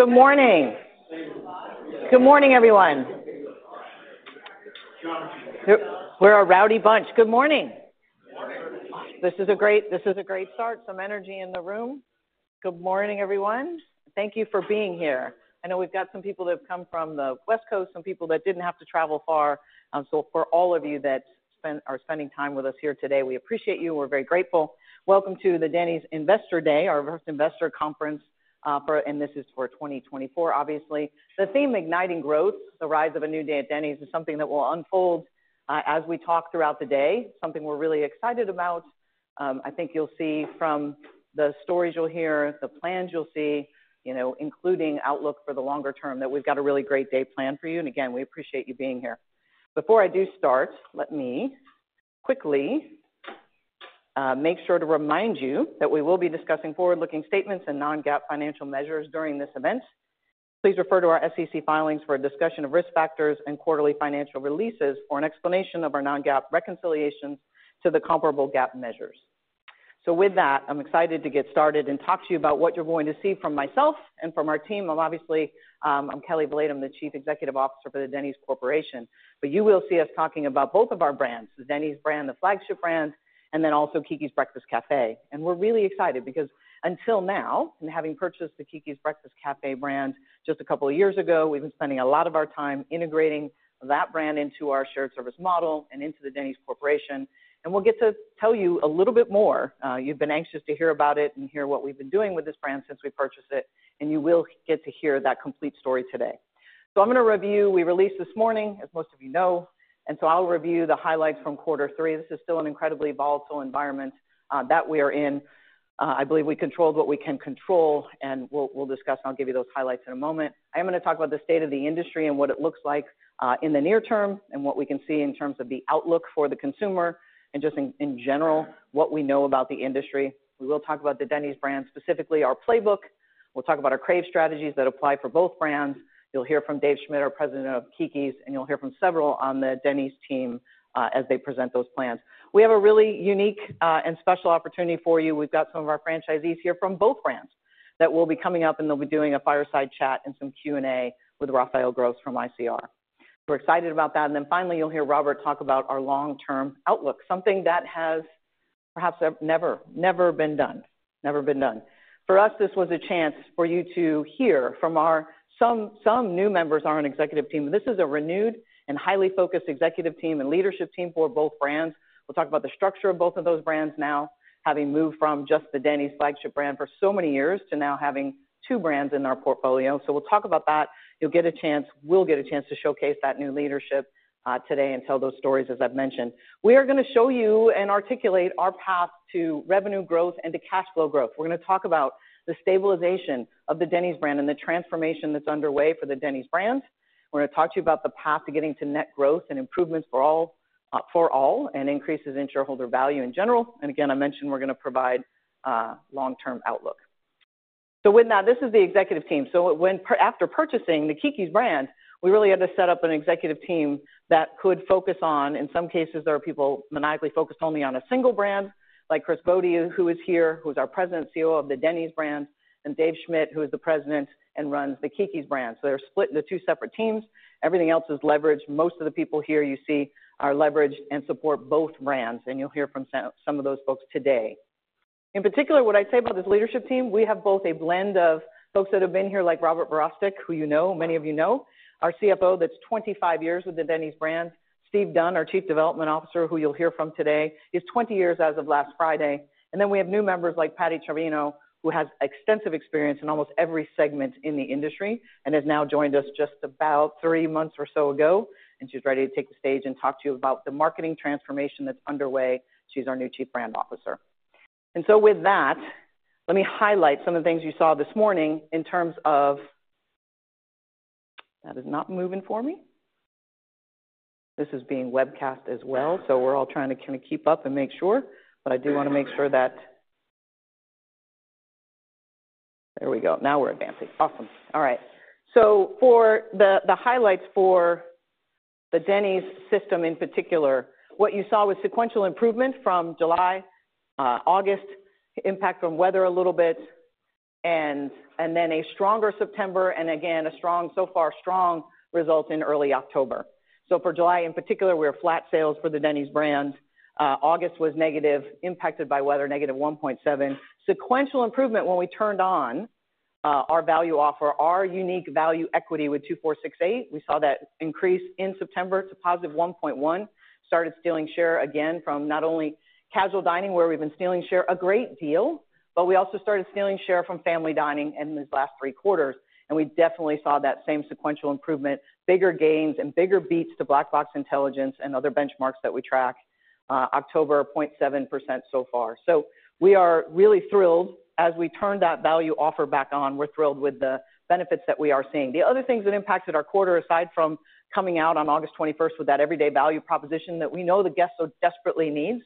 Good morning! Good morning, everyone. We're a rowdy bunch. Good morning. Good morning. This is a great, this is a great start. Some energy in the room. Good morning, everyone. Thank you for being here. I know we've got some people that have come from the West Coast, some people that didn't have to travel far. So for all of you that are spending time with us here today, we appreciate you. We're very grateful. Welcome to the Denny's Investor Day, our first investor conference, and this is for 2024, obviously. The theme, Igniting Growth: The Rise of a New Day at Denny's, is something that will unfold as we talk throughout the day, something we're really excited about. I think you'll see from the stories you'll hear, the plans you'll see, you know, including outlook for the longer term, that we've got a really great day planned for you. Again, we appreciate you being here. Before I do start, let me quickly make sure to remind you that we will be discussing forward-looking statements and non-GAAP financial measures during this event. Please refer to our SEC filings for a discussion of risk factors and quarterly financial releases for an explanation of our non-GAAP reconciliations to the comparable GAAP measures. With that, I'm excited to get started and talk to you about what you're going to see from myself and from our team. Obviously, I'm Kelli Valade, the Chief Executive Officer for the Denny's Corporation. You will see us talking about both of our brands, the Denny's brand, the flagship brand, and then also Keke's Breakfast Cafe. And we're really excited because until now, and having purchased the Keke's Breakfast Cafe brand just a couple of years ago, we've been spending a lot of our time integrating that brand into our shared service model and into the Denny's Corporation. And we'll get to tell you a little bit more. You've been anxious to hear about it and hear what we've been doing with this brand since we purchased it, and you will get to hear that complete story today. So I'm going to review. We released this morning, as most of you know, and so I'll review the highlights from quarter three. This is still an incredibly volatile environment that we are in. I believe we controlled what we can control and we'll discuss, and I'll give you those highlights in a moment. I am going to talk about the state of the industry and what it looks like in the near term, and what we can see in terms of the outlook for the consumer and just in general, what we know about the industry. We will talk about the Denny's brand, specifically our playbook. We'll talk about our crave strategies that apply for both brands. You'll hear from Dave Schmidt, our President of Keke's, and you'll hear from several on the Denny's team as they present those plans. We have a really unique and special opportunity for you. We've got some of our franchisees here from both brands that will be coming up, and they'll be doing a fireside chat and some Q&A with Raphael Gross from ICR. We're excited about that. And then finally, you'll hear Robert talk about our long-term outlook, something that has perhaps never, never been done. Never been done. For us, this was a chance for you to hear from our, some, some new members, on our executive team. This is a renewed and highly focused executive team and leadership team for both brands. We'll talk about the structure of both of those brands now, having moved from just the Denny's flagship brand for so many years to now having two brands in our portfolio. So we'll talk about that. You'll get a chance, we'll get a chance to showcase that new leadership, today and tell those stories, as I've mentioned. We are going to show you and articulate our path to revenue growth and to cash flow growth. We're going to talk about the stabilization of the Denny's brand and the transformation that's underway for the Denny's brand. We're going to talk to you about the path to getting to net growth and improvements for all, and increases in shareholder value in general. And again, I mentioned we're going to provide long-term outlook. So with that, this is the executive team. So after purchasing the Keke's brand, we really had to set up an executive team that could focus on, in some cases, there are people maniacally focused only on a single brand, like Chris Bode, who is here, who's our President and CEO of the Denny's brand, and Dave Schmidt, who is the president and runs the Keke's brand. So they're split into two separate teams. Everything else is leveraged. Most of the people here you see are leveraged and support both brands, and you'll hear from some of those folks today. In particular, what I'd say about this leadership team, we have both a blend of folks that have been here, like Robert Verostek, who you know, many of you know, our CFO, that's 25 years with the Denny's brand. Steve Dunn, our Chief Development Officer, who you'll hear from today, is 20 years as of last Friday. And then we have new members like Patty Treviño, who has extensive experience in almost every segment in the industry and has now joined us just about three months or so ago, and she's ready to take the stage and talk to you about the marketing transformation that's underway. She's our new Chief Brand Officer. With that, let me highlight some of the things you saw this morning in terms of that. That is not moving for me. This is being webcast as well, so we're all trying to kind of keep up and make sure. But I do want to make sure that there we go. Now we're advancing. Awesome. All right. For the highlights for the Denny's system, in particular, what you saw was sequential improvement from July, August, impact from weather a little bit, and then a stronger September, and again, a strong so far strong results in early October. For July, in particular, we were flat sales for the Denny's brand. August was negative, impacted by weather, negative 1.7%. Sequential improvement when we turned on our value offer, our unique value equity with $2 $4 $6 $8. We saw that increase in September to positive 1.1%. Started stealing share again from not only casual dining, where we've been stealing share a great deal, but we also started stealing share from family dining in these last three quarters, and we definitely saw that same sequential improvement, bigger gains and bigger beats to Black Box Intelligence and other benchmarks that we track. October, 0.7% so far. So we are really thrilled. As we turn that value offer back on, we're thrilled with the benefits that we are seeing. The other things that impacted our quarter, aside from coming out on 21st August with that everyday value proposition that we know the guests so desperately needs,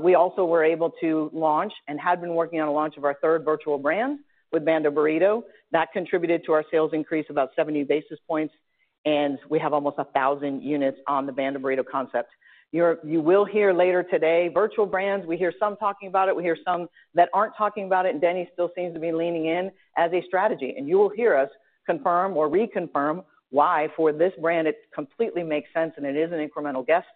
we also were able to launch and had been working on a launch of our third virtual brand with Banda Burrito. That contributed to our sales increase about seventy basis points, and we have almost a thousand units on the Banda Burrito concept. You will hear later today, virtual brands, we hear some talking about it, we hear some that aren't talking about it, and Denny's still seems to be leaning in as a strategy. You will hear us confirm or reconfirm why, for this brand, it completely makes sense, and it is an incremental guest,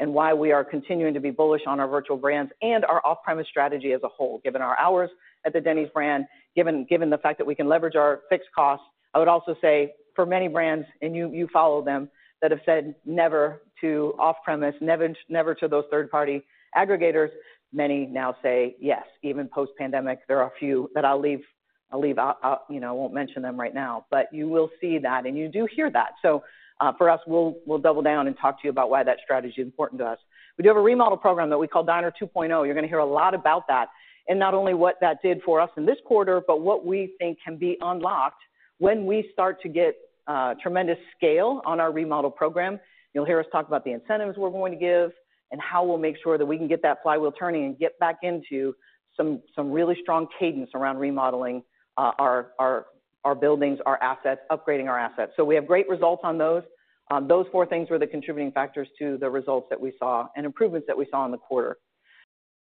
and why we are continuing to be bullish on our virtual brands and our off-premise strategy as a whole, given our hours at the Denny's brand, given the fact that we can leverage our fixed costs. I would also say for many brands, and you follow them, that have said never to off-premise, never to those third-party aggregators, many now say yes, even post-pandemic. There are a few that I'll leave out. You know, I won't mention them right now. But you will see that, and you do hear that. So, for us, we'll double down and talk to you about why that strategy is important to us. We do have a remodel program that we call Diner 2.0. You're gonna hear a lot about that, and not only what that did for us in this quarter, but what we think can be unlocked when we start to get tremendous scale on our remodel program. You'll hear us talk about the incentives we're going to give and how we'll make sure that we can get that flywheel turning and get back into some really strong cadence around remodeling our buildings, our assets, upgrading our assets. So we have great results on those. Those four things were the contributing factors to the results that we saw and improvements that we saw in the quarter.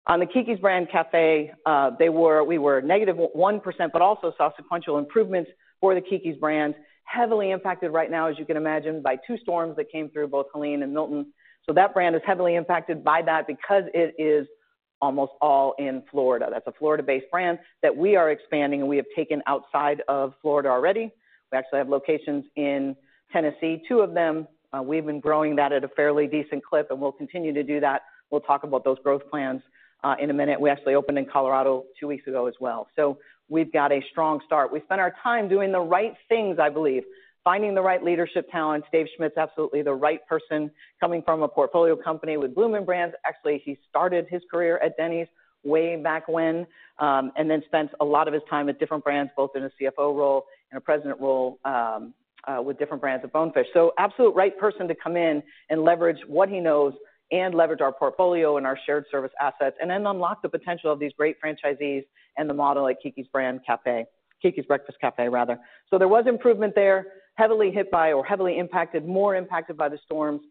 On the Keke's Breakfast Cafe, they were—we were negative 1%, but also saw sequential improvements for the Keke's brand, heavily impacted right now, as you can imagine, by two storms that came through, both Helene and Milton. So that brand is heavily impacted by that because it is almost all in Florida. That's a Florida-based brand that we are expanding, and we have taken outside of Florida already. We actually have locations in Tennessee, two of them. We've been growing that at a fairly decent clip, and we'll continue to do that. We'll talk about those growth plans in a minute. We actually opened in Colorado two weeks ago as well. So we've got a strong start. We've spent our time doing the right things, I believe, finding the right leadership talents. Dave Schmidt's absolutely the right person, coming from a portfolio company with Bloomin' Brands. Actually, he started his career at Denny's way back when, and then spent a lot of his time with different brands, both in a CFO role and a president role, with different brands of Bonefish. So absolute right person to come in and leverage what he knows and leverage our portfolio and our shared service assets, and then unlock the potential of these great franchisees and the model like Keke's Breakfast Cafe, Keke's Breakfast Cafe, rather. So there was improvement there, heavily hit by or heavily impacted, more impacted by the storms,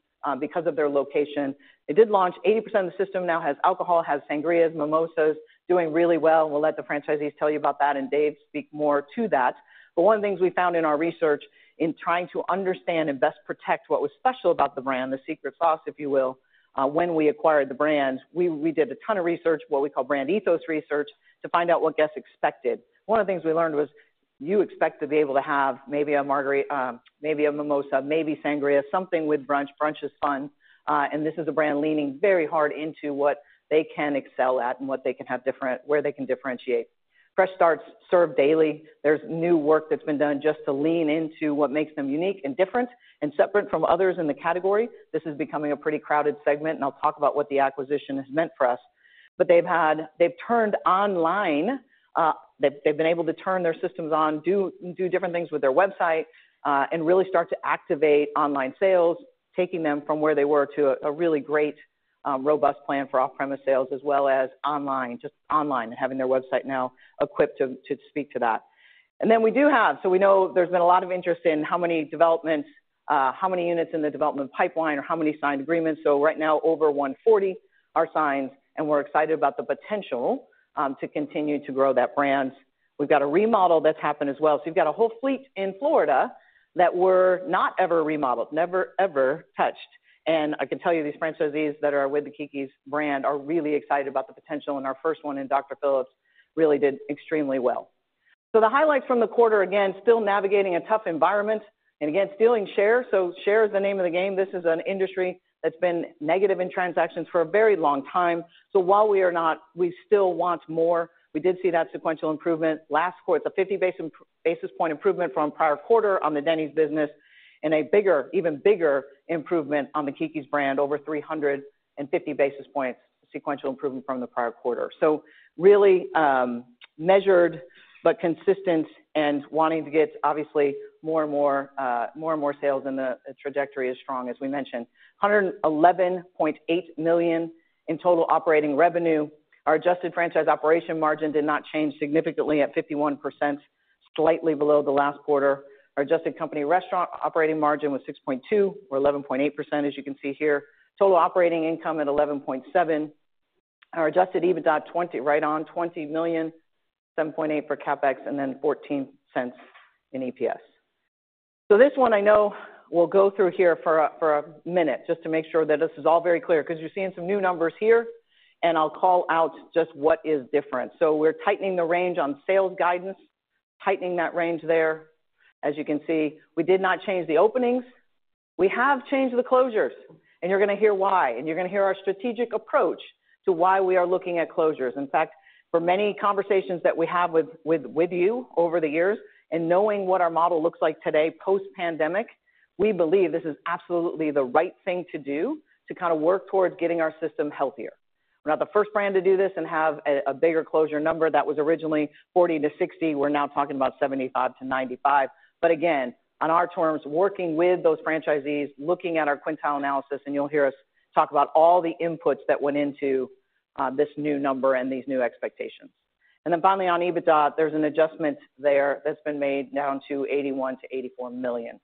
because of their location. They did launch 80% of the system now has alcohol, has sangrias, mimosas, doing really well. We'll let the franchisees tell you about that, and Dave speak more to that. But one of the things we found in our research in trying to understand and best protect what was special about the brand, the secret sauce, if you will, when we acquired the brand, we did a ton of research, what we call brand ethos research, to find out what guests expected. One of the things we learned was, you expect to be able to have maybe a margarita, maybe a mimosa, maybe sangria, something with brunch. Brunch is fun, and this is a brand leaning very hard into what they can excel at and what they can have different, where they can differentiate. Fresh starts served daily. There's new work that's been done just to lean into what makes them unique and different and separate from others in the category. This is becoming a pretty crowded segment, and I'll talk about what the acquisition has meant for us, but they've turned online, they've been able to turn their systems on, do different things with their website, and really start to activate online sales, taking them from where they were to a really great robust plan for off-premise sales as well as online, just online, and having their website now equipped to speak to that. And then we do have, so we know there's been a lot of interest in how many developments, how many units in the development pipeline or how many signed agreements. So right now, over 140 are signed, and we're excited about the potential to continue to grow that brand. We've got a remodel that's happened as well. You've got a whole fleet in Florida that were not ever remodeled, never, ever touched. And I can tell you, these franchisees that are with the Keke's brand are really excited about the potential, and our first one in Dr. Phillips really did extremely well. The highlights from the quarter, again, still navigating a tough environment, and again, stealing share. Share is the name of the game. This is an industry that's been negative in transactions for a very long time. While we are not, we still want more. We did see that sequential improvement. Last quarter, it's a 50 basis point improvement from prior quarter on the Denny's business, and a bigger, even bigger improvement on the Keke's brand, over 350 basis points, sequential improvement from the prior quarter. So really, measured, but consistent and wanting to get, obviously, more and more sales, and the trajectory is strong, as we mentioned. $11.8 million in total operating revenue. Our adjusted franchise operation margin did not change significantly at 51%, slightly below the last quarter. Our adjusted company restaurant operating margin was 6.2% or 11.8%, as you can see here. Total operating income at $11.7 million. Our adjusted EBITDA, 20, right on $20 million, $7.8 million for CapEx, and then $0.14 in EPS. This one I know we'll go through here for a minute just to make sure that this is all very clear, because you're seeing some new numbers here, and I'll call out just what is different. We're tightening the range on sales guidance, tightening that range there. As you can see, we did not change the openings. We have changed the closures, and you're gonna hear why, and you're gonna hear our strategic approach to why we are looking at closures. In fact, for many conversations that we have with you over the years and knowing what our model looks like today, post-pandemic, we believe this is absolutely the right thing to do to kind of work towards getting our system healthier. We're not the first brand to do this and have a bigger closure number. That was originally 40-60. We're now talking about 75-95. But again, on our terms, working with those franchisees, looking at our quintile analysis, and you'll hear us talk about all the inputs that went into this new number and these new expectations. And then finally, on EBITDA, there's an adjustment there that's been made down to $81-84 million.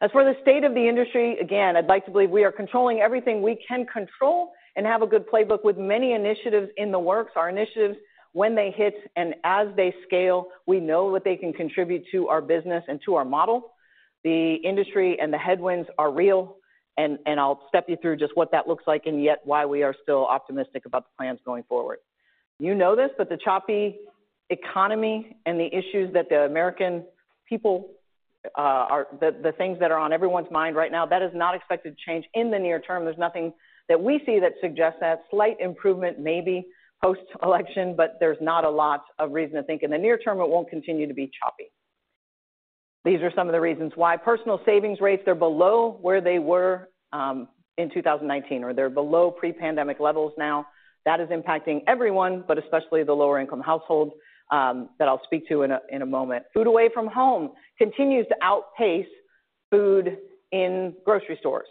As for the state of the industry, again, I'd like to believe we are controlling everything we can control and have a good playbook with many initiatives in the works. Our initiatives, when they hit and as they scale, we know what they can contribute to our business and to our model. The industry and the headwinds are real, and I'll step you through just what that looks like, and yet why we are still optimistic about the plans going forward. You know this, but the choppy economy and the issues that the American people, the things that are on everyone's mind right now, that is not expected to change in the near term. There's nothing that we see that suggests that. Slight improvement may be post-election, but there's not a lot of reason to think in the near term it won't continue to be choppy. These are some of the reasons why personal savings rates are below where they were in 2019, or they're below pre-pandemic levels now. That is impacting everyone, but especially the lower-income households, that I'll speak to in a moment. Food away from home continues to outpace food in grocery stores.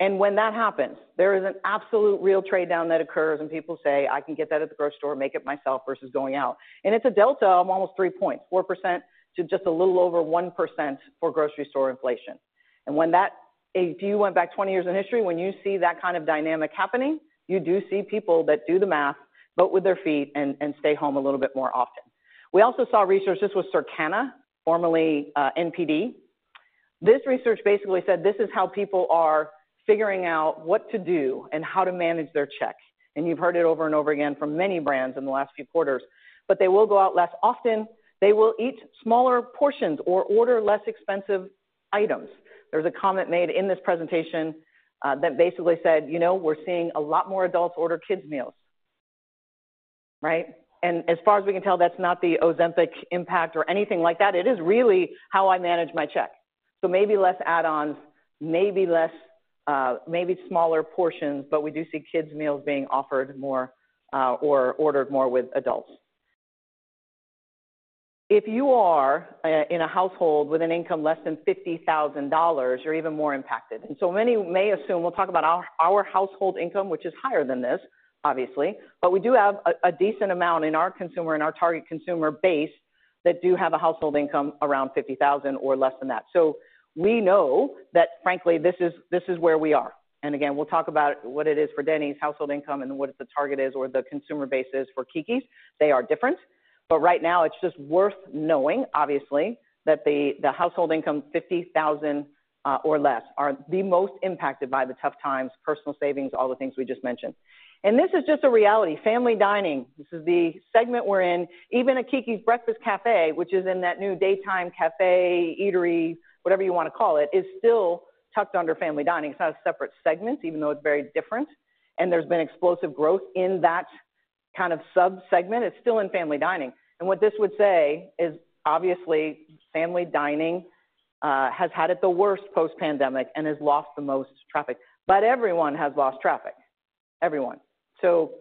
And when that happens, there is an absolute real trade-down that occurs, and people say, "I can get that at the grocery store, make it myself, versus going out." And it's a delta of almost three points, four percent to just a little over 1% for grocery store inflation. And when that--if you went back twenty years in history, when you see that kind of dynamic happening, you do see people that do the math, vote with their feet, and stay home a little bit more often. We also saw research. This was Circana, formerly NPD. This research basically said, this is how people are figuring out what to do and how to manage their check. And you've heard it over and over again from many brands in the last few quarters. But they will go out less often. They will eat smaller portions or order less expensive items. There's a comment made in this presentation that basically said, "You know, we're seeing a lot more adults order kids' meals," right? And as far as we can tell, that's not the Ozempic impact or anything like that. It is really how I manage my check. So maybe less add-ons, maybe less, maybe smaller portions, but we do see kids' meals being offered more or ordered more with adults. If you are in a household with an income less than $50,000, you're even more impacted. And so many may assume we'll talk about our household income, which is higher than this, obviously, but we do have a decent amount in our consumer, in our target consumer base, that do have a household income around $50,000 or less than that. So we know that, frankly, this is, this is where we are. And again, we'll talk about what it is for Denny's household income and what the target is or the consumer base is for Keke's. They are different. But right now, it's just worth knowing, obviously, that the household income, 50,000 or less, are the most impacted by the tough times, personal savings, all the things we just mentioned. And this is just a reality. Family Dining, this is the segment we're in. Even a Keke's Breakfast Cafe, which is in that new daytime café, eatery, whatever you wanna call it, is still tucked under Family Dining. It's not a separate segment, even though it's very different. And there's been explosive growth in that kind of subsegment. It's still in Family Dining. And what this would say is, obviously, family dining has had it the worst post-pandemic and has lost the most traffic, but everyone has lost traffic. Everyone. So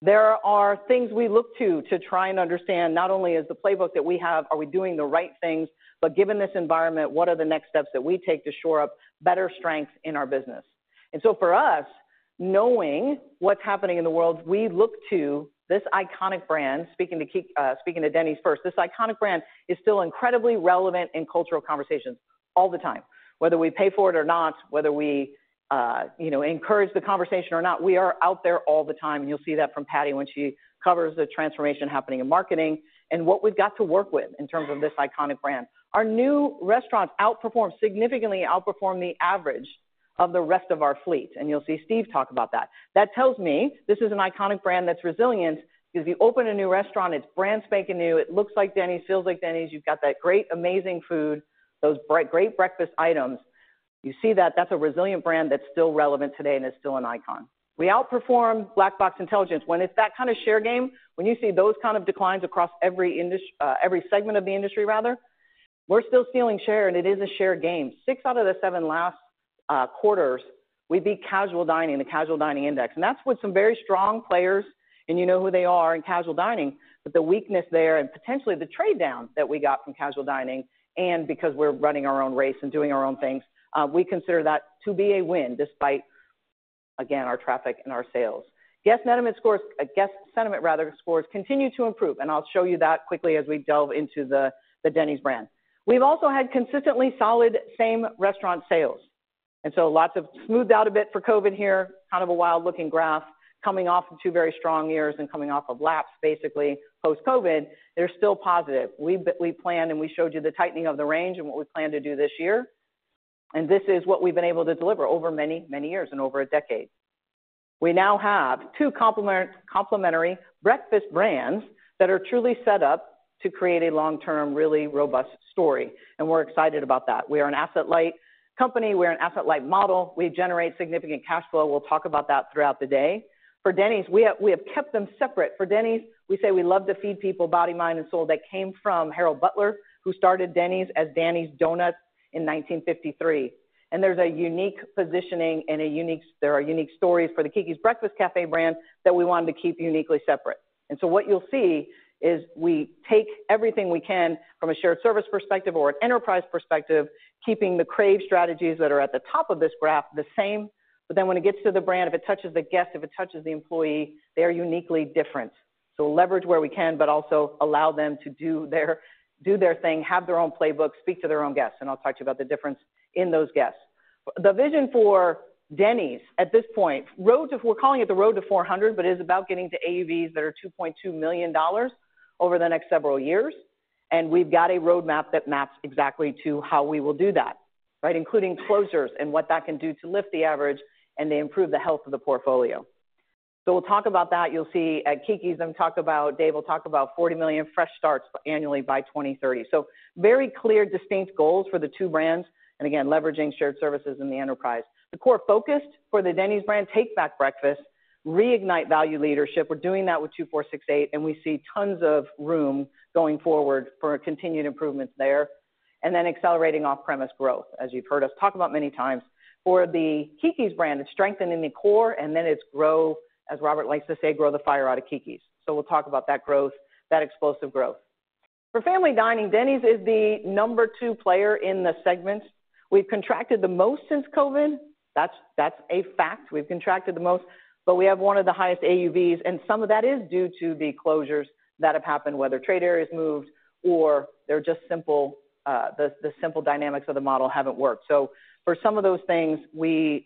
there are things we look to, to try and understand not only is the playbook that we have, are we doing the right things, but given this environment, what are the next steps that we take to shore up better strengths in our business? And so for us, knowing what's happening in the world, we look to this iconic brand, speaking to Denny's first. This iconic brand is still incredibly relevant in cultural conversations all the time. Whether we pay for it or not, whether we, you know, encourage the conversation or not, we are out there all the time. You'll see that from Patty when she covers the transformation happening in marketing and what we've got to work with in terms of this iconic brand. Our new restaurants outperform, significantly outperform the average of the rest of our fleet, and you'll see Steve talk about that. That tells me this is an iconic brand that's resilient, because if you open a new restaurant, it's brand spanking new, it looks like Denny's, feels like Denny's, you've got that great amazing food, those great breakfast items. You see that, that's a resilient brand that's still relevant today and is still an icon. We outperform Black Box Intelligence. When it's that kind of share game, when you see those kind of declines across every industry rather, every segment of the industry rather, we're still stealing share, and it is a share game. Six out of the seven last quarters, we beat casual dining, the casual dining index, and that's with some very strong players, and you know who they are in casual dining. But the weakness there and potentially the trade down that we got from casual dining, and because we're running our own race and doing our own things, we consider that to be a win, despite, again, our traffic and our sales. Guest sentiment scores, guest sentiment, rather, scores continue to improve, and I'll show you that quickly as we delve into the Denny's brand. We've also had consistently solid same-restaurant sales, and so lots of, smoothed out a bit for COVID here, kind of a wild-looking graph coming off of two very strong years and coming off of lapped, basically post-COVID. They're still positive. We planned, and we showed you the tightening of the range and what we plan to do this year. This is what we've been able to deliver over many, many years and over a decade. We now have two complementary breakfast brands that are truly set up to create a long-term, really robust story, and we're excited about that. We are an asset-light company. We're an asset-light model. We generate significant cash flow. We'll talk about that throughout the day. For Denny's, we have kept them separate. For Denny's, we say we love to feed people, body, mind, and soul. That came from Harold Butler, who started Denny's as Denny's Donuts in 1953. There's a unique positioning and there are unique stories for the Keke's Breakfast Cafe brand that we wanted to keep uniquely separate. And so what you'll see is we take everything we can from a shared service perspective or an enterprise perspective, keeping the crave strategies that are at the top of this graph the same. But then when it gets to the brand, if it touches the guest, if it touches the employee, they are uniquely different. So leverage where we can, but also allow them to do their, do their thing, have their own playbooks, speak to their own guests, and I'll talk to you about the difference in those guests. The vision for Denny's at this point, if we're calling it the road to 400, but it's about getting to AUVs that are $2.2 million over the next several years. And we've got a roadmap that maps exactly to how we will do that, right? Including closures and what that can do to lift the average, and they improve the health of the portfolio. So we'll talk about that. You'll see at Keke's, Dave will talk about forty million fresh starts annually by twenty thirty. So very clear, distinct goals for the two brands, and again, leveraging shared services in the enterprise. The core focus for the Denny's brand, take back breakfast, reignite value leadership. We're doing that with 2-4-6-8, and we see tons of room going forward for continued improvements there, and then accelerating off-premise growth, as you've heard us talk about many times. For the Keke's brand, it's strengthening the core, and then it's grow, as Robert likes to say, grow the fire out of Keke's. So we'll talk about that growth, that explosive growth. For family dining, Denny's is the number two player in the segment. We've contracted the most since COVID. That's, that's a fact. We've contracted the most, but we have one of the highest AUVs, and some of that is due to the closures that have happened, whether trade areas moved or they're just simple, the simple dynamics of the model haven't worked. So for some of those things, that we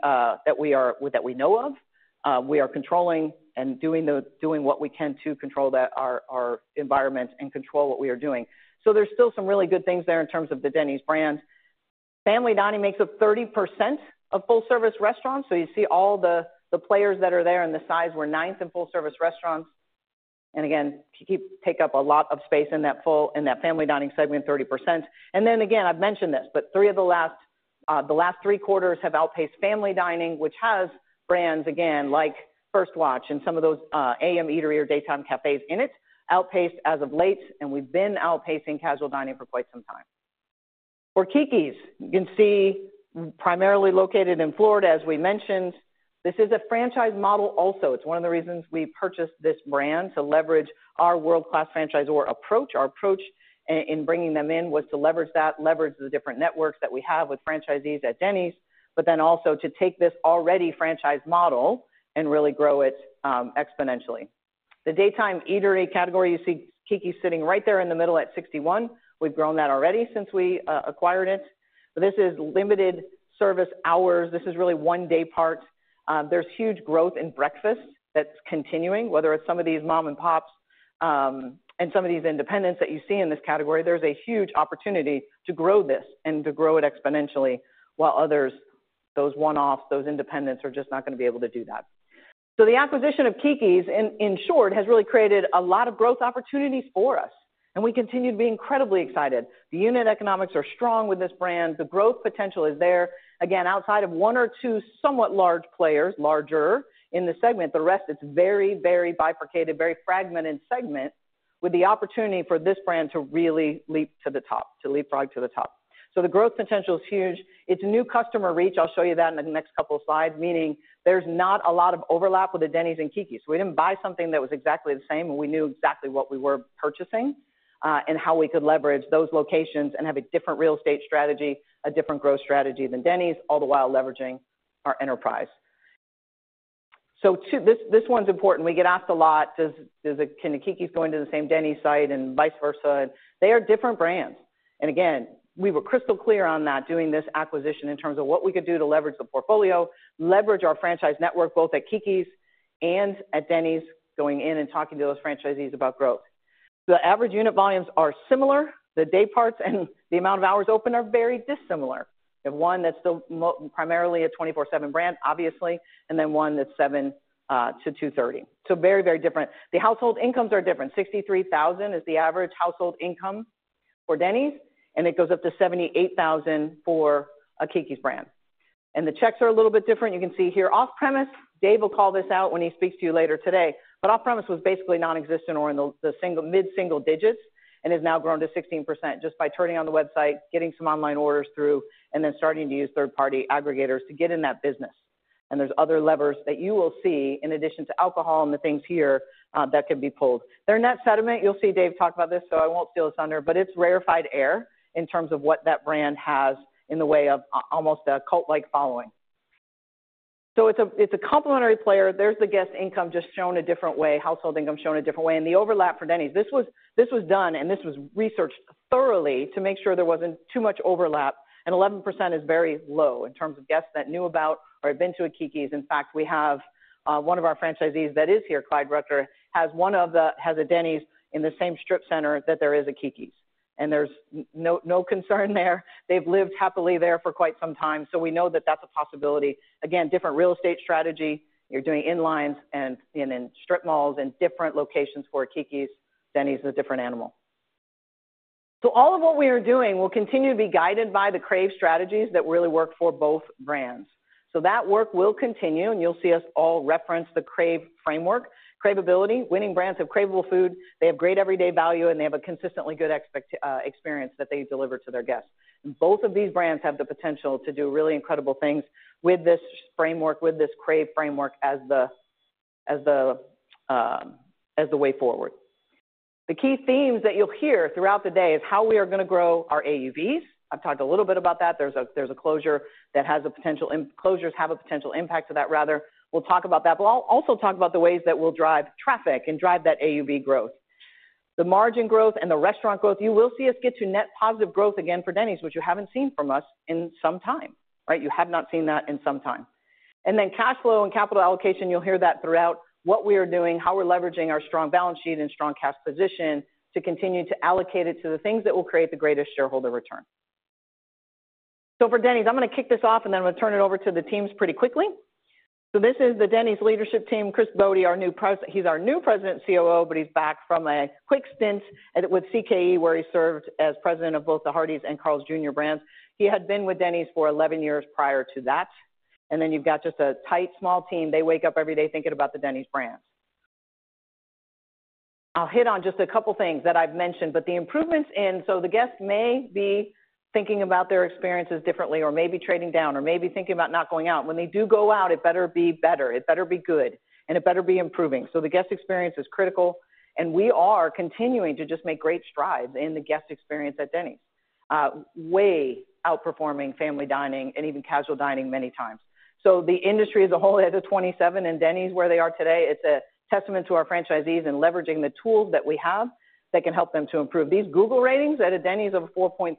know of, we are controlling and doing what we can to control that, our environment and control what we are doing. So there's still some really good things there in terms of the Denny's brand. Family dining makes up 30% of full-service restaurants. So you see all the players that are there and the size, we're ninth in full-service restaurants, and again, Keke's take up a lot of space in that family dining segment, 30%. And then again, I've mentioned this, but three of the last, the last three quarters have outpaced family dining, which has brands, again, like First Watch and some of those, AM eatery or daytime cafés in it, outpaced as of late, and we've been outpacing casual dining for quite some time. For Keke's, you can see primarily located in Florida, as we mentioned. This is a franchise model also. It's one of the reasons we purchased this brand, to leverage our world-class franchisor approach. Our approach in bringing them in was to leverage that, leverage the different networks that we have with franchisees at Denny's, but then also to take this already franchise model and really grow it, exponentially. The daytime eatery category, you see Keke's sitting right there in the middle at sixty-one. We've grown that already since we acquired it. This is limited service hours. This is really one day part. There's huge growth in breakfast that's continuing, whether it's some of these mom and pops, and some of these independents that you see in this category. There's a huge opportunity to grow this and to grow it exponentially, while others, those one-offs, those independents, are just not gonna be able to do that. So the acquisition of Keke's, in short, has really created a lot of growth opportunities for us, and we continue to be incredibly excited. The unit economics are strong with this brand. The growth potential is there. Again, outside of one or two, somewhat large players, larger in the segment, the rest is very, very bifurcated, very fragmented segment, with the opportunity for this brand to really leap to the top, to leapfrog to the top. So the growth potential is huge. It's new customer reach. I'll show you that in the next couple of slides, meaning there's not a lot of overlap with the Denny's and Keke's. We didn't buy something that was exactly the same, and we knew exactly what we were purchasing, and how we could leverage those locations and have a different real estate strategy, a different growth strategy than Denny's, all the while leveraging our enterprise. So two-- this, this one's important. We get asked a lot, does, does a-- can a Keke's go into the same Denny's site and vice versa? They are different brands. And again, we were crystal clear on that, doing this acquisition in terms of what we could do to leverage the portfolio, leverage our franchise network, both at Keke's and at Denny's, going in and talking to those franchisees about growth. The average unit volumes are similar. The day parts and the amount of hours open are very dissimilar. You have one that's still primarily a 24/7 brand, obviously, and then one that's 7:00 A.M. to 2:30 P.M. So very, very different. The household incomes are different. $63,000 is the average household income for Denny's, and it goes up to $78,000 for a Keke's brand. The checks are a little bit different. You can see here, off-premise, Dave will call this out when he speaks to you later today, but off-premise was basically nonexistent or in the mid-single digits, and has now grown to 16% just by turning on the website, getting some online orders through, and then starting to use third-party aggregators to get in that business. There's other levers that you will see in addition to alcohol and the things here that can be pulled. Their net sentiment, you'll see Dave talk about this, so I won't steal his thunder, but it's rarefied air in terms of what that brand has in the way of almost a cult-like following. So it's a complementary player. There's the guest income just shown a different way, household income shown a different way. And the overlap for Denny's, this was done and this was researched thoroughly to make sure there wasn't too much overlap, and 11% is very low in terms of guests that knew about or have been to a Keke's. In fact, we have one of our franchisees that is here, Clyde Rucker, has a Denny's in the same strip center that there is a Keke's, and there's no concern there. They've lived happily there for quite some time, so we know that that's a possibility. Again, different real estate strategy. You're doing in-lines and in strip malls and different locations for Keke's. Denny's is a different animal. So all of what we are doing will continue to be guided by the crave strategies that really work for both brands. So that work will continue, and you'll see us all reference the crave framework. Cravability, winning brands have cravable food, they have great everyday value, and they have a consistently good expected experience that they deliver to their guests. Both of these brands have the potential to do really incredible things with this framework, with this crave framework as the way forward. The key themes that you'll hear throughout the day is how we are gonna grow our AUVs. I've talked a little bit about that. There's a closure that has a potential imp-- closures have a potential impact to that rather. We'll talk about that, but I'll also talk about the ways that we'll drive traffic and drive that AUV growth... the margin growth and the restaurant growth, you will see us get to net positive growth again for Denny's, which you haven't seen from us in some time, right? You have not seen that in some time. And then cash flow and capital allocation, you'll hear that throughout what we are doing, how we're leveraging our strong balance sheet and strong cash position to continue to allocate it to the things that will create the greatest shareholder return. So for Denny's, I'm gonna kick this off, and then I'm gonna turn it over to the teams pretty quickly. This is the Denny's leadership team, Chris Bode, our new President, COO, but he's back from a quick stint with CKE, where he served as president of both the Hardee's and Carl's Jr. brands. He had been with Denny's for eleven years prior to that. You've got just a tight, small team. They wake up every day thinking about the Denny's brand. I'll hit on just a couple things that I've mentioned, but the improvements. The guests may be thinking about their experiences differently, or maybe trading down, or maybe thinking about not going out. When they do go out, it better be better, it better be good, and it better be improving. So the guest experience is critical, and we are continuing to just make great strides in the guest experience at Denny's, way outperforming family dining and even casual dining many times. So the industry as a whole at a 27, and Denny's, where they are today, it's a testament to our franchisees in leveraging the tools that we have that can help them to improve. These Google ratings at a Denny's of a 4.3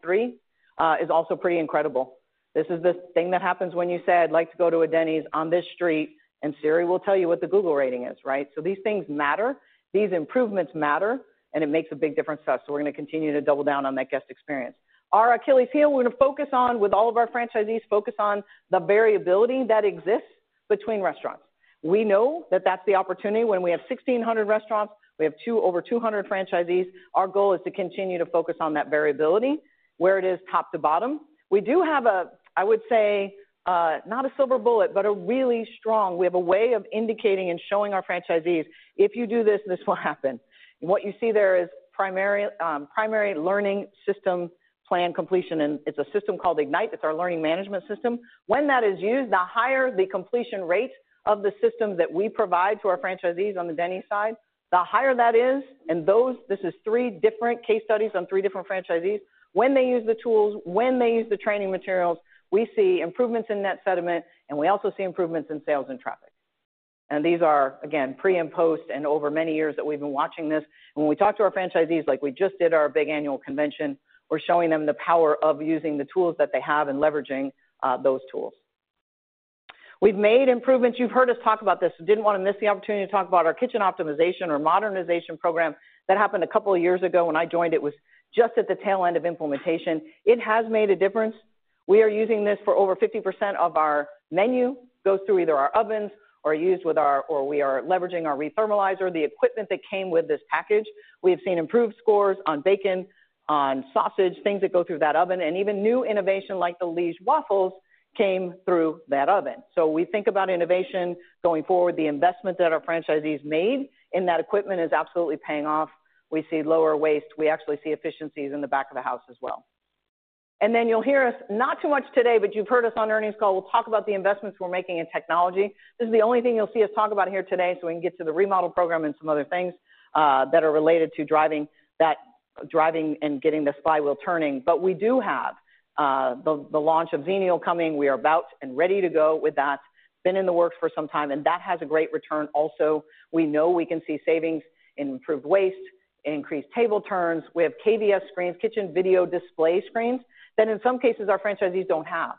is also pretty incredible. This is the thing that happens when you say, "I'd like to go to a Denny's on this street," and Siri will tell you what the Google rating is, right? So these things matter, these improvements matter, and it makes a big difference to us, so we're going to continue to double down on that guest experience. Our Achilles' heel, we're going to focus on, with all of our franchisees, focus on the variability that exists between restaurants. We know that that's the opportunity. When we have 1600 restaurants, we have over 200 franchisees, our goal is to continue to focus on that variability, where it is top to bottom. We do have a, I would say, not a silver bullet, but a really strong, we have a way of indicating and showing our franchisees, if you do this, this will happen. What you see there is primary learning system plan completion, and it's a system called Ignite. It's our learning management system. When that is used, the higher the completion rate of the system that we provide to our franchisees on the Denny's side, the higher that is, and those, this is three different case studies on three different franchisees. When they use the tools, when they use the training materials, we see improvements in net sentiment, and we also see improvements in sales and traffic. And these are, again, pre- and post- and over many years that we've been watching this. When we talk to our franchisees, like we just did our big annual convention, we're showing them the power of using the tools that they have and leveraging those tools. We've made improvements. You've heard us talk about this. Didn't want to miss the opportunity to talk about our kitchen optimization or modernization program that happened a couple of years ago. When I joined, it was just at the tail end of implementation. It has made a difference. We are using this for over 50% of our menu, [that] goes through either our ovens or [is] used with our or we are leveraging our rethermalizer, the equipment that came with this package. We have seen improved scores on bacon, on sausage, things that go through that oven, and even new innovation, like the Liège waffles, [that] came through that oven. We think about innovation going forward. The investment that our franchisees made in that equipment is absolutely paying off. We see lower waste. We actually see efficiencies in the back of the house as well. Then you'll hear us, not too much today, but you've heard us on earnings call. We'll talk about the investments we're making in technology. This is the only thing you'll see us talk about here today, so we can get to the remodel program and some other things that are related to driving that and getting the flywheel turning. But we do have the launch of Xenial coming. We are about ready to go with that. Been in the works for some time, and that has a great return also. We know we can see savings in improved waste and increased table turns. We have KVS screens, kitchen video display screens, that in some cases, our franchisees don't have.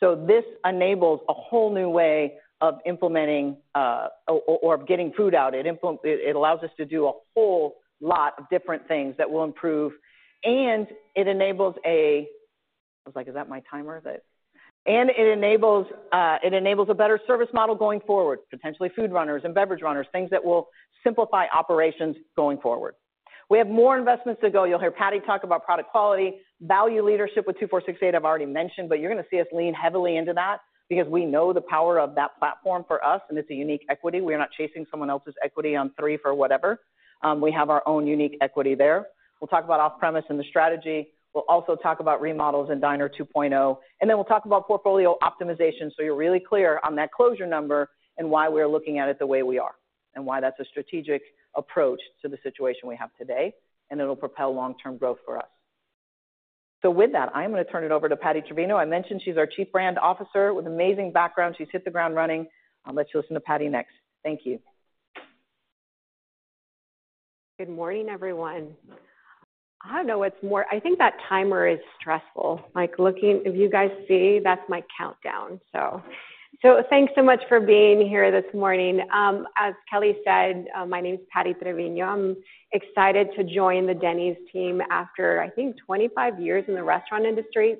So this enables a whole new way of implementing or of getting food out. It allows us to do a whole lot of different things that will improve, and it enables a... I was like, "Is that my timer?" But and it enables a better service model going forward, potentially food runners and beverage runners, things that will simplify operations going forward. We have more investments to go. You'll hear Patty talk about product quality. Value leadership with $2 $4 $6 $8, I've already mentioned, but you're going to see us lean heavily into that because we know the power of that platform for us, and it's a unique equity. We are not chasing someone else's equity on three for whatever. We have our own unique equity there. We'll talk about off-premise and the strategy. We'll also talk about remodels and Diner 2.0, and then we'll talk about portfolio optimization, so you're really clear on that closure number and why we're looking at it the way we are, and why that's a strategic approach to the situation we have today, and it'll propel long-term growth for us, so with that, I'm going to turn it over to Patty Treviño. I mentioned she's our Chief Brand Officer with amazing background. She's hit the ground running. I'll let you listen to Patty next. Thank you. Good morning, everyone. I don't know what's more. I think that timer is stressful. Like, looking, if you guys see, that's my countdown, so... So thanks so much for being here this morning. As Kelli said, my name is Patty Treviño. I'm excited to join the Denny's team after, I think, twenty-five years in the restaurant industry.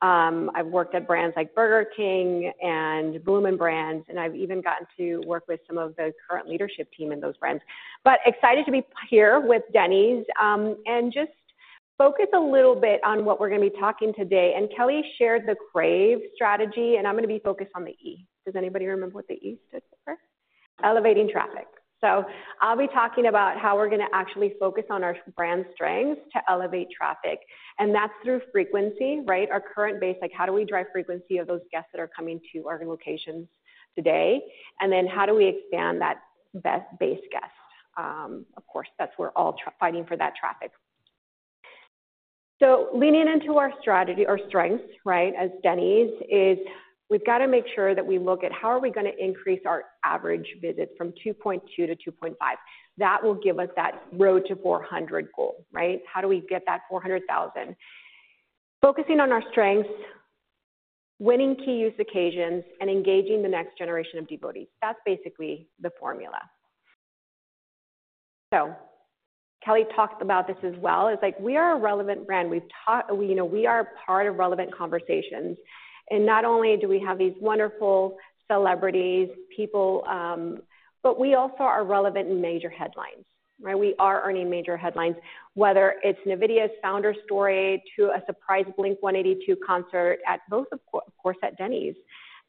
I've worked at brands like Burger King and Bloomin' Brands, and I've even gotten to work with some of the current leadership team in those brands, but excited to be here with Denny's, and just focus a little bit on what we're going to be talking today, and Kelli shared the Crave strategy, and I'm going to be focused on the E. Does anybody remember what the E stood for? Elevating traffic. So I'll be talking about how we're going to actually focus on our brand strengths to elevate traffic, and that's through frequency, right? Our current base, like, how do we drive frequency of those guests that are coming to our locations today? And then how do we expand that best base guest? Of course, that's where we're all trying to fight for that traffic. So leaning into our strategy, our strengths, right, as Denny's, is we've got to make sure that we look at how are we going to increase our average visit from 2.2 to 2.5. That will give us that road to 400 goal, right? How do we get that 400,000? Focusing on our strengths, winning key use occasions, and engaging the next generation of devotees. That's basically the formula. So Kelli talked about this as well, is like we are a relevant brand. We, you know, we are a part of relevant conversations, and not only do we have these wonderful celebrities, people, but we also are relevant in major headlines, right? We are earning major headlines, whether it's Nvidia's founder story to a surprise Blink-182 concert at both, of course, of course, at Denny's.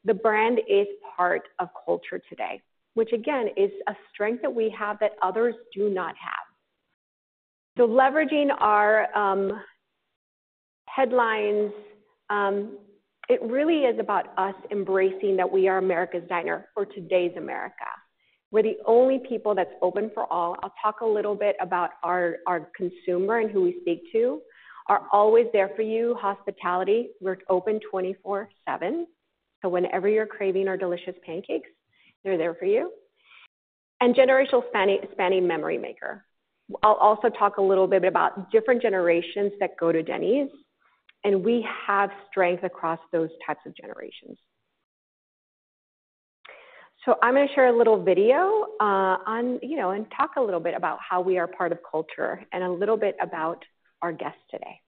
The brand is part of culture today, which again, is a strength that we have that others do not have. So leveraging our headlines, it really is about us embracing that we are America's diner for today's America. We're the only people that's open for all. I'll talk a little bit about our consumer and who we speak to, are always there for you, hospitality. We're open twenty-four seven, so whenever you're craving our delicious pancakes, they're there for you. And generational spanning memory maker. I'll also talk a little bit about different generations that go to Denny's, and we have strength across those types of generations. So I'm going to share a little video, you know, and talk a little bit about how we are part of culture and a little bit about our guests today.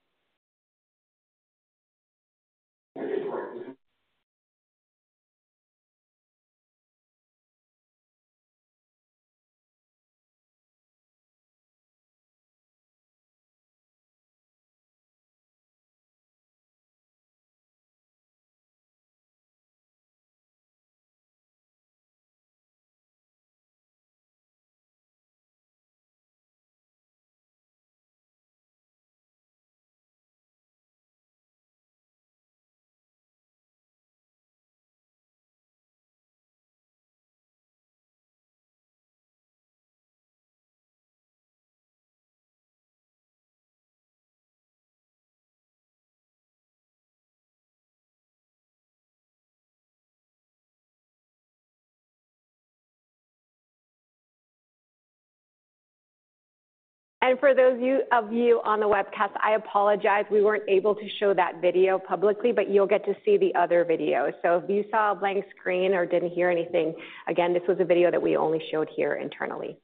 And for those of you on the webcast, I apologize. We weren't able to show that video publicly, but you'll get to see the other video. So if you saw a blank screen or didn't hear anything, again, this was a video that we only showed here internally.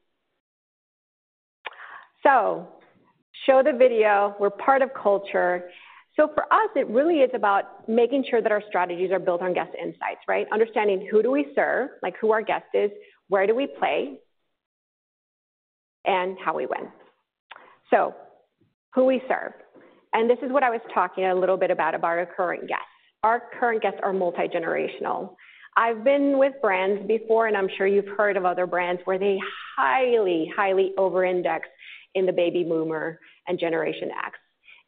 So show the video. We're part of culture. For us, it really is about making sure that our strategies are built on guest insights, right? Understanding who do we serve, like who our guest is, where do we play, and how we win. Who we serve, and this is what I was talking a little bit about, about our current guests. Our current guests are multigenerational. I've been with brands before, and I'm sure you've heard of other brands where they highly, highly overindex in the Baby Boomers and Generation X.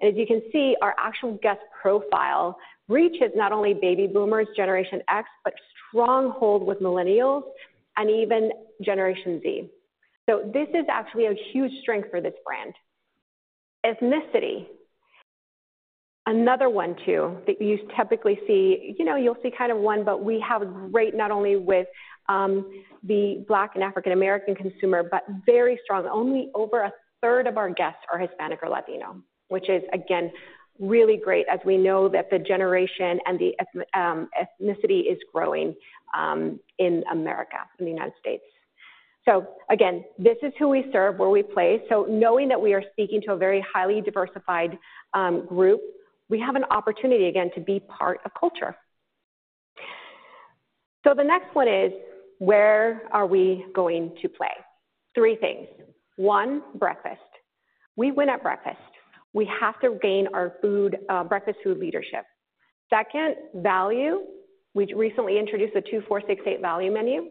As you can see, our actual guest profile reaches not only Baby Boomers, Generation X, but stronghold with Millennials and even Generation Z. This is actually a huge strength for this brand. Ethnicity. Another one, too, that you typically see. You know, you'll see kind of one, but we have great not only with the Black and African American consumer, but very strong. Only over a third of our guests are Hispanic or Latino, which is again, really great as we know that the generation and the ethnicity is growing in America, in the United States. So again, this is who we serve, where we play. So knowing that we are speaking to a very highly diversified group, we have an opportunity again to be part of culture. So the next one is: where are we going to play? Three things. One, breakfast. We win at breakfast. We have to gain our food, breakfast food leadership. Second, value. We recently introduced a $2 $4 $6 $8 value menu.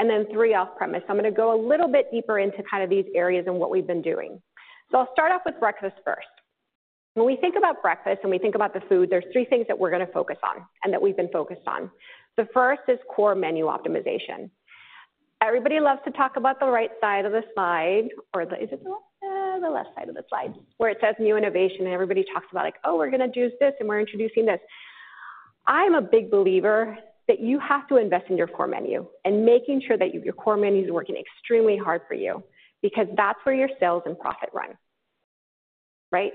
And then three, off-premise. I'm going to go a little bit deeper into kind of these areas and what we've been doing. So I'll start off with breakfast first. When we think about breakfast and we think about the food, there's three things that we're going to focus on and that we've been focused on. The first is core menu optimization. Everybody loves to talk about the right side of the slide, or is it the left? The left side of the slide, where it says new innovation, and everybody talks about like, "Oh, we're going to do this, and we're introducing this." I'm a big believer that you have to invest in your core menu and making sure that your core menu is working extremely hard for you because that's where your sales and profit run, right?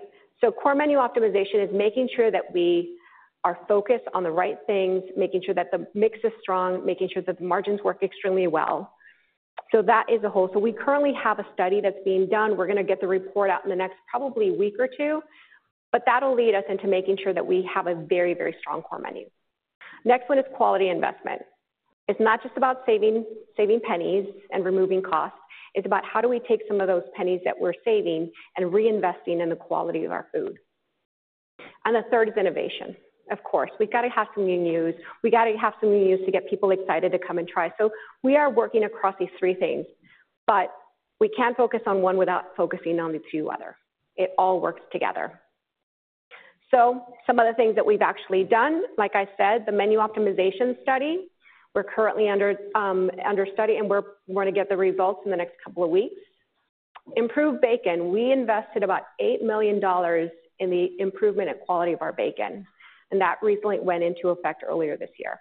Core menu optimization is making sure that we are focused on the right things, making sure that the mix is strong, making sure that the margins work extremely well. So that is a whole. We currently have a study that's being done. We're going to get the report out in the next probably week or two, but that'll lead us into making sure that we have a very, very strong core menu. Next one is quality investment. It's not just about saving, saving pennies and removing costs. It's about how do we take some of those pennies that we're saving and reinvesting in the quality of our food. And the third is innovation, of course. We've got to have some new news. We got to have some new news to get people excited to come and try. So we are working across these three things, but we can't focus on one without focusing on the two other. It all works together. So some of the things that we've actually done, like I said, the menu optimization study, we're currently under study, and we're going to get the results in the next couple of weeks. Improved bacon. We invested about $8 million in the improvement and quality of our bacon, and that recently went into effect earlier this year.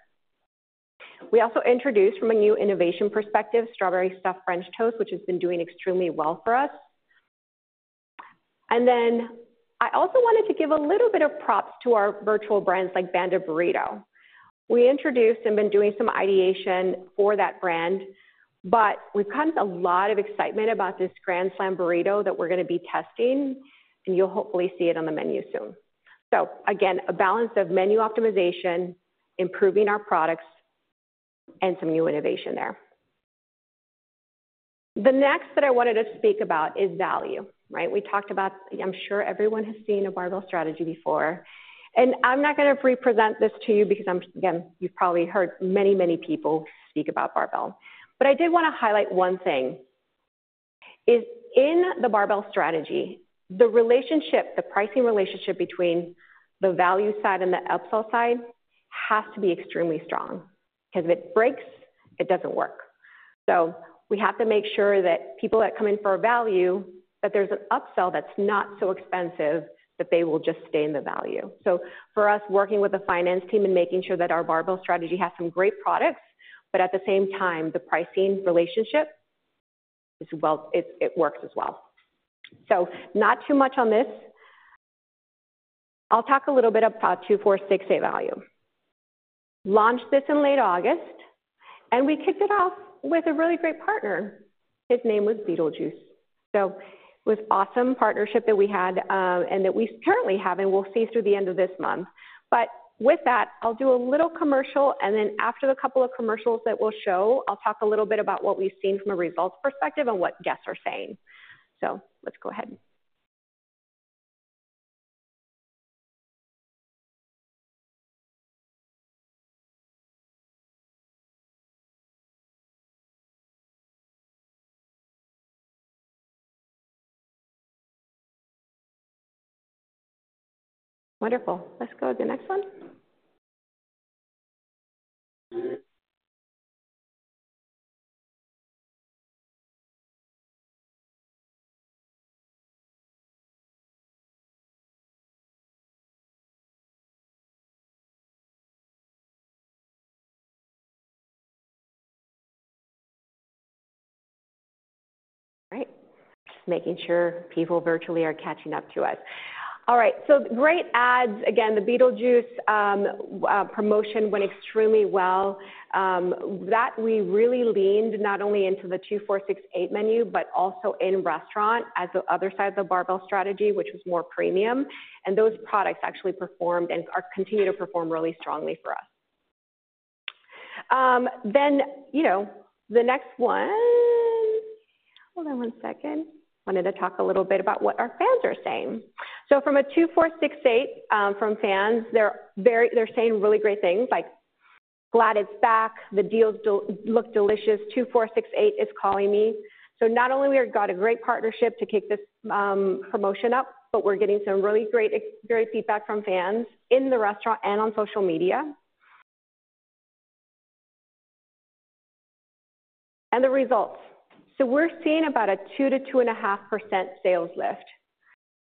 We also introduced, from a new innovation perspective, Strawberry Stuffed French Toast, which has been doing extremely well for us. And then I also wanted to give a little bit of props to our virtual brands like Banda Burrito. We introduced and been doing some ideation for that brand, but we've gotten a lot of excitement about this Grand Slam Burrito that we're gonna be testing, and you'll hopefully see it on the menu soon. So again, a balance of menu optimization, improving our products, and some new innovation there. The next that I wanted to speak about is value, right? We talked about, I'm sure everyone has seen a barbell strategy before, and I'm not gonna re-present this to you because, again, you've probably heard many, many people speak about barbell. But I did want to highlight one thing, is in the barbell strategy, the relationship, the pricing relationship between the value side and the upsell side has to be extremely strong, because if it breaks, it doesn't work. So we have to make sure that people that come in for a value, that there's an upsell that's not so expensive, that they will just stay in the value. So for us, working with the finance team and making sure that our barbell strategy has some great products, but at the same time, the pricing relationship is well, it works as well. So not too much on this. I'll talk a little bit about two four six eight value. Launched this in late August, and we kicked it off with a really great partner. His name was Beetlejuice. So it was awesome partnership that we had, and that we currently have, and we'll see through the end of this month. But with that, I'll do a little commercial, and then after the couple of commercials that we'll show, I'll talk a little bit about what we've seen from a results perspective and what guests are saying. So let's go ahead. Wonderful. Let's go to the next one. All right, just making sure people virtually are catching up to us. All right, so great ads. Again, the Beetlejuice promotion went extremely well. That we really leaned not only into the $2 $4 $6 $8 menu, but also in-restaurant as the other side of the barbell strategy, which was more premium. And those products actually performed and are continuing to perform really strongly for us. Then, you know, the next one. Hold on one second. Wanted to talk a little bit about what our fans are saying. So from a $2 $4 $6 $8, from fans, they're saying really great things like, "Glad it's back," "The deals do look delicious," "Two four six eight is calling me." So not only we've got a great partnership to kick this promotion up, but we're getting some really great, great feedback from fans in the restaurant and on social media. And the results. So we're seeing about a 2% to 2.2% sales lift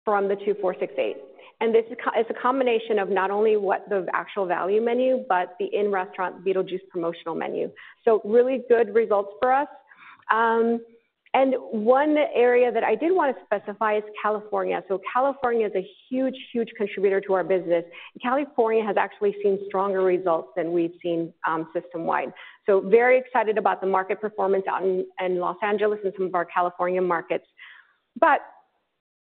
from the $2 $4 $6 $8. And this is a, it's a combination of not only what the actual value menu, but the in-restaurant Beetlejuice promotional menu. So really good results for us. And one area that I did want to specify is California. So California is a huge, huge contributor to our business. California has actually seen stronger results than we've seen system-wide. So very excited about the market performance out in Los Angeles and some of our California markets. But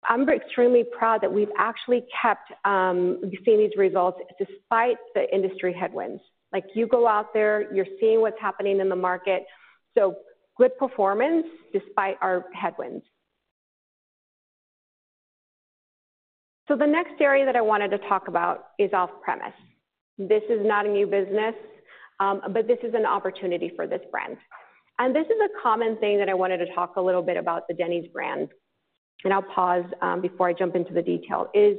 I'm extremely proud that we've actually kept seeing these results despite the industry headwinds. Like, you go out there, you're seeing what's happening in the market. So good performance despite our headwinds. So the next area that I wanted to talk about is off-premise. This is not a new business, but this is an opportunity for this brand. And this is a common thing that I wanted to talk a little bit about the Denny's brand, and I'll pause before I jump into the detail. As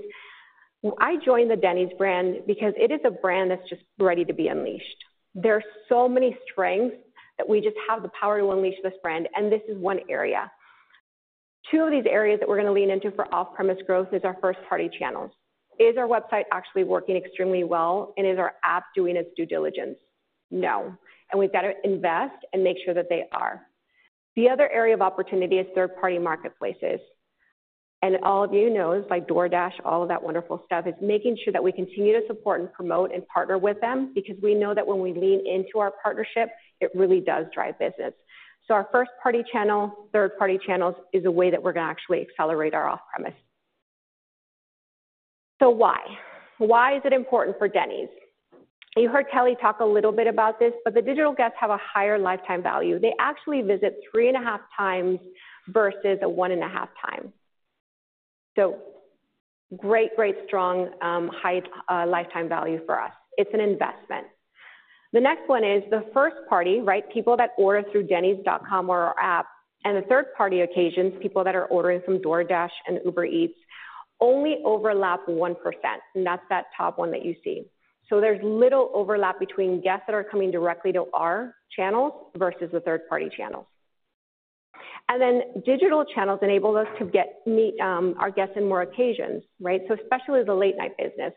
I joined the Denny's brand because it is a brand that's just ready to be unleashed. There are so many strengths that we just have the power to unleash this brand, and this is one area. Two of these areas that we're going to lean into for off-premise growth is our first-party channels. Is our website actually working extremely well, and is our app doing its due diligence? No. And we've got to invest and make sure that they are. The other area of opportunity is third-party marketplaces. And all of you know, like DoorDash, all of that wonderful stuff, is making sure that we continue to support and promote and partner with them because we know that when we lean into our partnership, it really does drive business. So our first-party channel, third-party channels, is a way that we're going to actually accelerate our off-premise. So why? Why is it important for Denny's? You heard Kelli talk a little bit about this, but the digital guests have a higher lifetime value. They actually visit three and a half times versus a one and a half time. So great, great, strong, high lifetime value for us. It's an investment. The next one is the first party, right? People that order through dennys.com or our app, and the third-party occasions, people that are ordering from DoorDash and Uber Eats only overlap 1%, and that's that top one that you see. So there's little overlap between guests that are coming directly to our channels versus the third-party channels. And then digital channels enable us to meet our guests in more occasions, right? So especially the late-night business.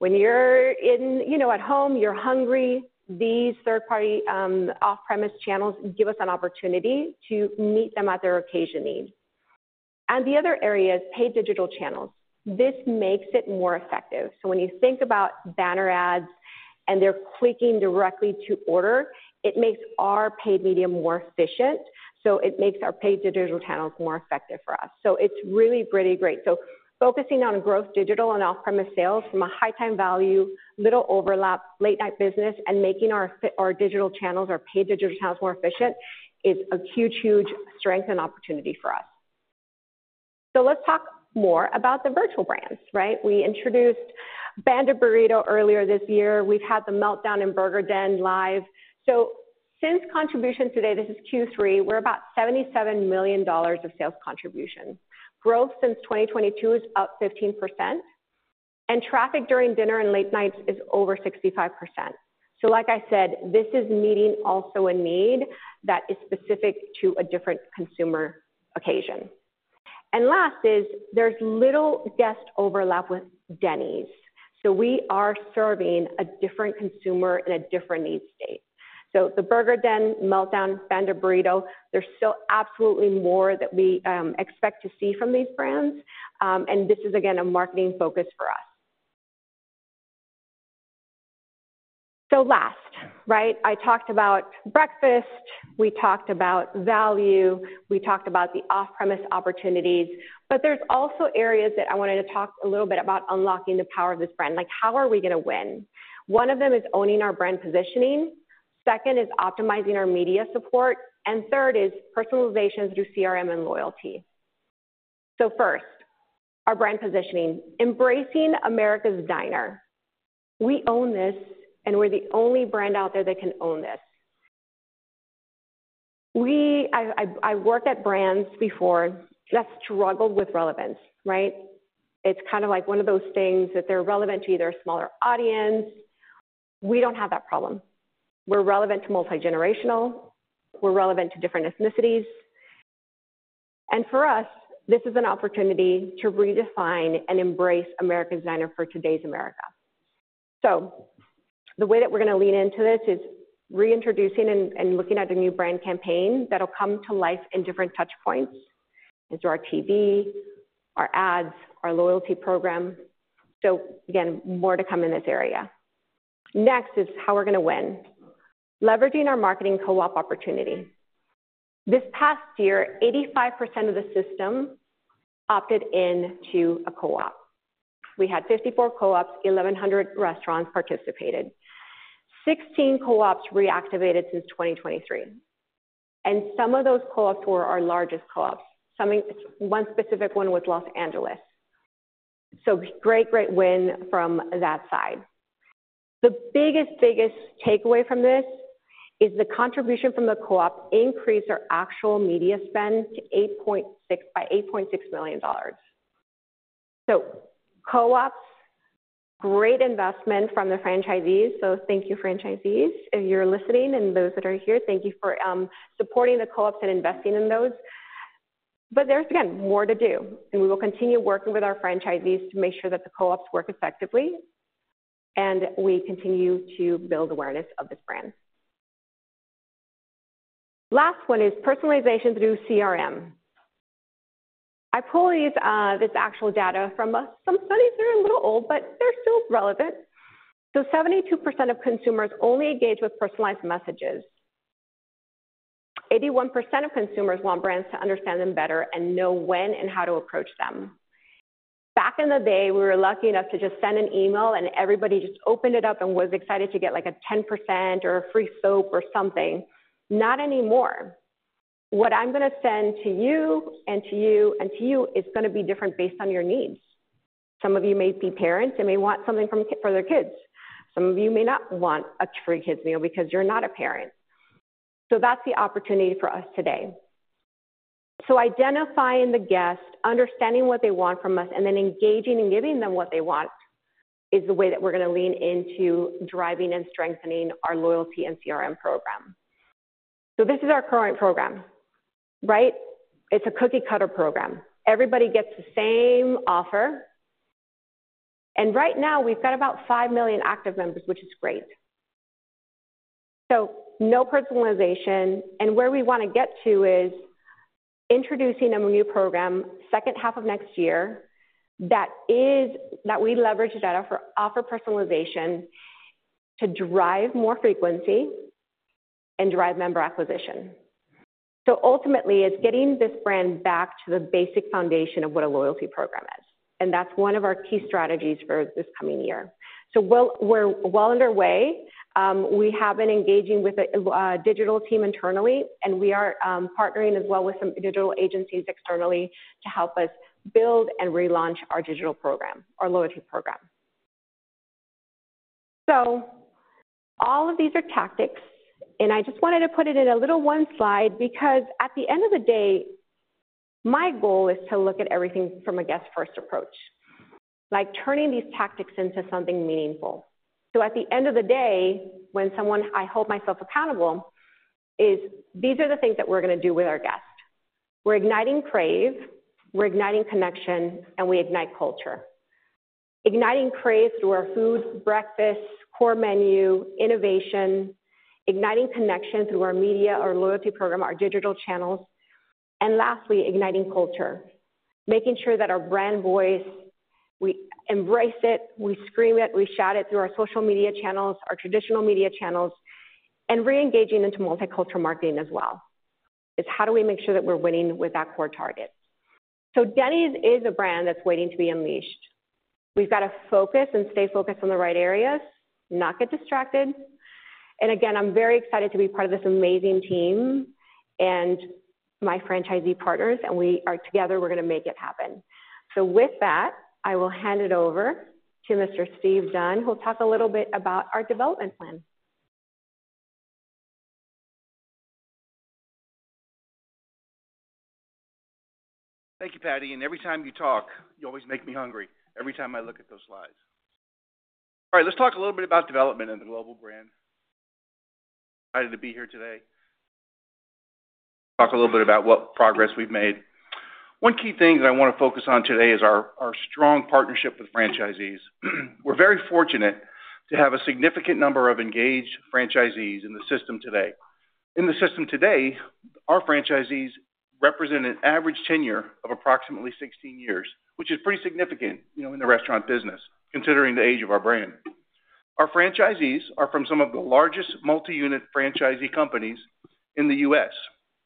When you're in, you know, at home, you're hungry, these third-party off-premise channels give us an opportunity to meet them at their occasion need. And the other area is paid digital channels. This makes it more effective. When you think about banner ads and they're clicking directly to order, it makes our paid media more efficient, so it makes our paid digital channels more effective for us. So it's really, really great. So focusing on growth, digital and off-premise sales from a high time value, little overlap, late-night business, and making our digital channels, our paid digital channels, more efficient is a huge, huge strength and opportunity for us. So let's talk more about the virtual brands, right? We introduced Banda Burrito earlier this year. We've had The Meltdown and Burger Den live. So systemwide contributions today, this is Q3, we're about $77 million of sales contribution. Growth since 2022 is up 15%, and traffic during dinner and late nights is over 65%. So like I said, this is meeting also a need that is specific to a different consumer occasion. And last is there's little guest overlap with Denny's, so we are serving a different consumer in a different need state. So the Burger Den, Meltdown, Banda Burrito, there's still absolutely more that we expect to see from these brands, and this is again, a marketing focus for us. So last, right, I talked about breakfast, we talked about value, we talked about the off-premise opportunities, but there's also areas that I wanted to talk a little bit about unlocking the power of this brand, like, how are we going to win? One of them is owning our brand positioning, second is optimizing our media support, and third is personalization through CRM and loyalty. So first, our brand positioning, embracing America's Diner. We own this, and we're the only brand out there that can own this. I worked at brands before that struggled with relevance, right? It's kind of like one of those things that they're relevant to either a smaller audience. We don't have that problem. We're relevant to multigenerational, we're relevant to different ethnicities, and for us, this is an opportunity to redefine and embrace America's Diner for today's America. So the way that we're going to lean into this is reintroducing and looking at the new brand campaign that'll come to life in different touch points, into our TV, our ads, our loyalty program. So again, more to come in this area. Next is how we're going to win. Leveraging our marketing co-op opportunity. This past year, 85% of the system opted in to a co-op. We had 54 co-ops, 1,100 restaurants participated. 16 co-ops reactivated since 2023, and some of those co-ops were our largest co-ops. Some, one specific one was Los Angeles, so great, great win from that side. The biggest, biggest takeaway from this is the contribution from the co-op increased our actual spent $8.6 million. So co-ops, great investment from the franchisees. So thank you, franchisees. If you're listening and those that are here, thank you for supporting the co-ops and investing in those. But there's, again, more to do, and we will continue working with our franchisees to make sure that the co-ops work effectively, and we continue to build awareness of this brand. Last one is personalization through CRM. I pull these this actual data from some studies that are a little old, but they're still relevant. 72% of consumers only engage with personalized messages. 81% of consumers want brands to understand them better and know when and how to approach them. Back in the day, we were lucky enough to just send an email, and everybody just opened it up and was excited to get, like, a 10% or a free soap or something. Not anymore. What I'm going to send to you, and to you, and to you, is going to be different based on your needs. Some of you may be parents and may want something for their kids. Some of you may not want a free kids meal because you're not a parent. That's the opportunity for us today. So identifying the guest, understanding what they want from us, and then engaging and giving them what they want is the way that we're going to lean into driving and strengthening our loyalty and CRM program. So this is our current program, right? It's a cookie-cutter program. Everybody gets the same offer, and right now we've got about five million active members, which is great. So no personalization, and where we want to get to is introducing a new program, second half of next year, that is, that we leverage data for offer personalization to drive more frequency and drive member acquisition. So ultimately, it's getting this brand back to the basic foundation of what a loyalty program is, and that's one of our key strategies for this coming year. So well, we're well underway. We have been engaging with a digital team internally, and we are partnering as well with some digital agencies externally to help us build and relaunch our digital program, our loyalty program. So all of these are tactics, and I just wanted to put it in a little one slide, because at the end of the day, my goal is to look at everything from a guest first approach. Like turning these tactics into something meaningful. So at the end of the day, when someone, I hold myself accountable, is these are the things that we're going to do with our guests. We're igniting crave, we're igniting connection, and we ignite culture. Igniting crave through our food, breakfast, core menu, innovation, igniting connection through our media, our loyalty program, our digital channels, and lastly, igniting culture, making sure that our brand voice, we embrace it, we scream it, we shout it through our social media channels, our traditional media channels, and reengaging into multicultural marketing as well. It's how do we make sure that we're winning with that core target? So Denny's is a brand that's waiting to be unleashed. We've got to focus and stay focused on the right areas, not get distracted. And again, I'm very excited to be part of this amazing team and my franchisee partners, and we are together, we're going to make it happen. So with that, I will hand it over to Mr. Steve Dunn, who'll talk a little bit about our development plan. Thank you, Patty. And every time you talk, you always make me hungry every time I look at those slides. All right, let's talk a little bit about development in the global brand. Excited to be here today. Talk a little bit about what progress we've made. One key thing that I want to focus on today is our strong partnership with franchisees. We're very fortunate to have a significant number of engaged franchisees in the system today. In the system today, our franchisees represent an average tenure of approximately sixteen years, which is pretty significant, you know, in the restaurant business, considering the age of our brand. Our franchisees are from some of the largest multi-unit franchisee companies in the US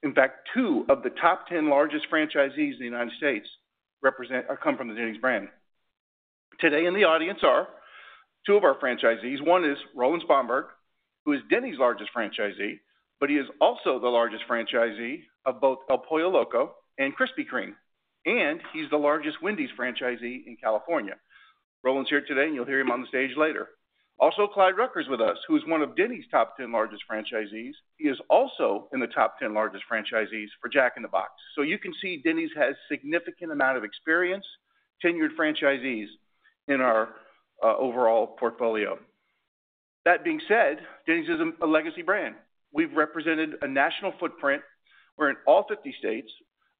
In fact, two of the top ten largest franchisees in the United States represent, or come from the Denny's brand. Today in the audience are two of our franchisees. One is Roland Spongberg, who is Denny's largest franchisee, but he is also the largest franchisee of both El Pollo Loco and Krispy Kreme, and he's the largest Wendy's franchisee in California. Roland's here today, and you'll hear him on the stage later. Also, Clyde Rucker is with us, who is one of Denny's top ten largest franchisees. He is also in the top ten largest franchisees for Jack in the Box. So you can see Denny's has significant amount of experience, tenured franchisees in our overall portfolio. That being said, Denny's is a legacy brand. We've represented a national footprint. We're in all 50 states,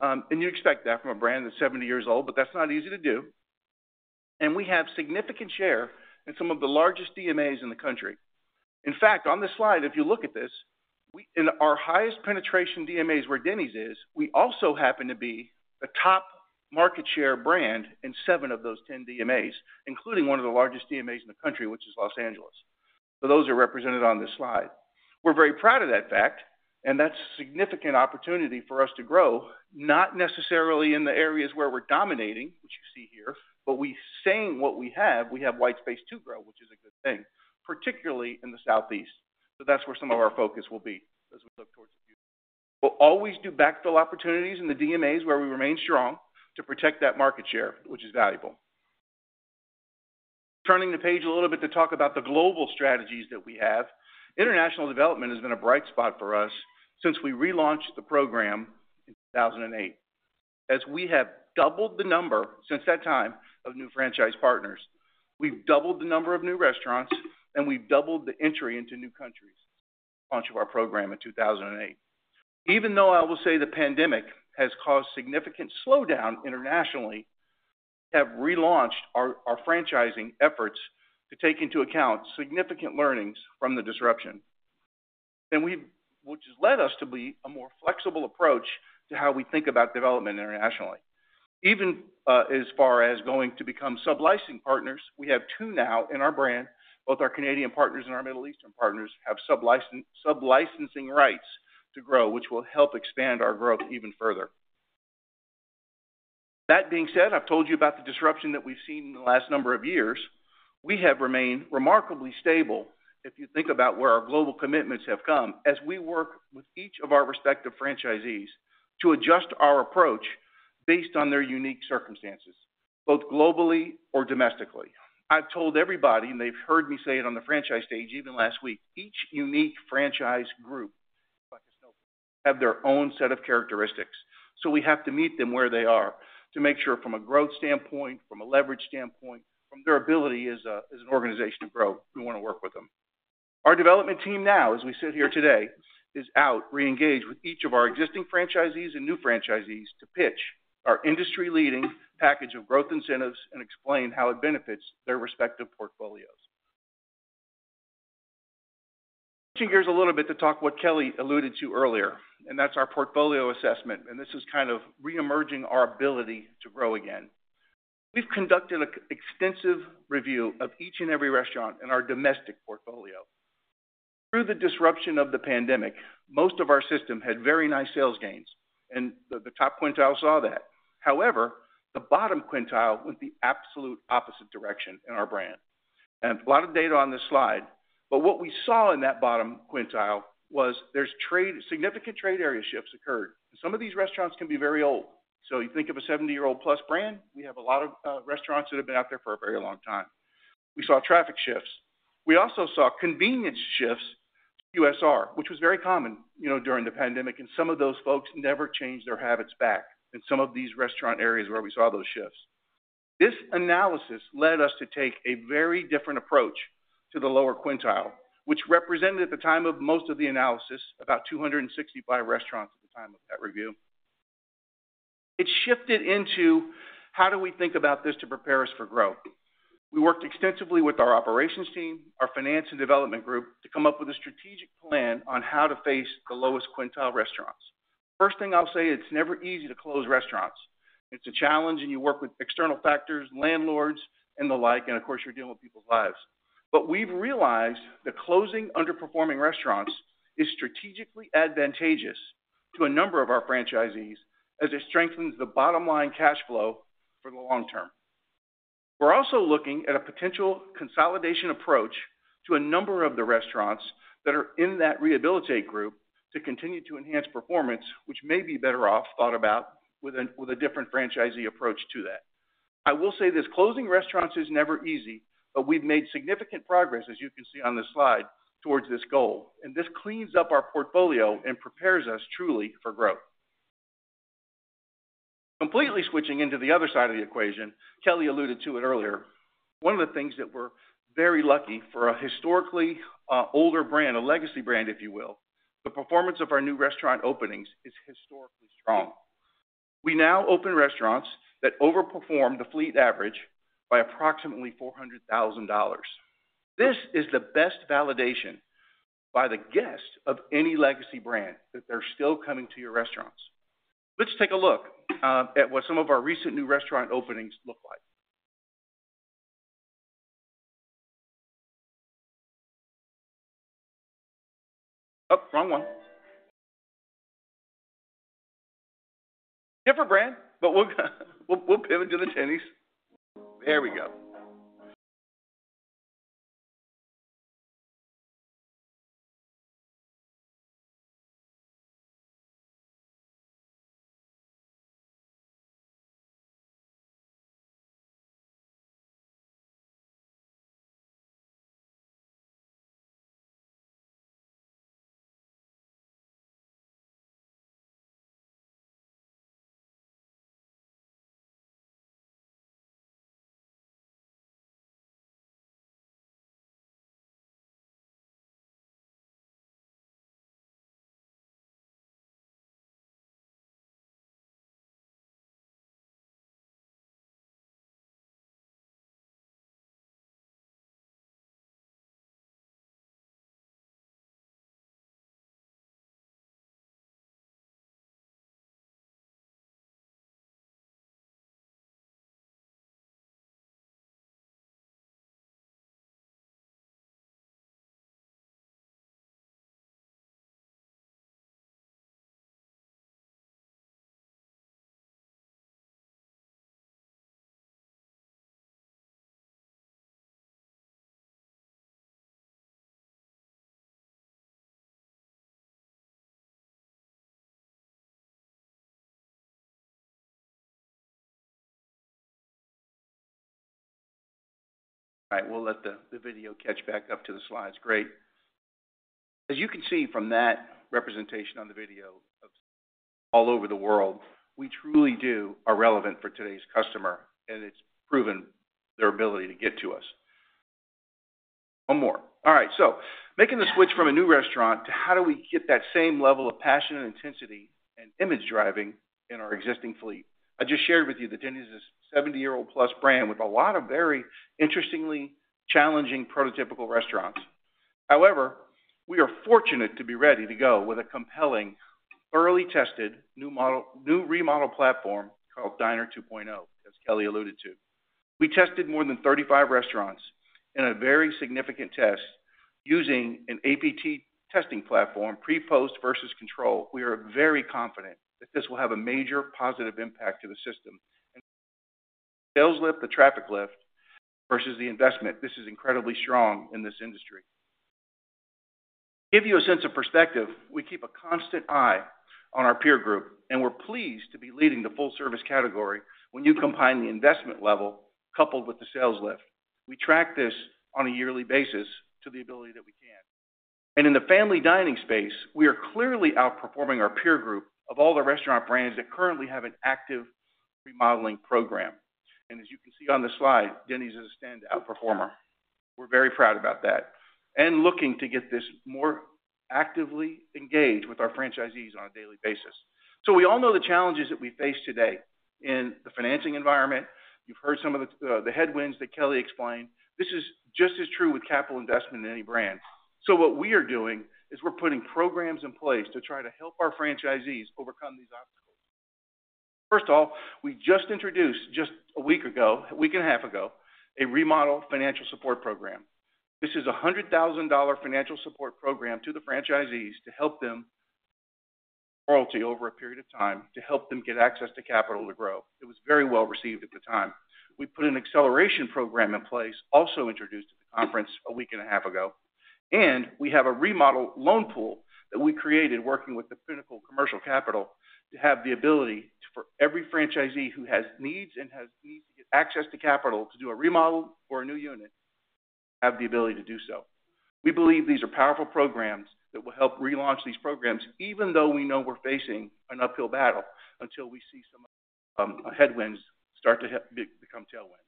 and you expect that from a brand that's 70 years old, but that's not easy to do, and we have significant share in some of the largest DMAs in the country. In fact, on this slide, if you look at this, we in our highest penetration DMAs where Denny's is, we also happen to be the top market share brand in seven of those 10 DMAs, including one of the largest DMAs in the country, which is Los Angeles. So those are represented on this slide. We're very proud of that fact, and that's a significant opportunity for us to grow, not necessarily in the areas where we're dominating, which you see here, but we're saying what we have, we have white space to grow, which is a good thing, particularly in the Southeast. So that's where some of our focus will be as we look towards the future. We'll always do backfill opportunities in the DMAs where we remain strong to protect that market share, which is valuable. Turning the page a little bit to talk about the global strategies that we have. International development has been a bright spot for us since we relaunched the program in 2008. As we have doubled the number since that time of new franchise partners, we've doubled the number of new restaurants, and we've doubled the entry into new countries since launch of our program in 2008. Even though I will say the pandemic has caused significant slowdown internationally, we have relaunched our franchising efforts to take into account significant learnings from the disruption. And we've which has led us to be a more flexible approach to how we think about development internationally. Even as far as going to become sub-licensing partners, we have two now in our brand. Both our Canadian partners and our Middle Eastern partners have sub-license, sub-licensing rights to grow, which will help expand our growth even further. That being said, I've told you about the disruption that we've seen in the last number of years. We have remained remarkably stable, if you think about where our global commitments have come, as we work with each of our respective franchisees to adjust our approach based on their unique circumstances, both globally or domestically. I've told everybody, and they've heard me say it on the franchise stage, even last week, each unique franchise group have their own set of characteristics, so we have to meet them where they are to make sure from a growth standpoint, from a leverage standpoint, from their ability as a, as an organization to grow, we want to work with them. Our development team now, as we sit here today, is out reengaged with each of our existing franchisees and new franchisees to pitch our industry-leading package of growth incentives and explain how it benefits their respective portfolios. Switching gears a little bit to talk what Kelli alluded to earlier, and that's our portfolio assessment, and this is kind of reemerging our ability to grow again. We've conducted an extensive review of each and every restaurant in our domestic portfolio. Through the disruption of the pandemic, most of our system had very nice sales gains, and the top quintile saw that. However, the bottom quintile went the absolute opposite direction in our brand. And a lot of data on this slide... But what we saw in that bottom quintile was there's trade - significant trade area shifts occurred. Some of these restaurants can be very old. So you think of a seventy-year-old plus brand, we have a lot of restaurants that have been out there for a very long time. We saw traffic shifts. We also saw convenience shifts, off-premise, which was very common, you know, during the pandemic, and some of those folks never changed their habits back in some of these restaurant areas where we saw those shifts. This analysis led us to take a very different approach to the lower quintile, which represented, at the time of most of the analysis, about 265 restaurants at the time of that review. It shifted into, how do we think about this to prepare us for growth? We worked extensively with our operations team, our finance and development group, to come up with a strategic plan on how to face the lowest quintile restaurants. First thing I'll say, it's never easy to close restaurants. It's a challenge, and you work with external factors, landlords, and the like, and of course, you're dealing with people's lives. But we've realized that closing underperforming restaurants is strategically advantageous to a number of our franchisees as it strengthens the bottom line cash flow for the long term. We're also looking at a potential consolidation approach to a number of the restaurants that are in that rehabilitate group to continue to enhance performance, which may be better off thought about with a different franchisee approach to that. I will say this, closing restaurants is never easy, but we've made significant progress, as you can see on this slide, towards this goal, and this cleans up our portfolio and prepares us truly for growth. Completely switching into the other side of the equation, Kelli alluded to it earlier, one of the things that we're very lucky for a historically older brand, a legacy brand, if you will, the performance of our new restaurant openings is historically strong. We now open restaurants that overperform the fleet average by approximately $400,000. This is the best validation by the guest of any legacy brand, that they're still coming to your restaurants. Let's take a look at what some of our recent new restaurant openings look like. Oh, wrong one! Different brand, but we'll pivot to the Denny's. There we go. All right, we'll let the video catch back up to the slides. Great. As you can see from that representation on the video of all over the world, we truly do are relevant for today's customer, and it's proven their ability to get to us. One more. All right, so making the switch from a new restaurant to how do we get that same level of passion and intensity and image driving in our existing fleet? I just shared with you that Denny's is a seventy-year-old plus brand with a lot of very interestingly challenging, prototypical restaurants. However, we are fortunate to be ready to go with a compelling, early-tested, new model, new remodel platform called Diner 2.0, as Kelli alluded to. We tested more than thirty-five restaurants in a very significant test using an APT testing platform, pre, post, versus control. We are very confident that this will have a major positive impact to the system. Sales lift, the traffic lift versus the investment. This is incredibly strong in this industry. To give you a sense of perspective, we keep a constant eye on our peer group, and we're pleased to be leading the full-service category when you combine the investment level coupled with the sales lift. We track this on a yearly basis to the ability that we can. And in the family dining space, we are clearly outperforming our peer group of all the restaurant brands that currently have an active remodeling program. And as you can see on the slide, Denny's is a standout performer. We're very proud about that and looking to get this more actively engaged with our franchisees on a daily basis. So we all know the challenges that we face today in the financing environment. You've heard some of the, the headwinds that Kelli explained. This is just as true with capital investment in any brand, so what we are doing is we're putting programs in place to try to help our franchisees overcome these obstacles. First of all, we just introduced, just a week ago, a week and a half ago, a remodel financial support program. This is a $100,000 financial support program to the franchisees to help them—royalty over a period of time to help them get access to capital to grow. It was very well received at the time. We put an acceleration program in place, also introduced at the conference a week and a half ago, and we have a remodel loan pool that we created working with Pinnacle Commercial Capital, to have the ability for every franchisee who has needs to get access to capital to do a remodel or a new unit, have the ability to do so. We believe these are powerful programs that will help relaunch these programs, even though we know we're facing an uphill battle until we see some headwinds start to become tailwinds.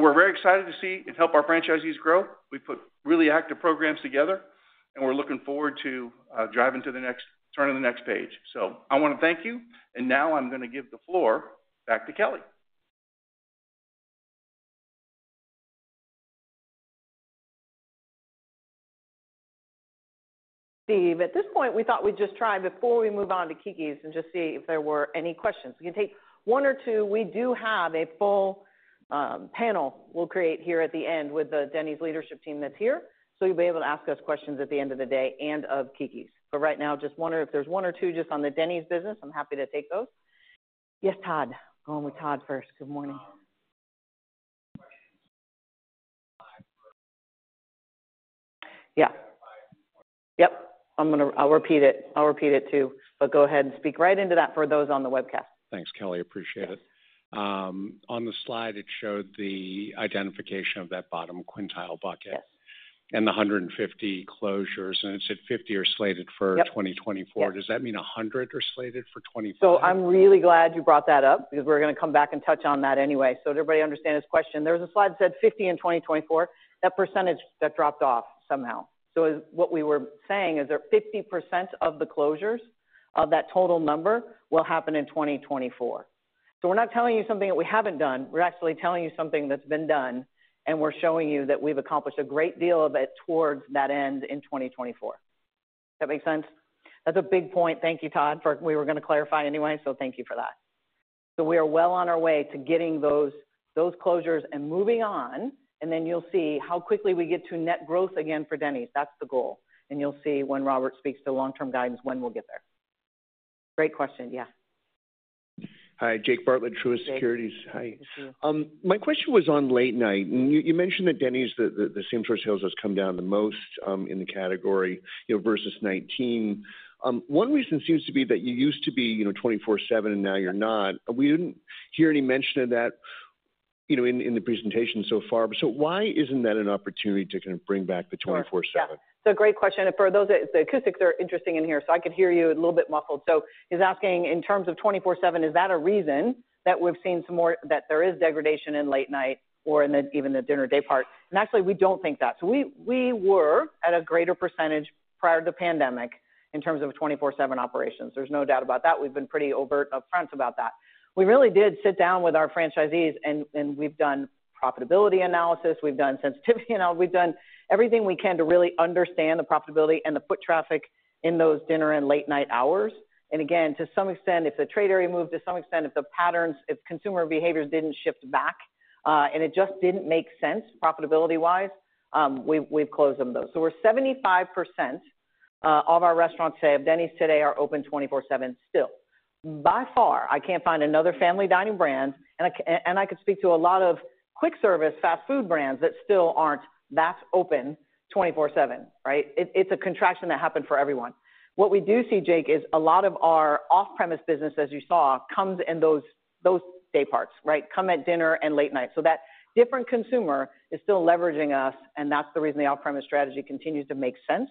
We're very excited to see and help our franchisees grow. We've put really active programs together, and we're looking forward to turning the next page. So I want to thank you, and now I'm going to give the floor back to Kelli. Steve, at this point, we thought we'd just try, before we move on to Keke's, and just see if there were any questions. We can take one or two. We do have a full panel we'll create here at the end with the Denny's leadership team that's here. So you'll be able to ask us questions at the end of the day and of Keke's. But right now, just wonder if there's one or two just on the Denny's business, I'm happy to take those. Yes, Todd. Going with Todd first. Good morning. Um, Yeah. Yep. I'll repeat it, too, but go ahead and speak right into that for those on the webcast. Thanks, Kelli. Appreciate it. Yes. On the slide, it showed the identification of that bottom quintile bucket- Yes. and the 150 closures, and it said 50 are slated for- Yep. 2024. Yes. Does that mean 100 are slated for 2024? So I'm really glad you brought that up because we're going to come back and touch on that anyway. So everybody understand this question, there was a slide that said 50 in 2024. That percentage, that dropped off somehow. So what we were saying is that 50% of the closures of that total number will happen in 2024. So we're not telling you something that we haven't done. We're actually telling you something that's been done, and we're showing you that we've accomplished a great deal of it towards that end in 2024. Does that make sense? That's a big point. Thank you, Todd, for. We were going to clarify anyway, so thank you for that. So we are well on our way to getting those, those closures and moving on, and then you'll see how quickly we get to net growth again for Denny's. That's the goal, and you'll see when Robert speaks to long-term guidance, when we'll get there. Great question. Yeah. Hi, Jake Bartlett, Truist Securities. Jake. Hi. Good to see you. My question was on late night. And you mentioned that Denny's, the same-store sales has come down the most, in the category, you know, versus nineteen. One reason seems to be that you used to be, you know, twenty four/seven, and now you're not. We didn't hear any mention of that, you know, in the presentation so far. So why isn't that an opportunity to kind of bring back the twenty four/seven? Sure, yeah. It's a great question, and for those that the acoustics are interesting in here, so I could hear you a little bit muffled, so he's asking, in terms of 24/7, is that a reason that we've seen some more, that there is degradation in late night or even the dinner daypart? And actually, we don't think that, so we were at a greater percentage prior to the pandemic in terms of 24/7 operations. There's no doubt about that. We've been pretty overt upfront about that. We really did sit down with our franchisees, and we've done profitability analysis, we've done sensitivity analysis, we've done everything we can to really understand the profitability and the foot traffic in those dinner and late-night hours. And again, to some extent, if the trade area moved, to some extent, if the patterns, if consumer behaviors didn't shift back, and it just didn't make sense, profitability-wise, we've closed them, though. So we're 75% of our restaurants today, of Denny's today are open twenty-four/seven still. By far, I can't find another family dining brand, and I could speak to a lot of quick-service, fast food brands that still aren't that open twenty-four/seven, right? It's a contraction that happened for everyone. What we do see, Jake, is a lot of our off-premise business, as you saw, comes in those day parts, right? Comes at dinner and late night. So that different consumer is still leveraging us, and that's the reason the off-premise strategy continues to make sense.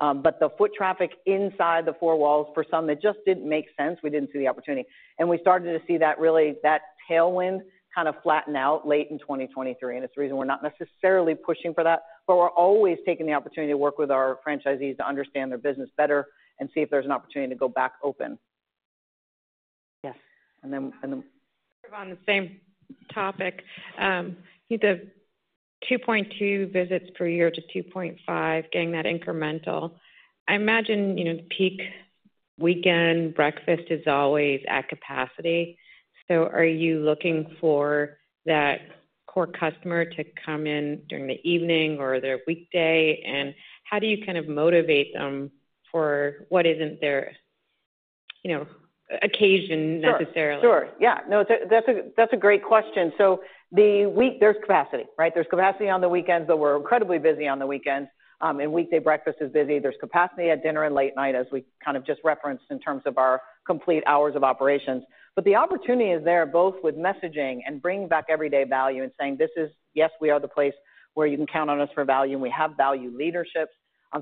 But the foot traffic inside the four walls, for some, it just didn't make sense. We didn't see the opportunity. And we started to see that really, that tailwind kind of flatten out late in 2023, and it's the reason we're not necessarily pushing for that. But we're always taking the opportunity to work with our franchisees to understand their business better and see if there's an opportunity to go back open. Yes, and then, and then. On the same topic, the 2.2 visits per year to 2.5, getting that incremental. I imagine, you know, peak weekend breakfast is always at capacity. So are you looking for that core customer to come in during the evening or their weekday? And how do you kind of motivate them for what isn't their, you know, occasion, necessarily? Sure, sure. Yeah. No, that's a great question. So, weekends. There's capacity, right? There's capacity on the weekends, but we're incredibly busy on the weekends. And weekday breakfast is busy. There's capacity at dinner and late night, as we kind of just referenced in terms of our complete hours of operations. But the opportunity is there, both with messaging and bringing back everyday value and saying, "This is. Yes, we are the place where you can count on us for value, and we have value leadership."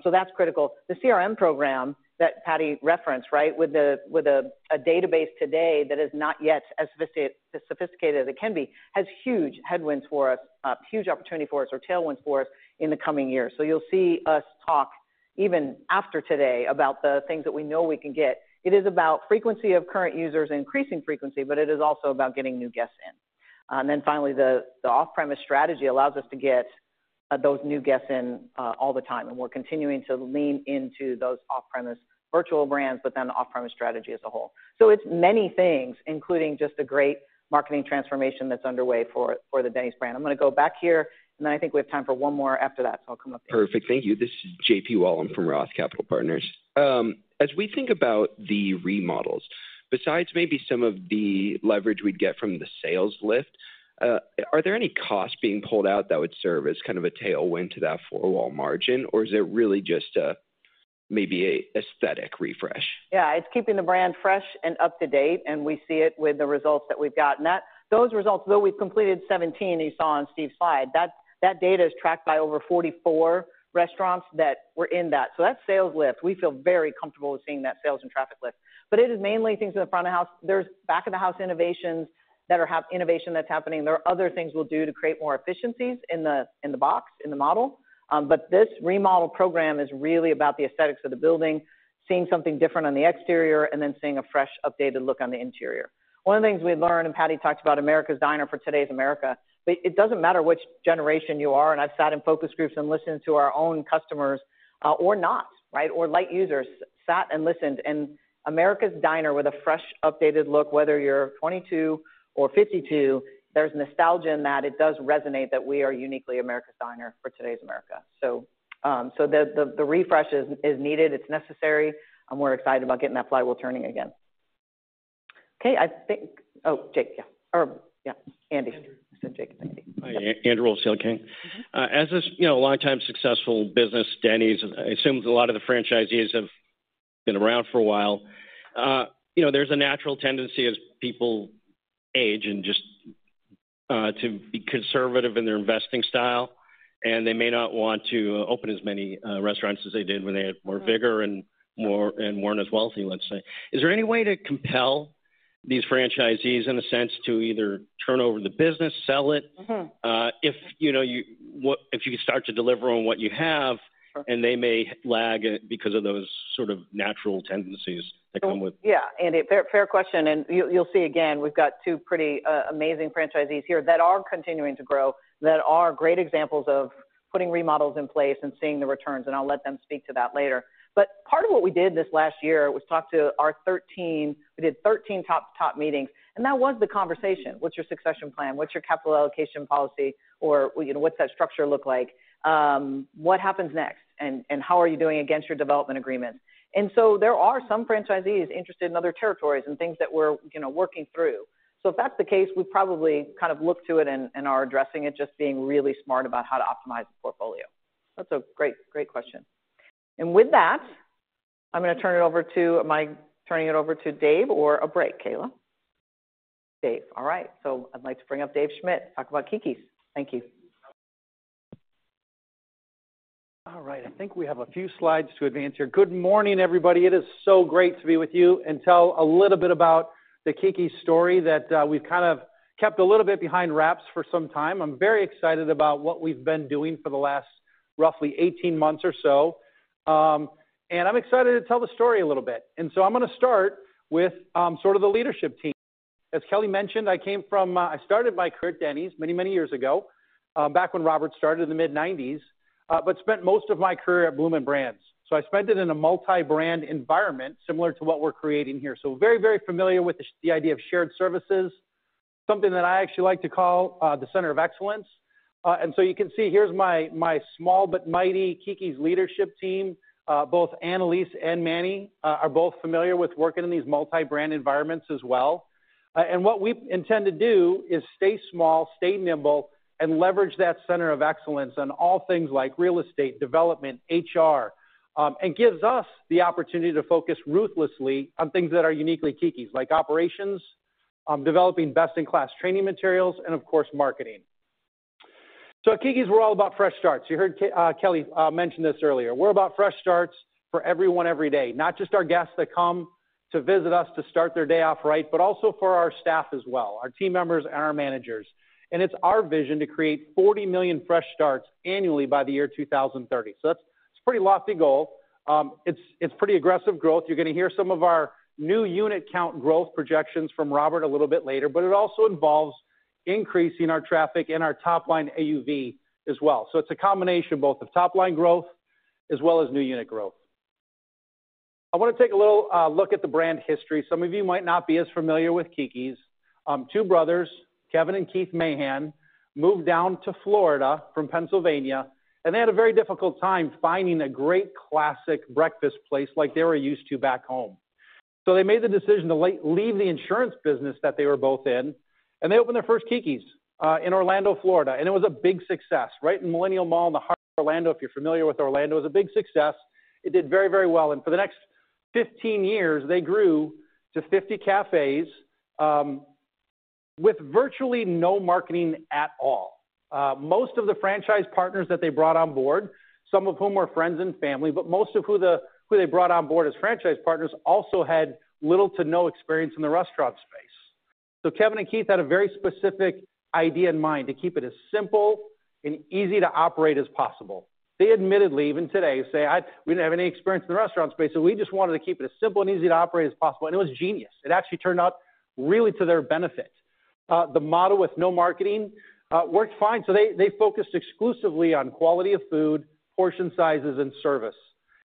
So that's critical. The CRM program that Patty referenced, right? With a database today that is not yet as sophisticated as it can be, has huge tailwinds for us, huge opportunity for us or tailwinds for us in the coming years. So you'll see us talk even after today, about the things that we know we can get. It is about frequency of current users increasing frequency, but it is also about getting new guests in. And then finally, the off-premise strategy allows us to get those new guests in all the time, and we're continuing to lean into those off-premise virtual brands, but then the off-premise strategy as a whole. So it's many things, including just a great marketing transformation that's underway for the Denny's brand. I'm gonna go back here, and then I think we have time for one more after that, so I'll come up there. Perfect. Thank you. This is JP Wollam from Roth Capital Partners. As we think about the remodels, besides maybe some of the leverage we'd get from the sales lift, are there any costs being pulled out that would serve as kind of a tailwind to that four-wall margin? Or is it really just maybe an aesthetic refresh? Yeah, it's keeping the brand fresh and up-to-date, and we see it with the results that we've gotten. Those results, though we've completed 17, as you saw on Steve's slide, that data is tracked by over 44 restaurants that were in that. So that's sales lift. We feel very comfortable with seeing that sales and traffic lift. But it is mainly things in the front of the house. There's back-of-the-house innovations that have innovation that's happening. There are other things we'll do to create more efficiencies in the box, in the model. But this remodel program is really about the aesthetics of the building, seeing something different on the exterior, and then seeing a fresh, updated look on the interior. One of the things we learned, and Patty talked about America's diner for today's America, but it doesn't matter which generation you are, and I've sat in focus groups and listened to our own customers, or not, right, or light users, and America's diner with a fresh, updated look, whether you're 22 or 52, there's nostalgia in that. It does resonate that we are uniquely America's diner for today's America, so the refresh is needed, it's necessary, and we're excited about getting that flywheel turning again. Okay, I think. Oh, Jake, yeah. Yeah, Andy. Andrew. Jake, thank you. Hi, Andrew Wolf, CL King. As this, you know, a longtime successful business, Denny's, I assume a lot of the franchisees have been around for a while. You know, there's a natural tendency as people age and just to be conservative in their investing style, and they may not want to open as many restaurants as they did when they were more bigger and weren't as wealthy, let's say. Is there any way to compel these franchisees in a sense, to either turn over the business, sell it? Mm-hmm. If you start to deliver on what you have, and they may lag because of those sort of natural tendencies that come with- Yeah, Andy, fair, fair question, and you, you'll see again, we've got two pretty amazing franchisees here that are continuing to grow, that are great examples of putting remodels in place and seeing the returns, and I'll let them speak to that later. But part of what we did this last year was talk to our 13 top-to-top meetings, and that was the conversation: What's your succession plan? What's your capital allocation policy? Or, you know, what's that structure look like? What happens next? And how are you doing against your development agreement? And so there are some franchisees interested in other territories and things that we're, you know, working through. So if that's the case, we probably kind of look to it and are addressing it, just being really smart about how to optimize the portfolio. That's a great, great question. And with that, I'm gonna turn it over to-- Am I turning it over to Dave or a break, Kayla? Dave. All right, so I'd like to bring up Dave Schmidt to talk about Keke's. Thank you. All right, I think we have a few slides to advance here. Good morning, everybody. It is so great to be with you and tell a little bit about the Keke's story that we've kind of kept a little bit behind wraps for some time. I'm very excited about what we've been doing for the last, roughly 18 months or so. And I'm excited to tell the story a little bit. So I'm gonna start with, sort of the leadership team. As Kelli mentioned, I came from, I started my career at Denny's many, many years ago, back when Robert started in the mid-1990s, but spent most of my career at Bloomin' Brands. So I spent it in a multi-brand environment, similar to what we're creating here. So very, very familiar with the the idea of shared services, something that I actually like to call, the center of excellence. And so you can see, here's my, my small but mighty Keke's leadership team. Both Annalise and Manny are both familiar with working in these multi-brand environments as well. And what we intend to do is stay small, stay nimble, and leverage that center of excellence on all things like real estate, development, HR, and gives us the opportunity to focus ruthlessly on things that are uniquely Keke's, like operations, developing best-in-class training materials, and of course, marketing. So at Keke's, we're all about fresh starts. You heard Kelli mention this earlier. We're about fresh starts for everyone every day, not just our guests that come to visit us to start their day off right, but also for our staff as well, our team members and our managers, and it's our vision to create 40 million fresh starts annually by the year 2030. So that's, it's a pretty lofty goal. It's pretty aggressive growth. You're gonna hear some of our new unit count growth projections from Robert a little bit later, but it also involves increasing our traffic and our top-line AUV as well. So it's a combination both of top-line growth as well as new unit growth. I want to take a little look at the brand history. Some of you might not be as familiar with Keke's. Two brothers, Kevin and Keith Mahan, moved down to Florida from Pennsylvania, and they had a very difficult time finding a great, classic breakfast place like they were used to back home. So they made the decision to leave the insurance business that they were both in, and they opened their first Keke's in Orlando, Florida, and it was a big success, right in Millenia Mall in the heart of Orlando, if you're familiar with Orlando. It was a big success. It did very, very well, and for the next 15 years, they grew to 50 Cafés with virtually no marketing at all. Most of the franchise partners that they brought on board, some of whom were friends and family, but most of who who they brought on board as franchise partners, also had little to no experience in the restaurant space. Kevin and Keith had a very specific idea in mind: to keep it as simple and easy to operate as possible. They admittedly, even today, say, "We didn't have any experience in the restaurant space, so we just wanted to keep it as simple and easy to operate as possible." And it was genius. It actually turned out really to their benefit... The model with no marketing worked fine. So they focused exclusively on quality of food, portion sizes, and service.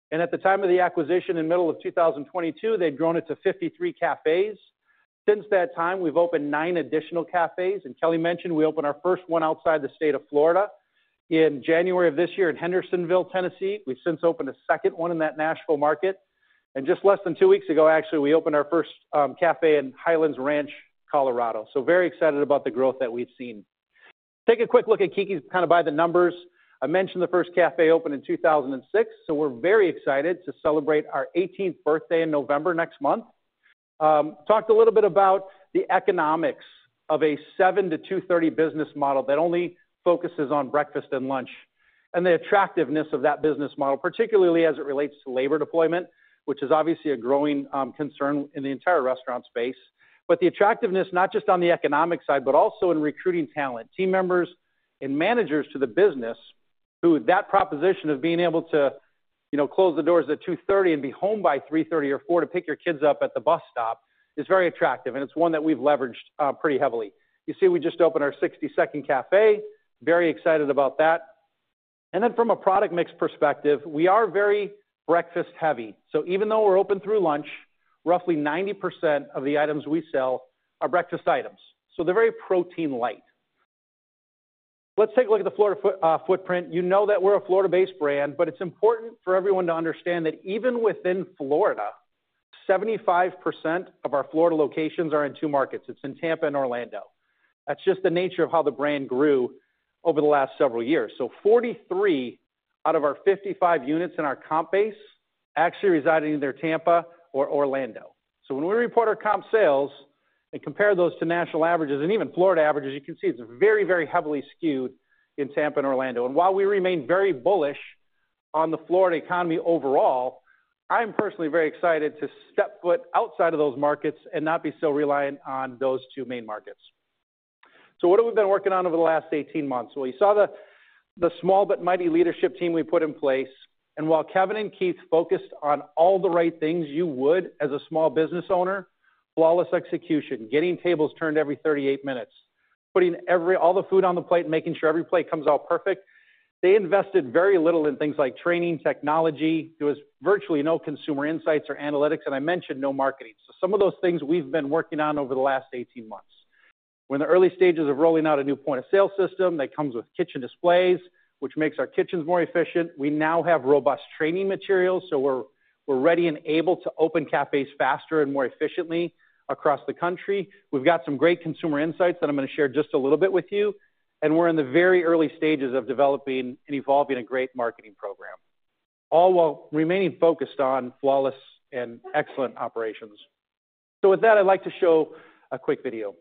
And at the time of the acquisition, in the middle of 2022, they'd grown it to 53 cafés. Since that time, we've opened nine additional cafés, and Kelli mentioned we opened our first one outside the state of Florida in January of this year in Hendersonville, Tennessee. We've since opened a second one in that Nashville market, and just less than two weeks ago, actually, we opened our first café in Highlands Ranch, Colorado. So very excited about the growth that we've seen. Take a quick look at Keke's, kind of, by the numbers. I mentioned the first café opened in 2006, so we're very excited to celebrate our eighteenth birthday in November next month. Talked a little bit about the economics of a 7:00 A.M. to 2:30 P.M. business model that only focuses on breakfast and lunch, and the attractiveness of that business model, particularly as it relates to labor deployment, which is obviously a growing concern in the entire restaurant space. But the attractiveness, not just on the economic side, but also in recruiting talent, team members, and managers to the business, who that proposition of being able to, you know, close the doors at 2:30 P.M. and be home by 3:30 P.M. or 4:00 P.M. to pick your kids up at the bus stop, is very attractive, and it's one that we've leveraged pretty heavily. You see, we just opened our 62nd café. Very excited about that. And then from a product mix perspective, we are very breakfast heavy. So even though we're open through lunch, roughly 90% of the items we sell are breakfast items, so they're very protein light. Let's take a look at the Florida footprint. You know that we're a Florida-based brand, but it's important for everyone to understand that even within Florida, 75% of our Florida locations are in two markets. It's in Tampa and Orlando. That's just the nature of how the brand grew over the last several years. So 43 out of our 55 units in our comp base actually reside either in Tampa or Orlando. So when we report our comp sales and compare those to national averages and even Florida averages, you can see it's very, very heavily skewed in Tampa and Orlando. And while we remain very bullish on the Florida economy overall, I'm personally very excited to step foot outside of those markets and not be so reliant on those two main markets. So what have we been working on over the last 18 months? You saw the small but mighty leadership team we put in place, and while Kevin and Keith focused on all the right things you would as a small business owner, flawless execution, getting tables turned every 38 minutes, putting all the food on the plate, and making sure every plate comes out perfect. They invested very little in things like training, technology. There was virtually no consumer insights or analytics, and I mentioned no marketing. Some of those things we've been working on over the last 18 months. We're in the early stages of rolling out a new point-of-sale system that comes with kitchen displays, which makes our kitchens more efficient. We now have robust training materials, so we're ready and able to open cafés faster and more efficiently across the country. We've got some great consumer insights that I'm going to share just a little bit with you, and we're in the very early stages of developing and evolving a great marketing program, all while remaining focused on flawless and excellent operations. So with that, I'd like to show a quick video.